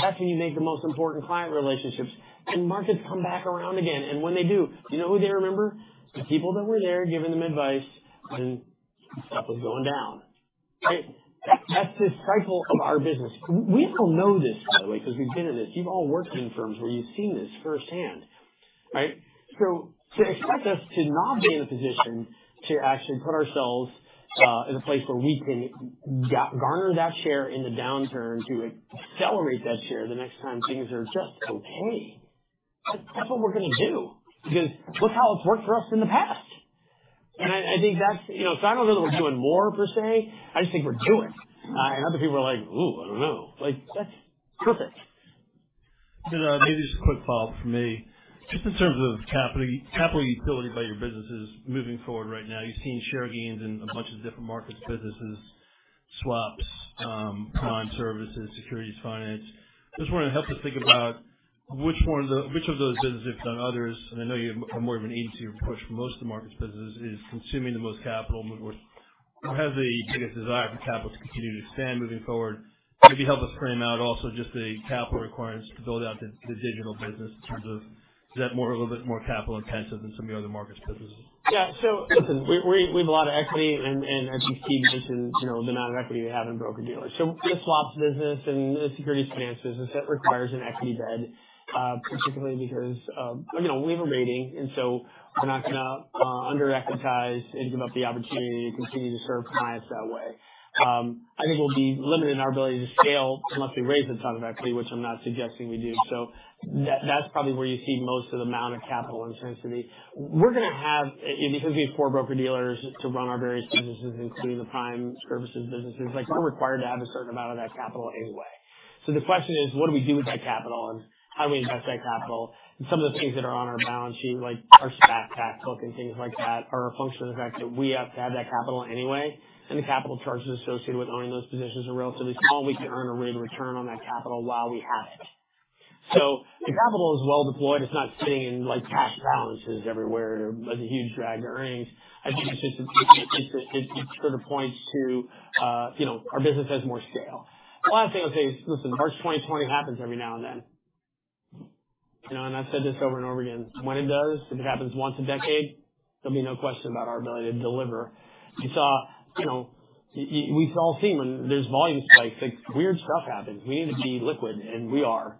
That's when you make the most important client relationships and markets come back around again. When they do, you know who they remember? The people that were there giving them advice when stuff was going down, right? That's the cycle of our business. We all know this, by the way, because we've been in this. You've all worked in firms where you've seen this firsthand, right? To expect us to not be in a position to actually put ourselves in a place where we can garner that share in the downturn, to accelerate that share the next time things are just okay. That's what we're gonna do, because that's how it's worked for us in the past. I think that's. You know, I don't know that we're doing more per se. I just think we're doing. Other people are like, "Ooh, I don't know." Like, that's stupid. Maybe just a quick follow-up from me, just in terms of capital utility by your businesses moving forward. Right now, you're seeing share gains in a bunch of different markets, businesses, swaps, prime services, securities finance. I just want to help us think about which of those businesses than others, and I know you have more of an agency approach for most of the markets businesses is consuming the most capital, and which has the biggest desire for capital to continue to expand moving forward. Maybe help us frame out also just the capital requirements to build out the digital business in terms of is that more or a little bit more capital intensive than some of your other markets businesses? Yeah. Listen, we have a lot of equity and, as you've seen, just in the amount of equity we have in broker-dealers. The swaps business and the securities financing business, that requires an equity base, particularly because we have a rating. We're not gonna under equitize and give up the opportunity to continue to serve clients that way. I think we'll be limited in our ability to scale unless we raise a ton of equity, which I'm not suggesting we do. That, that's probably where you see most of the amount of capital intensity. We're gonna have because we have four broker-dealers to run our various businesses, including the prime services businesses, like, we're required to have a certain amount of that capital anyway. The question is, what do we do with that capital and how do we invest that capital? Some of the things that are on our balance sheet, like our stat pack book and things like that, are a function of the fact that we have to have that capital anyway. The capital charges associated with owning those positions are relatively small. We can earn a real return on that capital while we have it. The capital is well deployed. It's not sitting in like cash balances everywhere. They're a huge drag on earnings. I think it's just, it sort of points to, you know, our business has more scale. The last thing I'll say is, listen, March 2020 happens every now and then, you know, and I've said this over and over again. When it does, if it happens once a decade, there'll be no question about our ability to deliver. You saw, you know, we've all seen when there's volume spikes, like weird stuff happens. We need to be liquid, and we are.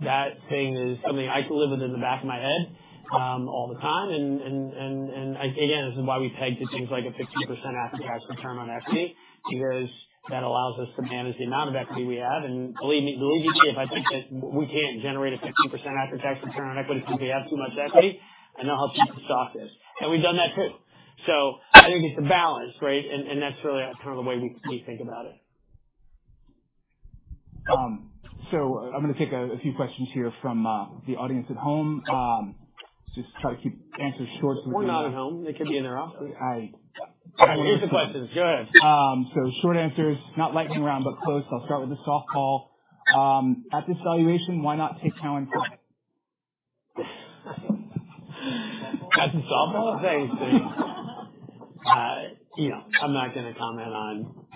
That thing is something I can live with in the back of my head, all the time. Again, this is why we peg to things like a 15% after-tax return on equity, because that allows us to manage the amount of equity we have. Believe me if I think that we can't generate a 15% after-tax return on equity because we have too much equity, and I'll help you exhaust this. We've done that too. I think it's a balance, right? That's really kind of the way we think about it. I'm gonna take a few questions here from the audience at home. Just try to keep answers short so we can. They're not at home. They could be in their office. I- Give the questions. Go ahead. Short answers. Not lightning round, but close. I'll start with a softball. At this valuation, why not take Cowen back? That's a softball? Thanks. You know, I'm not gonna comment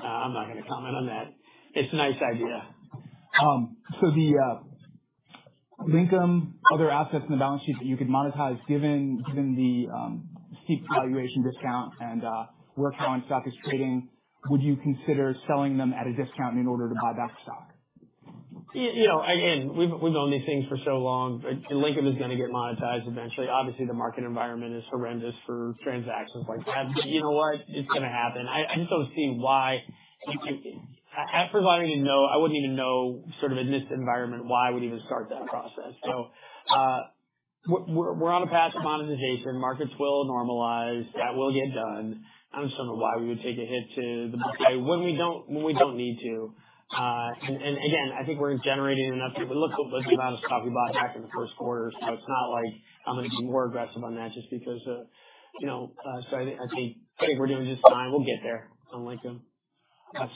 on that. It's a nice idea. Other assets in the balance sheet that you could monetize given the steep valuation discount and where Cowen stock is trading, would you consider selling them at a discount in order to buy back stock? You know, again, we've owned these things for so long. Lincoln is gonna get monetized eventually. Obviously, the market environment is horrendous for transactions like that. You know what? It's gonna happen. I just don't see why I wouldn't even know sort of in this environment why we'd even start that process. We're on a path to monetization. Markets will normalize. That will get done. I just don't know why we would take a hit to the book value when we don't need to. Again, I think we're generating enough. Look at the amount of stock we bought back in the first quarter. It's not like I'm gonna be more aggressive on that just because, you know, I think we're doing just fine. We'll get there on Lincoln.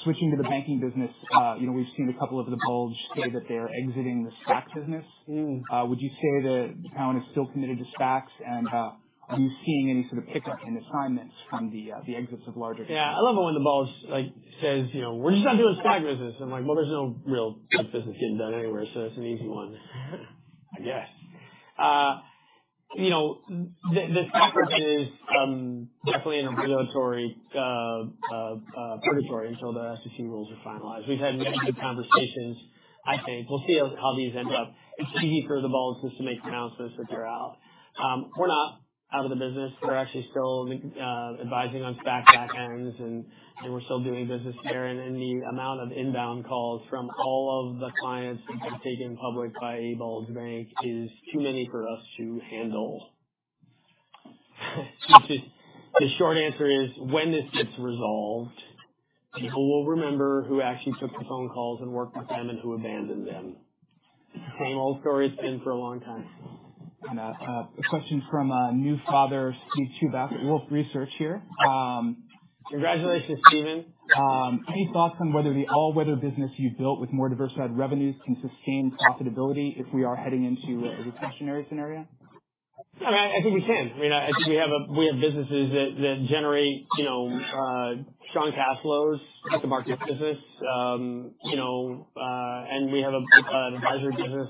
Switching to the banking business. You know, we've seen a couple of the bulge say that they're exiting the SPACs business. Mm. Would you say that Cowen is still committed to SPACs? Are you seeing any sort of pickup in assignments from the exits of larger- Yeah, I love it when the bulge like says, you know, "We're just not doing SPAC business." I'm like, well, there's no real business getting done anywhere, so it's an easy one, I guess. You know, this effort is definitely in a predatory until the SEC rules are finalized. We've had many good conversations, I think. We'll see how these end up. It's easy for the bulges just to make announcements that they're out. We're not out of the business. We're actually still advising on back ends, and we're still doing business there. The amount of inbound calls from all of the clients that have been taken public by a bulge bank is too many for us to handle. The short answer is, when this gets resolved, people will remember who actually took the phone calls and worked with them and who abandoned them. Same old story it's been for a long time. A question from new father Steven Chubak, Wolfe Research here. Congratulations, Steven. Any thoughts on whether the all-weather business you've built with more diversified revenues can sustain profitability if we are heading into a recessionary scenario? I mean, I think we can. I mean, I think we have businesses that generate, you know, strong cash flows like the market business. You know, we have an advisory business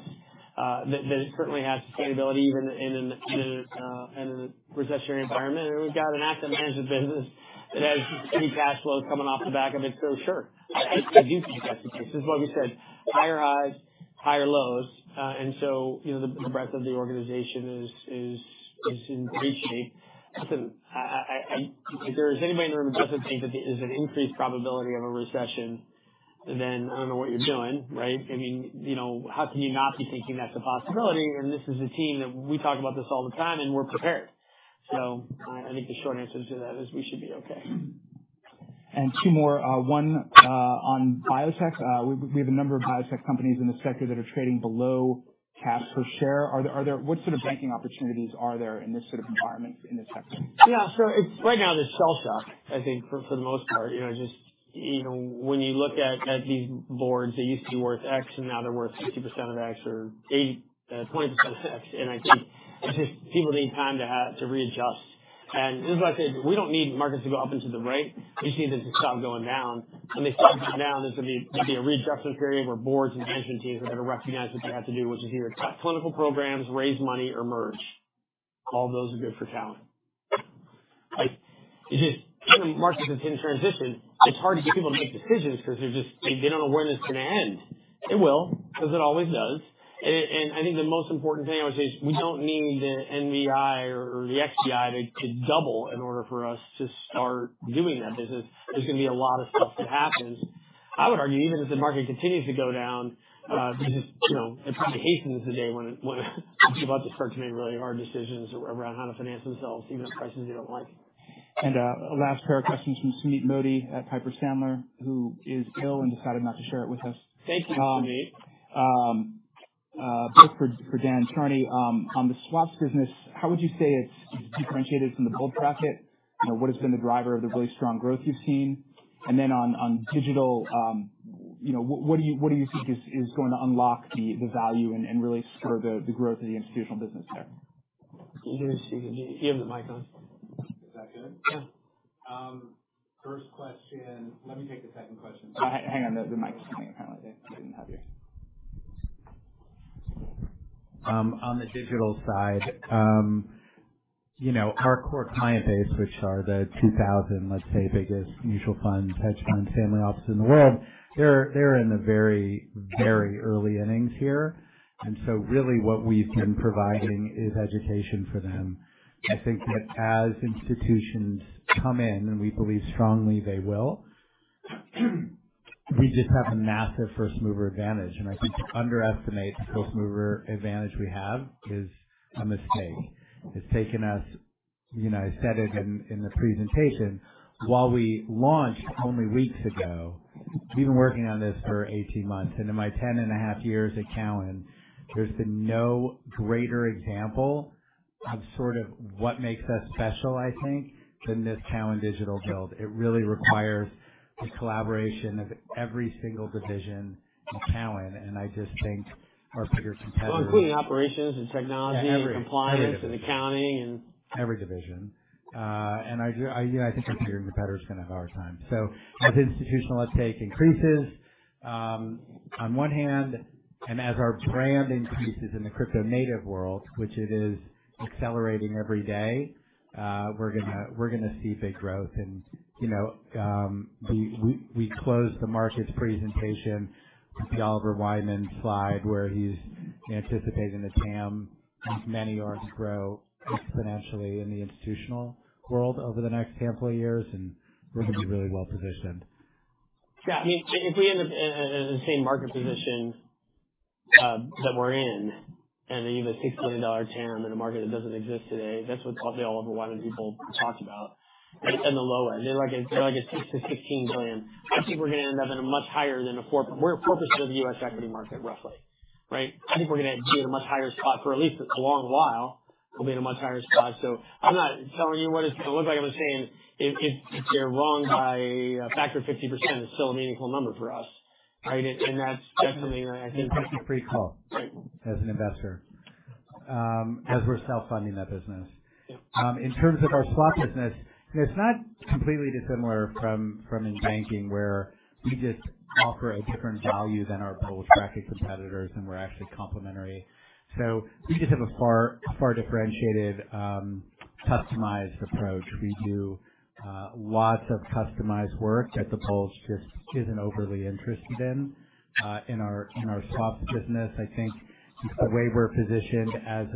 that certainly has sustainability even in a recessionary environment. We've got an asset management business that has pretty cash flows coming off the back of it, so sure. I do think that's the case. It's what we said, higher highs, higher lows. You know, the breadth of the organization is increasingly. Listen, if there is anybody in the room who doesn't think that there is an increased probability of a recession, then I don't know what you're doing, right? I mean, you know, how can you not be thinking that's a possibility? This is a team that we talk about this all the time, and we're prepared. I think the short answer to that is we should be okay. Two more. One on biotech. We have a number of biotech companies in the sector that are trading below cash per share. What sort of banking opportunities are there in this sort of environment in this sector? Yeah. It's right now there's shell shock, I think, for the most part. You know, just, you know, when you look at these boards, they used to be worth X, and now they're worth 60% of X or 8%, 20% of X. I think it's just people need time to readjust. This is why I said we don't need markets to go up and to the right. We just need them to stop going down. When they stop going down, there's gonna be a reflection period where boards and management teams are gonna recognize what they have to do, which is either cut clinical programs, raise money or merge. All those are good for Cowen. It's just when the market is in transition, it's hard for people to make decisions because they're just. They don't know when it's gonna end. It will, because it always does. I think the most important thing I would say is we don't need the NVI or the FDI to double in order for us to start doing that business. There's gonna be a lot of stuff that happens. I would argue, even if the market continues to go down, there's just, you know, it probably hastens the day when people have to start to make really hard decisions around how to finance themselves, even at prices they don't like. Last pair of questions from Sumeet Mody at Piper Sandler, who is ill and decided not to share it with us. Thanks for coming, Sumeet. For Dan. Sorry. On the swaps business, how would you say it's differentiated from the bulge bracket? You know, what has been the driver of the really strong growth you've seen? Then on digital, you know, what do you think is going to unlock the value and really sort of the growth of the institutional business there? Do you have the mic on? Is that good? Yeah. First question. Let me take the second question. Hang on. The mic's coming apparently. I didn't have you. On the digital side, you know, our core client base, which are the 2,000, let's say, biggest mutual funds, hedge funds, family offices in the world, they're in the very, very early innings here. Really what we've been providing is education for them. I think that as institutions come in, and we believe strongly they will, we just have a massive first-mover advantage. I think to underestimate the first-mover advantage we have is a mistake. It's taken us, you know, I said it in the presentation, while we launched only weeks ago, we've been working on this for 18 months. In my 10 and a half years at Cowen, there's been no greater example of sort of what makes us special, I think, than this Cowen Digital build. It really requires the collaboration of every single division in Cowen. I just think our bigger competitors. Oh, including operations and technology. Yeah, every division. Compliance and accounting Every division. I, you know, I think our bigger competitors are gonna have a hard time. As institutional uptake increases, on one hand, and as our brand increases in the crypto native world, which it is accelerating every day, we're gonna see big growth. You know, we closed the markets presentation with the Oliver Wyman slide, where he's anticipating the TAM of many AUMs grow exponentially in the institutional world over the next handful of years, and we're gonna be really well-positioned. I mean, if we end up in the same market position that we're in, and you have a $60 billion TAM in a market that doesn't exist today, that's what probably Oliver Wyman and people talked about at the low end. They're like a $6 billion-$16 billion. I think we're gonna end up at a much higher than a four-- we're 4% of the U.S. equity market roughly, right? I think we're gonna be in a much higher spot for at least a long while. We'll be in a much higher spot. I'm not telling you what it's. It looks like I was saying if they're wrong by a factor of 50%, it's still a meaningful number for us, right? And that's definitely, I think. It's a risk-free call. Right. As an investor, as we're self-funding that business. In terms of our swaps business, you know, it's not completely dissimilar from in banking, where we just offer a different value than our bulge bracket competitors, and we're actually complementary. We just have a far differentiated, customized approach. We do lots of customized work that the bulge just isn't overly interested in. In our swaps business, I think the way we're positioned as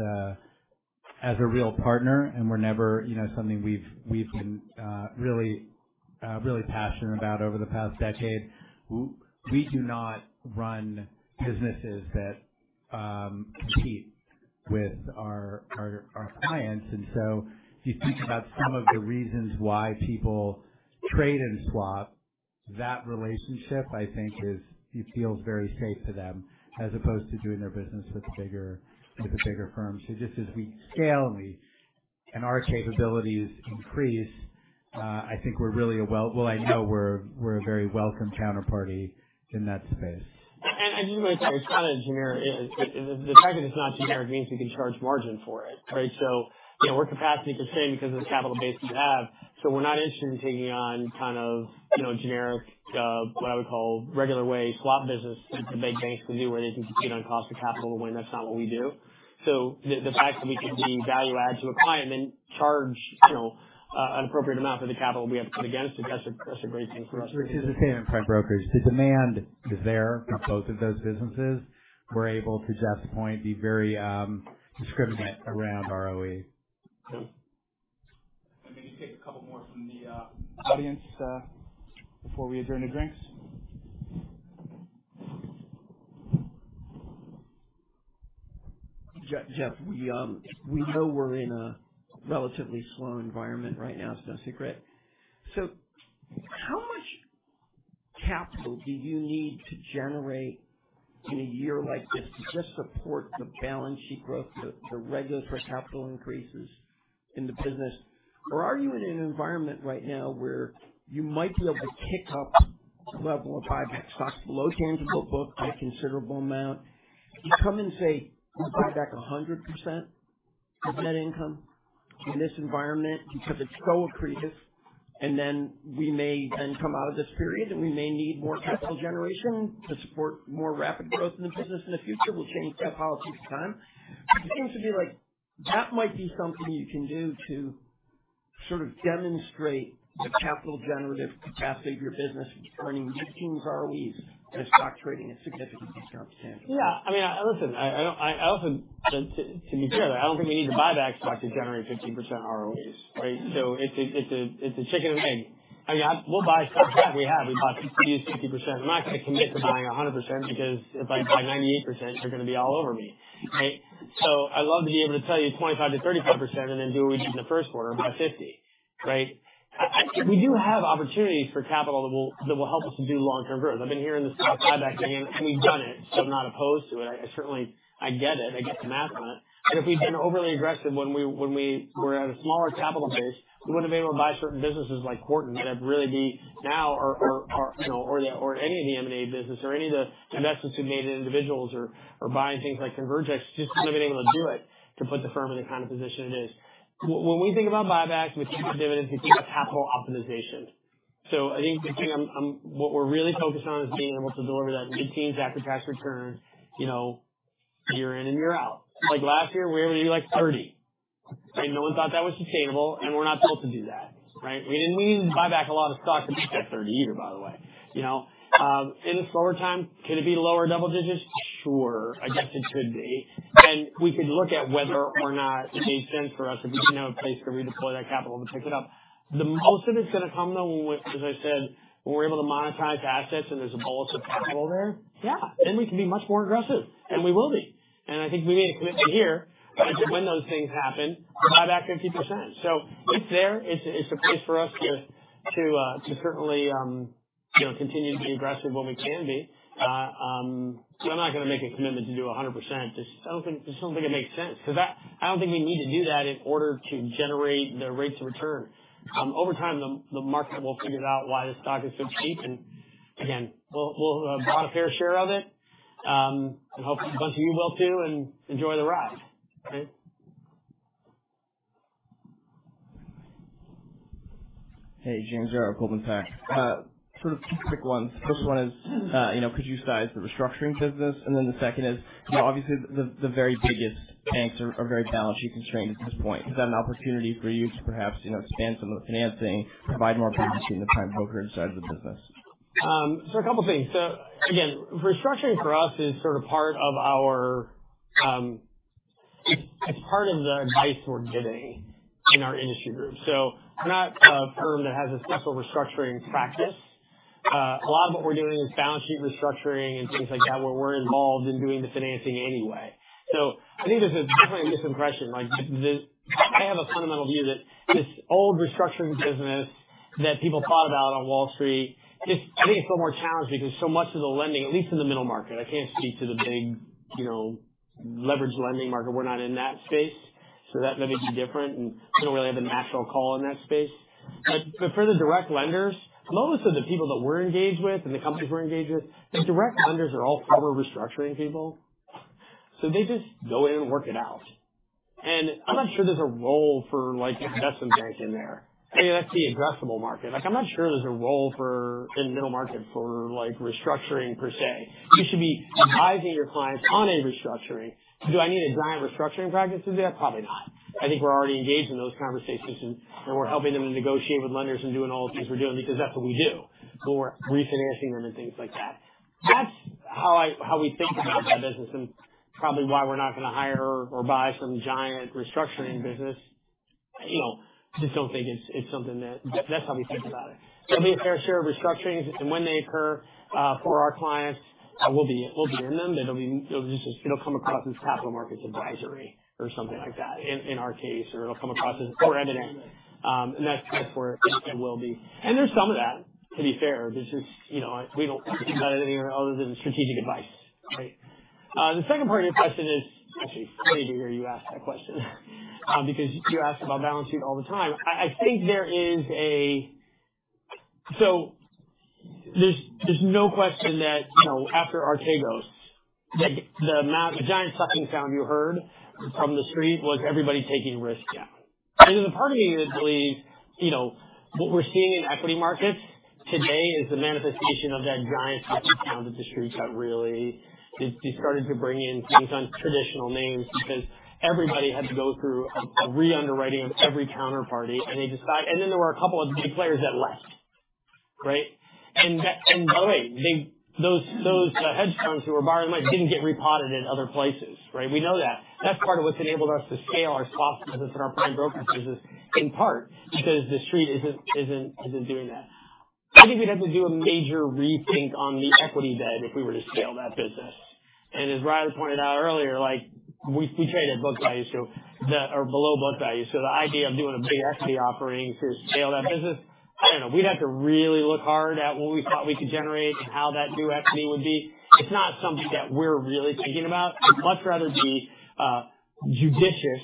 a real partner, and we're never, you know, something we've been really passionate about over the past decade. We do not run businesses that compete with our clients. If you think about some of the reasons why people trade and swap that relationship, I think it feels very safe to them as opposed to doing their business with the bigger firms. Just as we scale and our capabilities increase, I think we're really a well, I know we're a very welcome counterparty in that space. As you might tell, it's kind of generic. The fact that it's not generic means we can charge margin for it, right? You know, our capacity is the same because of the capital base we have. We're not interested in taking on kind of, you know, generic, what I would call regular way swap business that the big banks can do, where they compete on cost of capital and win. That's not what we do. The fact that we can be value-add to a client and charge, you know, an appropriate amount for the capital we have to put against it, that's a great thing for us. It's the same in prime brokerage. The demand is there for both of those businesses. We're able to, Jeff's point, be very disciplined around ROE. I'm gonna take a couple more from the audience before we adjourn to drinks. Jeff, we know we're in a relatively slow environment right now. It's no secret. How much capital do you need to generate in a year like this to just support the balance sheet growth, the regulatory capital increases in the business? Or are you in an environment right now where you might be able to kick up the level of buybacks, stock's below tangible book by a considerable amount. Could you comment and say you buy back 100% of net income in this environment because it's so accretive, and then we may come out of this period, and we may need more capital generation to support more rapid growth in the business in the future. We'll change that policy with time. It seems to me like that might be something you can do to sort of demonstrate the capital generative capacity of your business earning 15 ROEs and a stock trading at significant discount to tangible book. Yeah. I mean, listen, I often, to be clear, I don't think we need to buy back stock to generate 15% ROEs, right? It's a chicken and egg. I mean, we'll buy stock back. We have. We used 50%. I'm not gonna commit to buying 100% because if I buy 98%, you're gonna be all over me, right? I'd love to be able to tell you 25%-35% and then do what we did in the first quarter and buy 50, right? We do have opportunities for capital that will help us to do long-term growth. I've been hearing this stock buyback thing, and we've done it, so I'm not opposed to it. I certainly get it. I get the math on it. If we'd been overly aggressive when we were at a smaller capital base, we wouldn't have been able to buy certain businesses like Quarton that have really been, now are, you know, or any of the M&A business or any of the investments we've made in individuals or buying things like Convergex, just wouldn't have been able to do it, to put the firm in the kind of position it is. When we think about buybacks, we think of dividends, we think of capital optimization. I think what we're really focused on is being able to deliver that 15% after-tax return, you know, year in and year out. Like last year we ended at, like, 30%. Right? No one thought that was sustainable, and we're not built to do that, right? We didn't need to buy back a lot of stock to make that 30 a year, by the way. You know, in a slower time, could it be lower double digits? Sure. I guess it could be. We could look at whether or not it made sense for us if we didn't have a place to redeploy that capital to pick it up. The most of it's gonna come, though, when, as I said, when we're able to monetize assets and there's a bulge of capital there. Yeah, then we can be much more aggressive. We will be. I think we made a commitment here that when those things happen, we'll buy back 50%. It's there. It's a place for us to certainly, you know, continue to be aggressive when we can be. I'm not gonna make a commitment to do 100%. I don't think it makes sense because I don't think we need to do that in order to generate the rates of return. Over time, the market will figure out why this stock is so cheap. Again, we bought a fair share of it, and hope a bunch of you will too, and enjoy the ride. Right? Hey, James Kiernan, Goldman Sachs. Sort of two quick ones. First one is, you know, could you size the restructuring business? The second is, you know, obviously the very biggest banks are very balance sheet constrained at this point. Is that an opportunity for you to perhaps, you know, expand some of the financing, provide more financing in the prime broker side of the business? A couple things. Again, restructuring for us is sort of part of our. It's part of the advice we're giving in our industry group. We're not a firm that has a special restructuring practice. A lot of what we're doing is balance sheet restructuring and things like that where we're involved in doing the financing anyway. I think there's a different misimpression. Like, I have a fundamental view that this old restructuring business that people thought about on Wall Street is, I think, it's a lot more challenging because so much of the lending, at least in the middle market, I can't speak to the big, you know, leveraged lending market. We're not in that space. That may be different. I don't really have a natural call in that space. For the direct lenders, most of the people that we're engaged with and the companies we're engaged with, the direct lenders are all former restructuring people, so they just go in and work it out. I'm not sure there's a role for, like, an investment bank in there. I mean, that's the addressable market. Like, I'm not sure there's a role for in middle markets for, like, restructuring per se. You should be advising your clients on a restructuring. Do I need a giant restructuring practice to do that? Probably not. I think we're already engaged in those conversations, and we're helping them to negotiate with lenders and doing all the things we're doing because that's what we do. We're refinancing them and things like that. That's how we think about that business and probably why we're not gonna hire or buy some giant restructuring business. You know, I just don't think it's something that's how we think about it. There'll be a fair share of restructurings and when they occur, for our clients, we'll be in them and it'll just come across as capital markets advisory or something like that in our case, or it'll come across as credit event. That's kind of where it will be. There's some of that, to be fair. There's just, you know, we don't think about it any other than strategic advice, right? The second part of your question is actually funny to hear you ask that question, because you ask about balance sheet all the time. I think there is a... There's no question that, you know, after Archegos, the amount, the giant sucking sound you heard from The Street was everybody taking risk down. There's a part of me that believes, you know, what we're seeing in equity markets today is the manifestation of that giant sucking sound that The Street got really. It started to bring in things on traditional names because everybody had to go through a re-underwriting of every counterparty, and they decide. There were a couple of big players that left, right? That, by the way, those hedge funds who were borrowing money didn't get repotted in other places, right? We know that. That's part of what's enabled us to scale our swap business and our prime brokerage business, in part because The Street isn't doing that. I think we'd have to do a major rethink on the equity bed if we were to scale that business. As Riley pointed out earlier, like we trade at book value, or below book value. The idea of doing a big equity offering to scale that business, I don't know, we'd have to really look hard at what we thought we could generate and how that new equity would be. It's not something that we're really thinking about. I'd much rather be judicious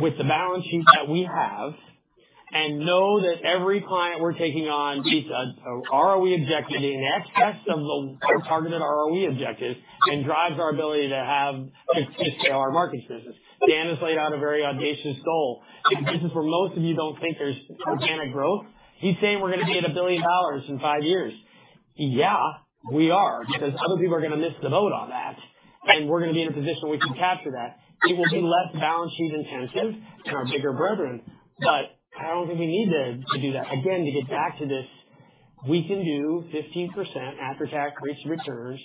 with the balance sheet that we have and know that every client we're taking on meets a ROE objective, meaning X% of the targeted ROE objective and drives our ability to scale our markets business. Dan has laid out a very audacious goal. This is where most of you don't think there's organic growth. He's saying we're going to be at $1 billion in five years. Yeah, we are, because other people are going to miss the boat on that, and we're going to be in a position where we can capture that. It will be less balance sheet intensive than our bigger brethren, but I don't think we need to do that. Again, to get back to this, we can do 15% after-tax rates of returns,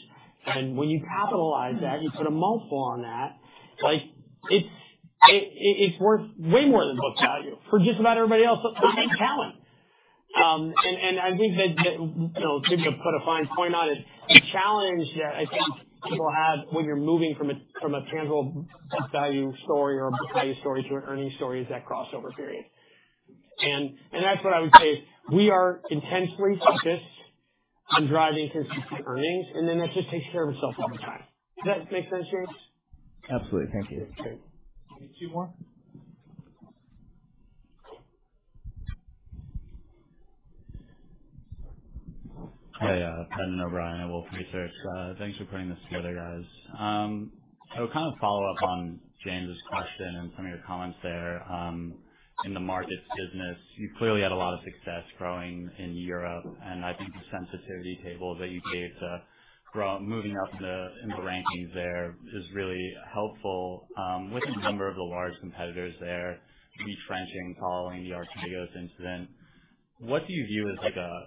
and when you capitalize that, you put a multiple on that, like it's worth way more than book value for just about everybody else at Cowen. And I think that, you know, Jim, you put a fine point on it. The challenge that I think people have when you're moving from a tangible book value story or book value story to an earnings story is that crossover period. That's what I would say is we are intentionally focused on driving consistent earnings, and then that just takes care of itself over time. Does that make sense, James? Absolutely. Thank you. Great. Two more. Hey, Brendan O'Brien, Wolfe Research. Thanks for putting this together, guys. I would kind of follow up on James's question and some of your comments there, in the markets business. You clearly had a lot of success growing in Europe, and I think the sensitivity table that you gave, moving up in the rankings there is really helpful. With a number of the large competitors there retrenching following the Archegos incident, what do you view as like a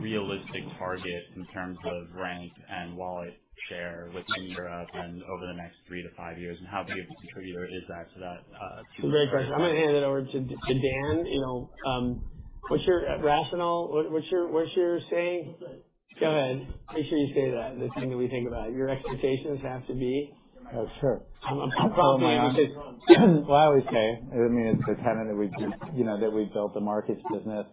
realistic target in terms of rank and wallet share within Europe and over the next three to five years? And how big of a contributor is that to that, It's a great question. I'm going to hand it over to Dan. You know, what's your rationale? What's your saying? Go ahead. Make sure you say that the thing that we think about. Your expectations have to be. Oh, sure. I'm calling you out. Well, I always say, I mean, it's the tenet that we, you know, that we built the markets business.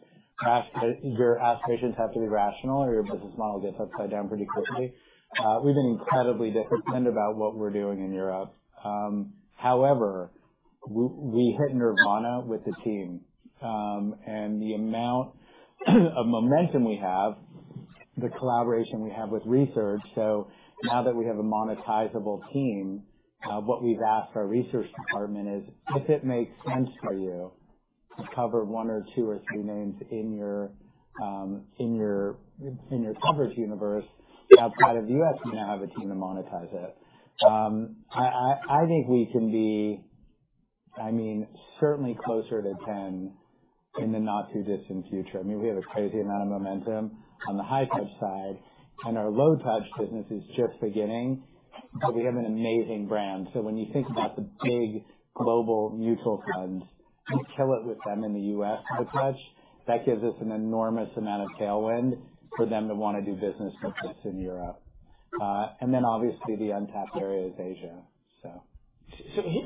Your aspirations have to be rational or your business model gets upside down pretty quickly. We've been incredibly disciplined about what we're doing in Europe. However, we hit nirvana with the team, and the amount of momentum we have, the collaboration we have with research. Now that we have a monetizable team, what we've asked our research department is if it makes sense for you to cover one or two or three names in your coverage universe outside of the U.S., we now have a team to monetize it. I think we can be, I mean, certainly closer to 10 in the not too distant future. I mean, we have a crazy amount of momentum on the high touch side and our low touch business is just beginning. We have an amazing brand. When you think about the big global mutual funds, we kill it with them in the U.S., high touch. That gives us an enormous amount of tailwind for them to want to do business with us in Europe. Then obviously the untapped area is Asia, so.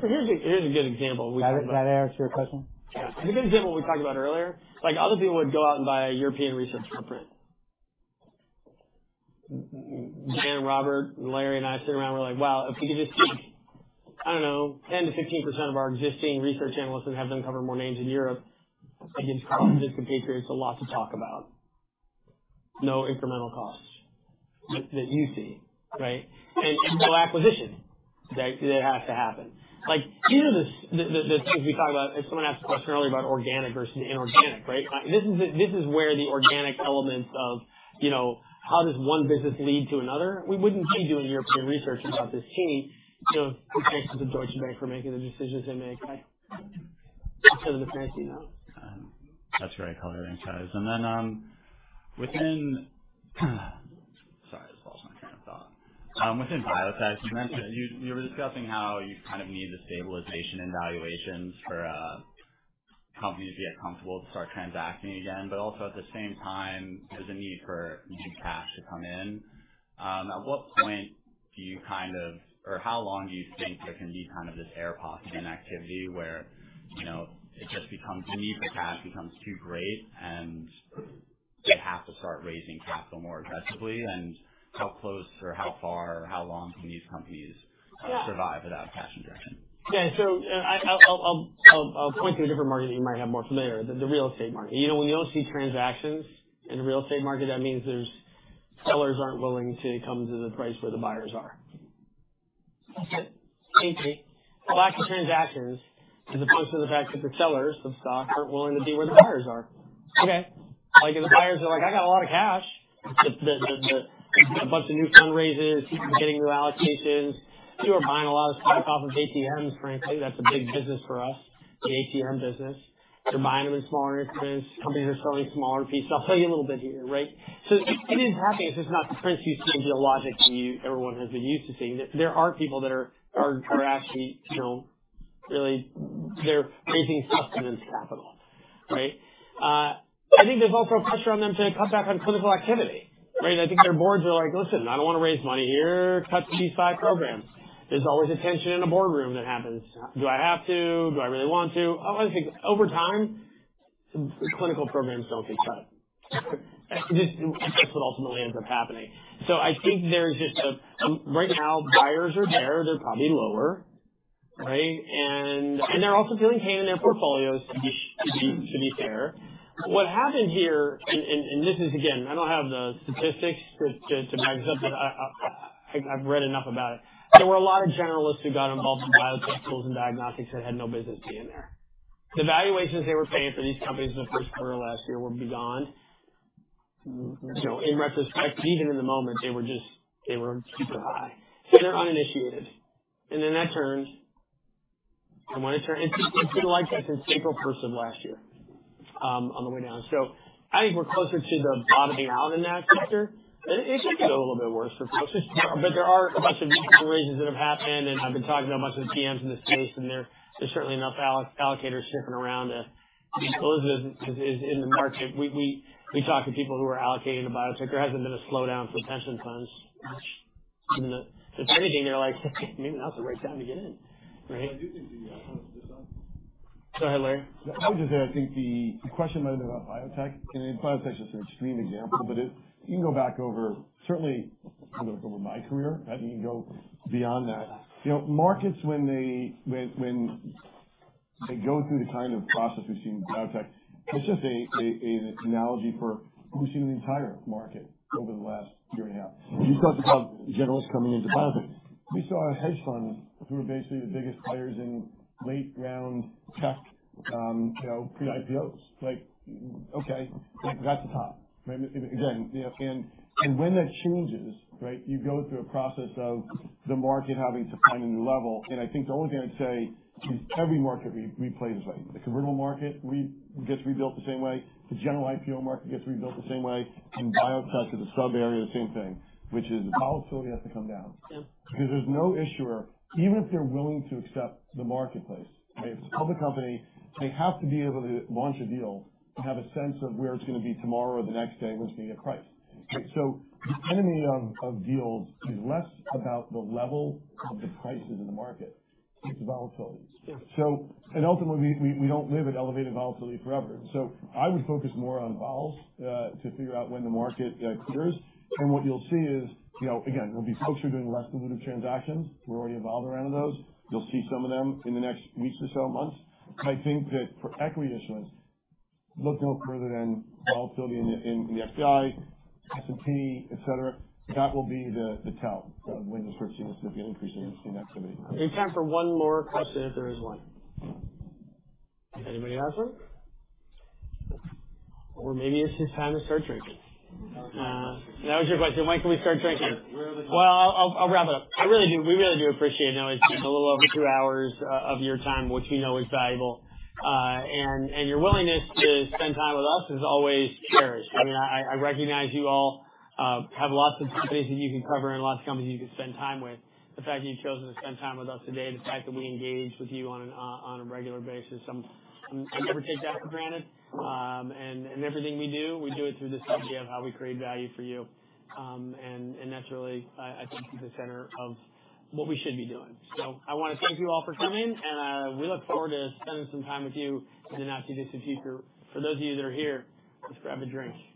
Here's a good example we talked about. Does that answer your question? Yeah. Here's a good example we talked about earlier. Like other people would go out and buy a European research footprint. Dan, Robert, Larry, and I sit around, we're like, "Wow, if we could just take, I don't know, 10%-15% of our existing research analysts and have them cover more names in Europe against competitors, it's a lot to talk about." No incremental costs that you see, right? No acquisition that has to happen. Like, these are the things we talk about. Someone asked a question earlier about organic versus inorganic, right? This is where the organic elements of, you know, how does one business lead to another? We wouldn't be doing European research without this team. You know, hats off to Deutsche Bank for making the decisions they make, right? Instead of the fancy notes. That's great color and size. Then, within Within biotech, you were discussing how you kind of need the stabilization in valuations for a company to get comfortable to start transacting again, but also at the same time, there's a need for new cash to come in. At what point do you kind of or how long do you think there can be kind of this air pocket in activity where, you know, it just becomes the need for cash becomes too great, and they have to start raising capital more aggressively? How close or how far or how long can these companies survive without cash injection? Yeah. I'll point to a different market that you might be more familiar with, the real estate market. You know, when you don't see transactions in the real estate market, that means sellers aren't willing to come to the price where the buyers are. That's it. The lack of transactions as opposed to the fact that the sellers of stock aren't willing to be where the buyers are. Okay? Like, if the buyers are like, I got a lot of cash, the bunch of new fundraises, getting new allocations, people are buying a lot of stock off of ATMs, frankly, that's a big business for us, the ATM business. They're buying them in smaller increments. Companies are selling smaller pieces. I'll tell you a little bit here, right? It is happening. It's just not the pace you see generally everyone has been used to seeing. There are people that are actually, you know, really they're raising stuff and then capital, right? I think there's also a pressure on them to cut back on clinical activity, right? I think their boards are like, "Listen, I don't want to raise money here. Cut these five programs." There's always a tension in the boardroom that happens. Do I have to? Do I really want to? I think over time, clinical programs don't get cut. That's what ultimately ends up happening. I think right now buyers are there. They're probably lower, right? And they're also doing M&A in their portfolios to be fair. What happened here and this is again, I don't have the statistics to back this up, but I've read enough about it. There were a lot of generalists who got involved in biotechs, tools, and diagnostics that had no business being there. The valuations they were paying for these companies in the first quarter of last year were beyond, you know, in retrospect, even in the moment, they were super high. They're uninitiated. That turned and when it turned, it's been like that since April 1st of last year, on the way down. I think we're closer to the bottoming out in that sector. It could get a little bit worse for folks. There are a bunch of new fundraises that have happened, and I've been talking to a bunch of GMs in the space, and there's certainly enough allocators shifting around to be bullish as is in the market. We talk to people who are allocating to biotech. There hasn't been a slowdown for pension funds. If anything, they're like, "Maybe now's the right time to get in." Right? I do think the. Go ahead, Larry. I would just say I think the question noted about biotech, and biotech is an extreme example, but it. You can go back, certainly over my career. You can go beyond that. You know, markets when they go through the kind of process we've seen in biotech, it's just an analogy for what we've seen in the entire market over the last year and a half. You talked about generalists coming into biotech. We saw hedge funds who are basically the biggest players in late round tech, you know, pre-IPOs. Like, okay, that's a top right then. When that changes, right, you go through a process of the market having to find a new level. I think the only thing I'd say is every market replays the same. The convertible market gets rebuilt the same way, the general IPO market gets rebuilt the same way, and biotech as a sub area, the same thing, which is volatility has to come down because there's no issuer, even if they're willing to accept the marketplace, right? It's a public company. They have to be able to launch a deal to have a sense of where it's going to be tomorrow or the next day, what's going to be a price, right? The enemy of deals is less about the level of the prices in the market. It's the volatility. Yeah. Ultimately, we don't live in elevated volatility forever. I would focus more on vols to figure out when the market clears. What you'll see is, you know, again, we'll be closer to an absolute of transactions where we revolve around those. You'll see some of them in the next weeks or so, months. I think that for equity issuance, look no further than volatility in the VIX, S&P, etc. That will be the tell of when you start seeing a significant increase in activity. We have time for one more question if there is one. Anybody has one? Or maybe it's just time to start drinking. That was your question. Mike, when we start drinking? We're over time. Well, I'll wrap it up. We really do appreciate it. I know it's been a little over two hours of your time, which we know is valuable, and your willingness to spend time with us is always cherished. I mean, I recognize you all have lots of companies that you can cover and lots of companies you can spend time with. The fact that you've chosen to spend time with us today, the fact that we engage with you on a regular basis, I never take that for granted. And everything we do, we do it through this idea of how we create value for you. And that's really, I think, at the center of what we should be doing. I want to thank you all for coming, and we look forward to spending some time with you in the not-too-distant future. For those of you that are here, let's grab a drink.